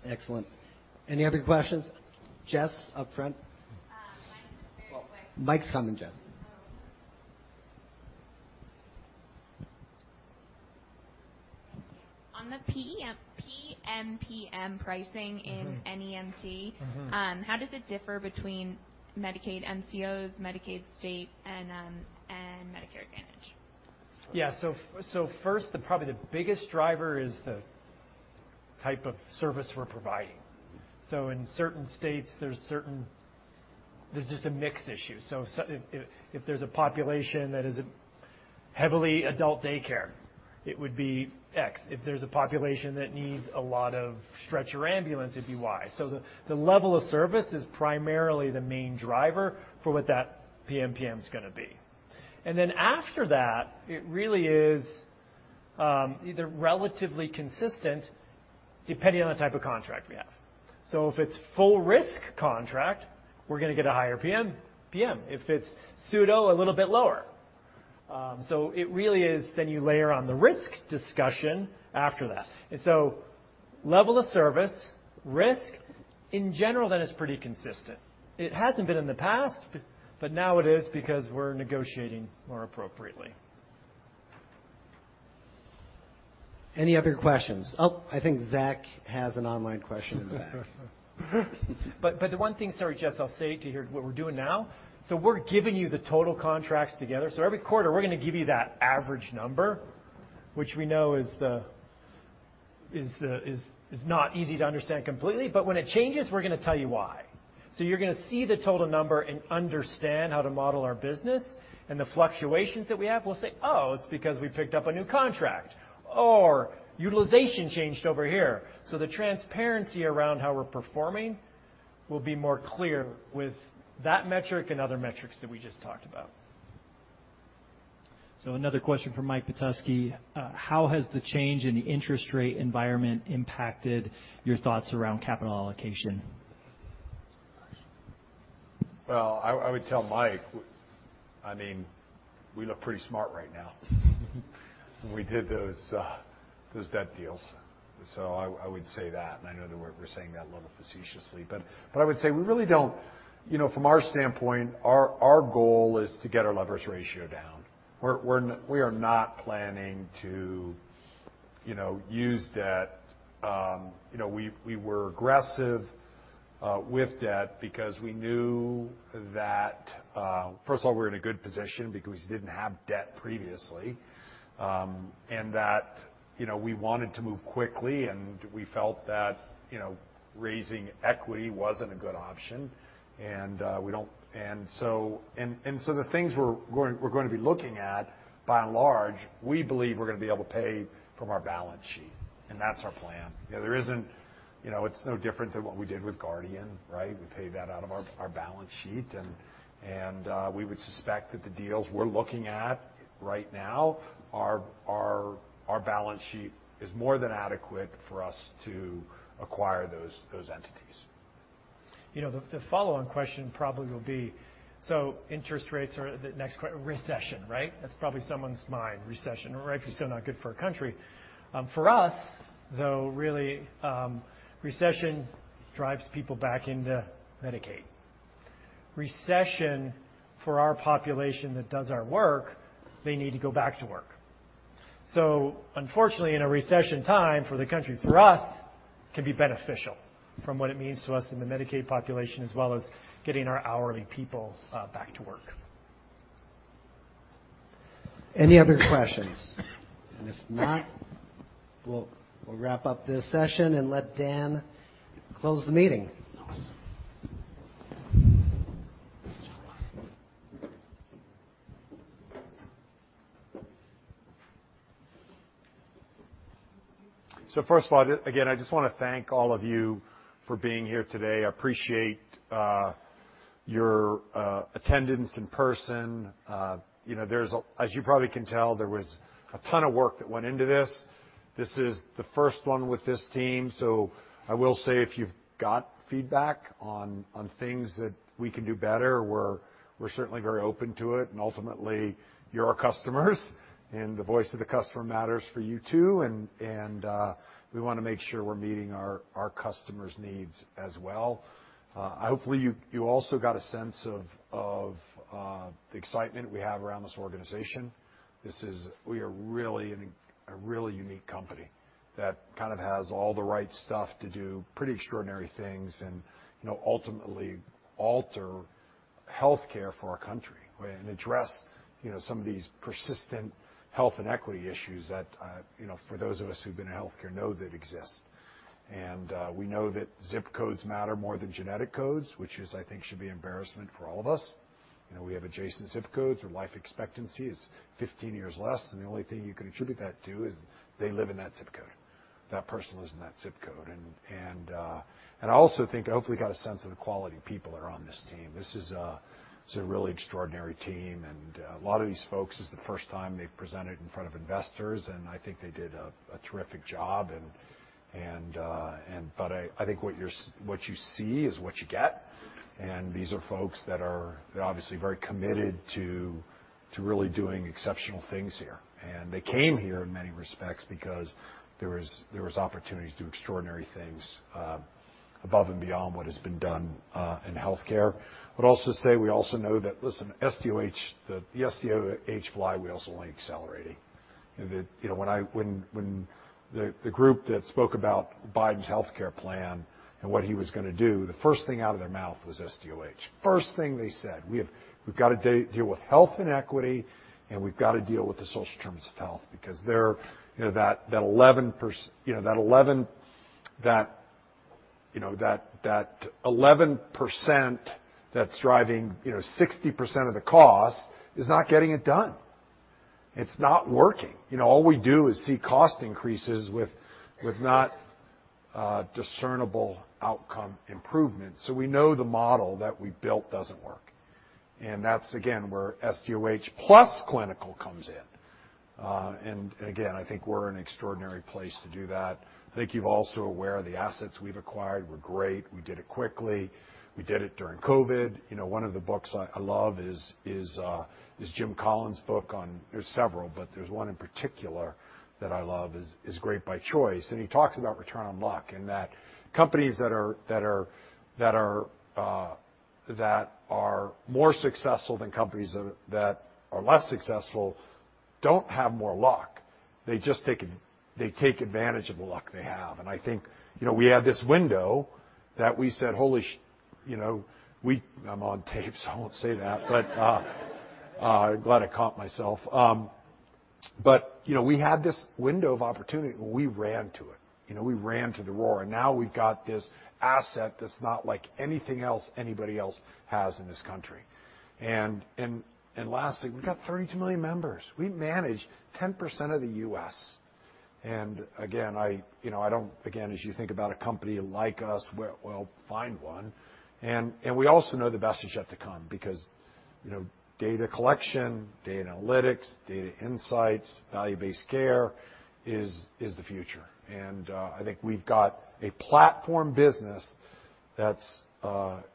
Excellent. Any other questions? Jess, up front. Mine's very quick. Mike's coming, Jess. On the PMPM pricing in NEMT. Mm-hmm. How does it differ between Medicaid MCOs, Medicaid state, and Medicare Advantage? Yeah. First, probably the biggest driver is the type of service we're providing. In certain states, there's just a mix issue. If there's a population that is heavily adult daycare, it would be X. If there's a population that needs a lot of stretcher ambulance, it'd be Y. The level of service is primarily the main driver for what that PMPM's gonna be. Then after that, it really is either relatively consistent depending on the type of contract we have. If it's full risk contract, we're gonna get a higher PMPM. If it's pseudo, a little bit lower. It really is then you layer on the risk discussion after that. Level of service, risk, in general, then it's pretty consistent. It hasn't been in the past, but now it is because we're negotiating more appropriately. Any other questions? Oh, I think Zach has an online question in the back. The one thing, sorry, Jess. I'll say, here's what we're doing now. We're giving you the total contracts together. Every quarter, we're gonna give you that average number, which we know is not easy to understand completely. When it changes, we're gonna tell you why. You're gonna see the total number and understand how to model our business and the fluctuations that we have. We'll say, "Oh, it's because we picked up a new contract or utilization changed over here." The transparency around how we're performing will be more clear with that metric and other metrics that we just talked about. Another question from Michael Petusky. How has the change in the interest rate environment impacted your thoughts around capital allocation? I would tell Mike, I mean, we look pretty smart right now. We did those debt deals. I would say that, and I know that we're saying that a little facetiously. I would say we really don't. You know, from our standpoint, our goal is to get our leverage ratio down. We are not planning to, you know, use debt. You know, we were aggressive with debt because we knew that. First of all, we were in a good position because we didn't have debt previously, and that, you know, we wanted to move quickly, and we felt that, you know, raising equity wasn't a good option. We don't. The things we're gonna be looking at, by and large, we believe we're gonna be able to pay from our balance sheet, and that's our plan. You know, it's no different than what we did with Guardian, right? We paid that out of our balance sheet and we would suspect that the deals we're looking at right now, our balance sheet is more than adequate for us to acquire those entities. You know, the follow-on question probably will be, so interest rates are the next recession, right? That's probably on someone's mind, recession, right, which is still not good for our country. For us, though, really, recession drives people back into Medicaid. Recession for our population that does our work, they need to go back to work. Unfortunately, in a recession time for the country, for us, can be beneficial from what it means to us in the Medicaid population as well as getting our hourly people back to work. Any other questions? If not, we'll wrap up this session and let Dan close the meeting. First of all, again, I just wanna thank all of you for being here today. I appreciate your attendance in person. As you probably can tell, there was a ton of work that went into this. This is the first one with this team, so I will say if you've got feedback on things that we can do better, we're certainly very open to it, and ultimately, you're our customers, and the voice of the customer matters for you, too, and we wanna make sure we're meeting our customers' needs as well. Hopefully, you also got a sense of the excitement we have around this organization. We are really a really unique company that kind of has all the right stuff to do pretty extraordinary things and, you know, ultimately alter healthcare for our country and address, you know, some of these persistent health inequity issues that, you know, for those of us who've been in healthcare know that exist. We know that zip codes matter more than genetic codes, which I think should be embarrassment for all of us. You know, we have adjacent zip codes where life expectancy is 15 years less, and the only thing you can attribute that to is they live in that zip code. That person lives in that zip code. I also think I hopefully got a sense of the quality of people that are on this team. This is a really extraordinary team, and a lot of these folks, this is the first time they've presented in front of investors, and I think they did a terrific job. I think what you see is what you get, and these are folks that are, they're obviously very committed to really doing exceptional things here. They came here in many respects because there was opportunities to do extraordinary things above and beyond what has been done in healthcare. I would also say we also know that, listen, SDOH, the SDOH flywheel is only accelerating. You know, when the group that spoke about Biden's healthcare plan and what he was gonna do, the first thing out of their mouth was SDOH. First thing they said. We've gotta deal with health inequity, and we've gotta deal with the social determinants of health because that 11% that's driving 60% of the cost is not getting it done. It's not working. You know, all we do is see cost increases with no discernible outcome improvements. So we know the model that we built doesn't work. That's, again, where SDOH plus clinical comes in. I think we're in an extraordinary place to do that. I think you're also aware the assets we've acquired were great. We did it quickly. We did it during COVID. You know, one of the books I love is Jim Collins' book on. There's several, but there's one in particular that I love is Great by Choice. He talks about return on luck, and that companies that are more successful than companies that are less successful don't have more luck. They just take advantage of the luck they have. I think, you know, we have this window that we said, "Holy sh..." You know, I'm on tape, so I won't say that. Glad I caught myself. You know, we had this window of opportunity. We ran to it. You know, we ran to the roar, and now we've got this asset that's not like anything else anybody else has in this country. Lastly, we've got 32 million members. We manage 10% of the US. Again, as you think about a company like us, well, we'll find one. We also know the best is yet to come because, you know, data collection, data analytics, data insights, value-based care is the future. I think we've got a platform business that's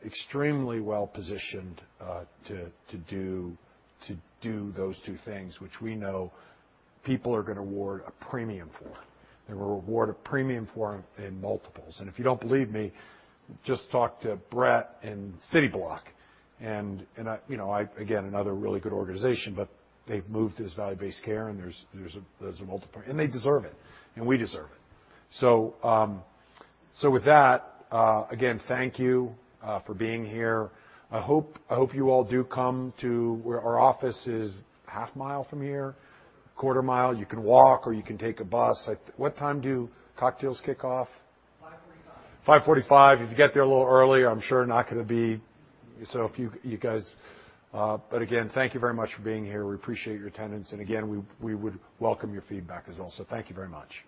extremely well-positioned to do those two things, which we know people are gonna award a premium for. They will award a premium for in multiples. If you don't believe me, just talk to Brett in Cityblock. I, you know, again, another really good organization, but they've moved to this value-based care, and there's a multiple. They deserve it, and we deserve it. With that, again, thank you for being here. I hope you all do come to where our office is, half mile from here, quarter mile. You can walk or you can take a bus. Like, what time do cocktails kick off? 5:45. 5:45. If you get there a little early, I'm sure not gonna be. Thank you very much for being here. We appreciate your attendance. Again, we would welcome your feedback as well. Thank you very much.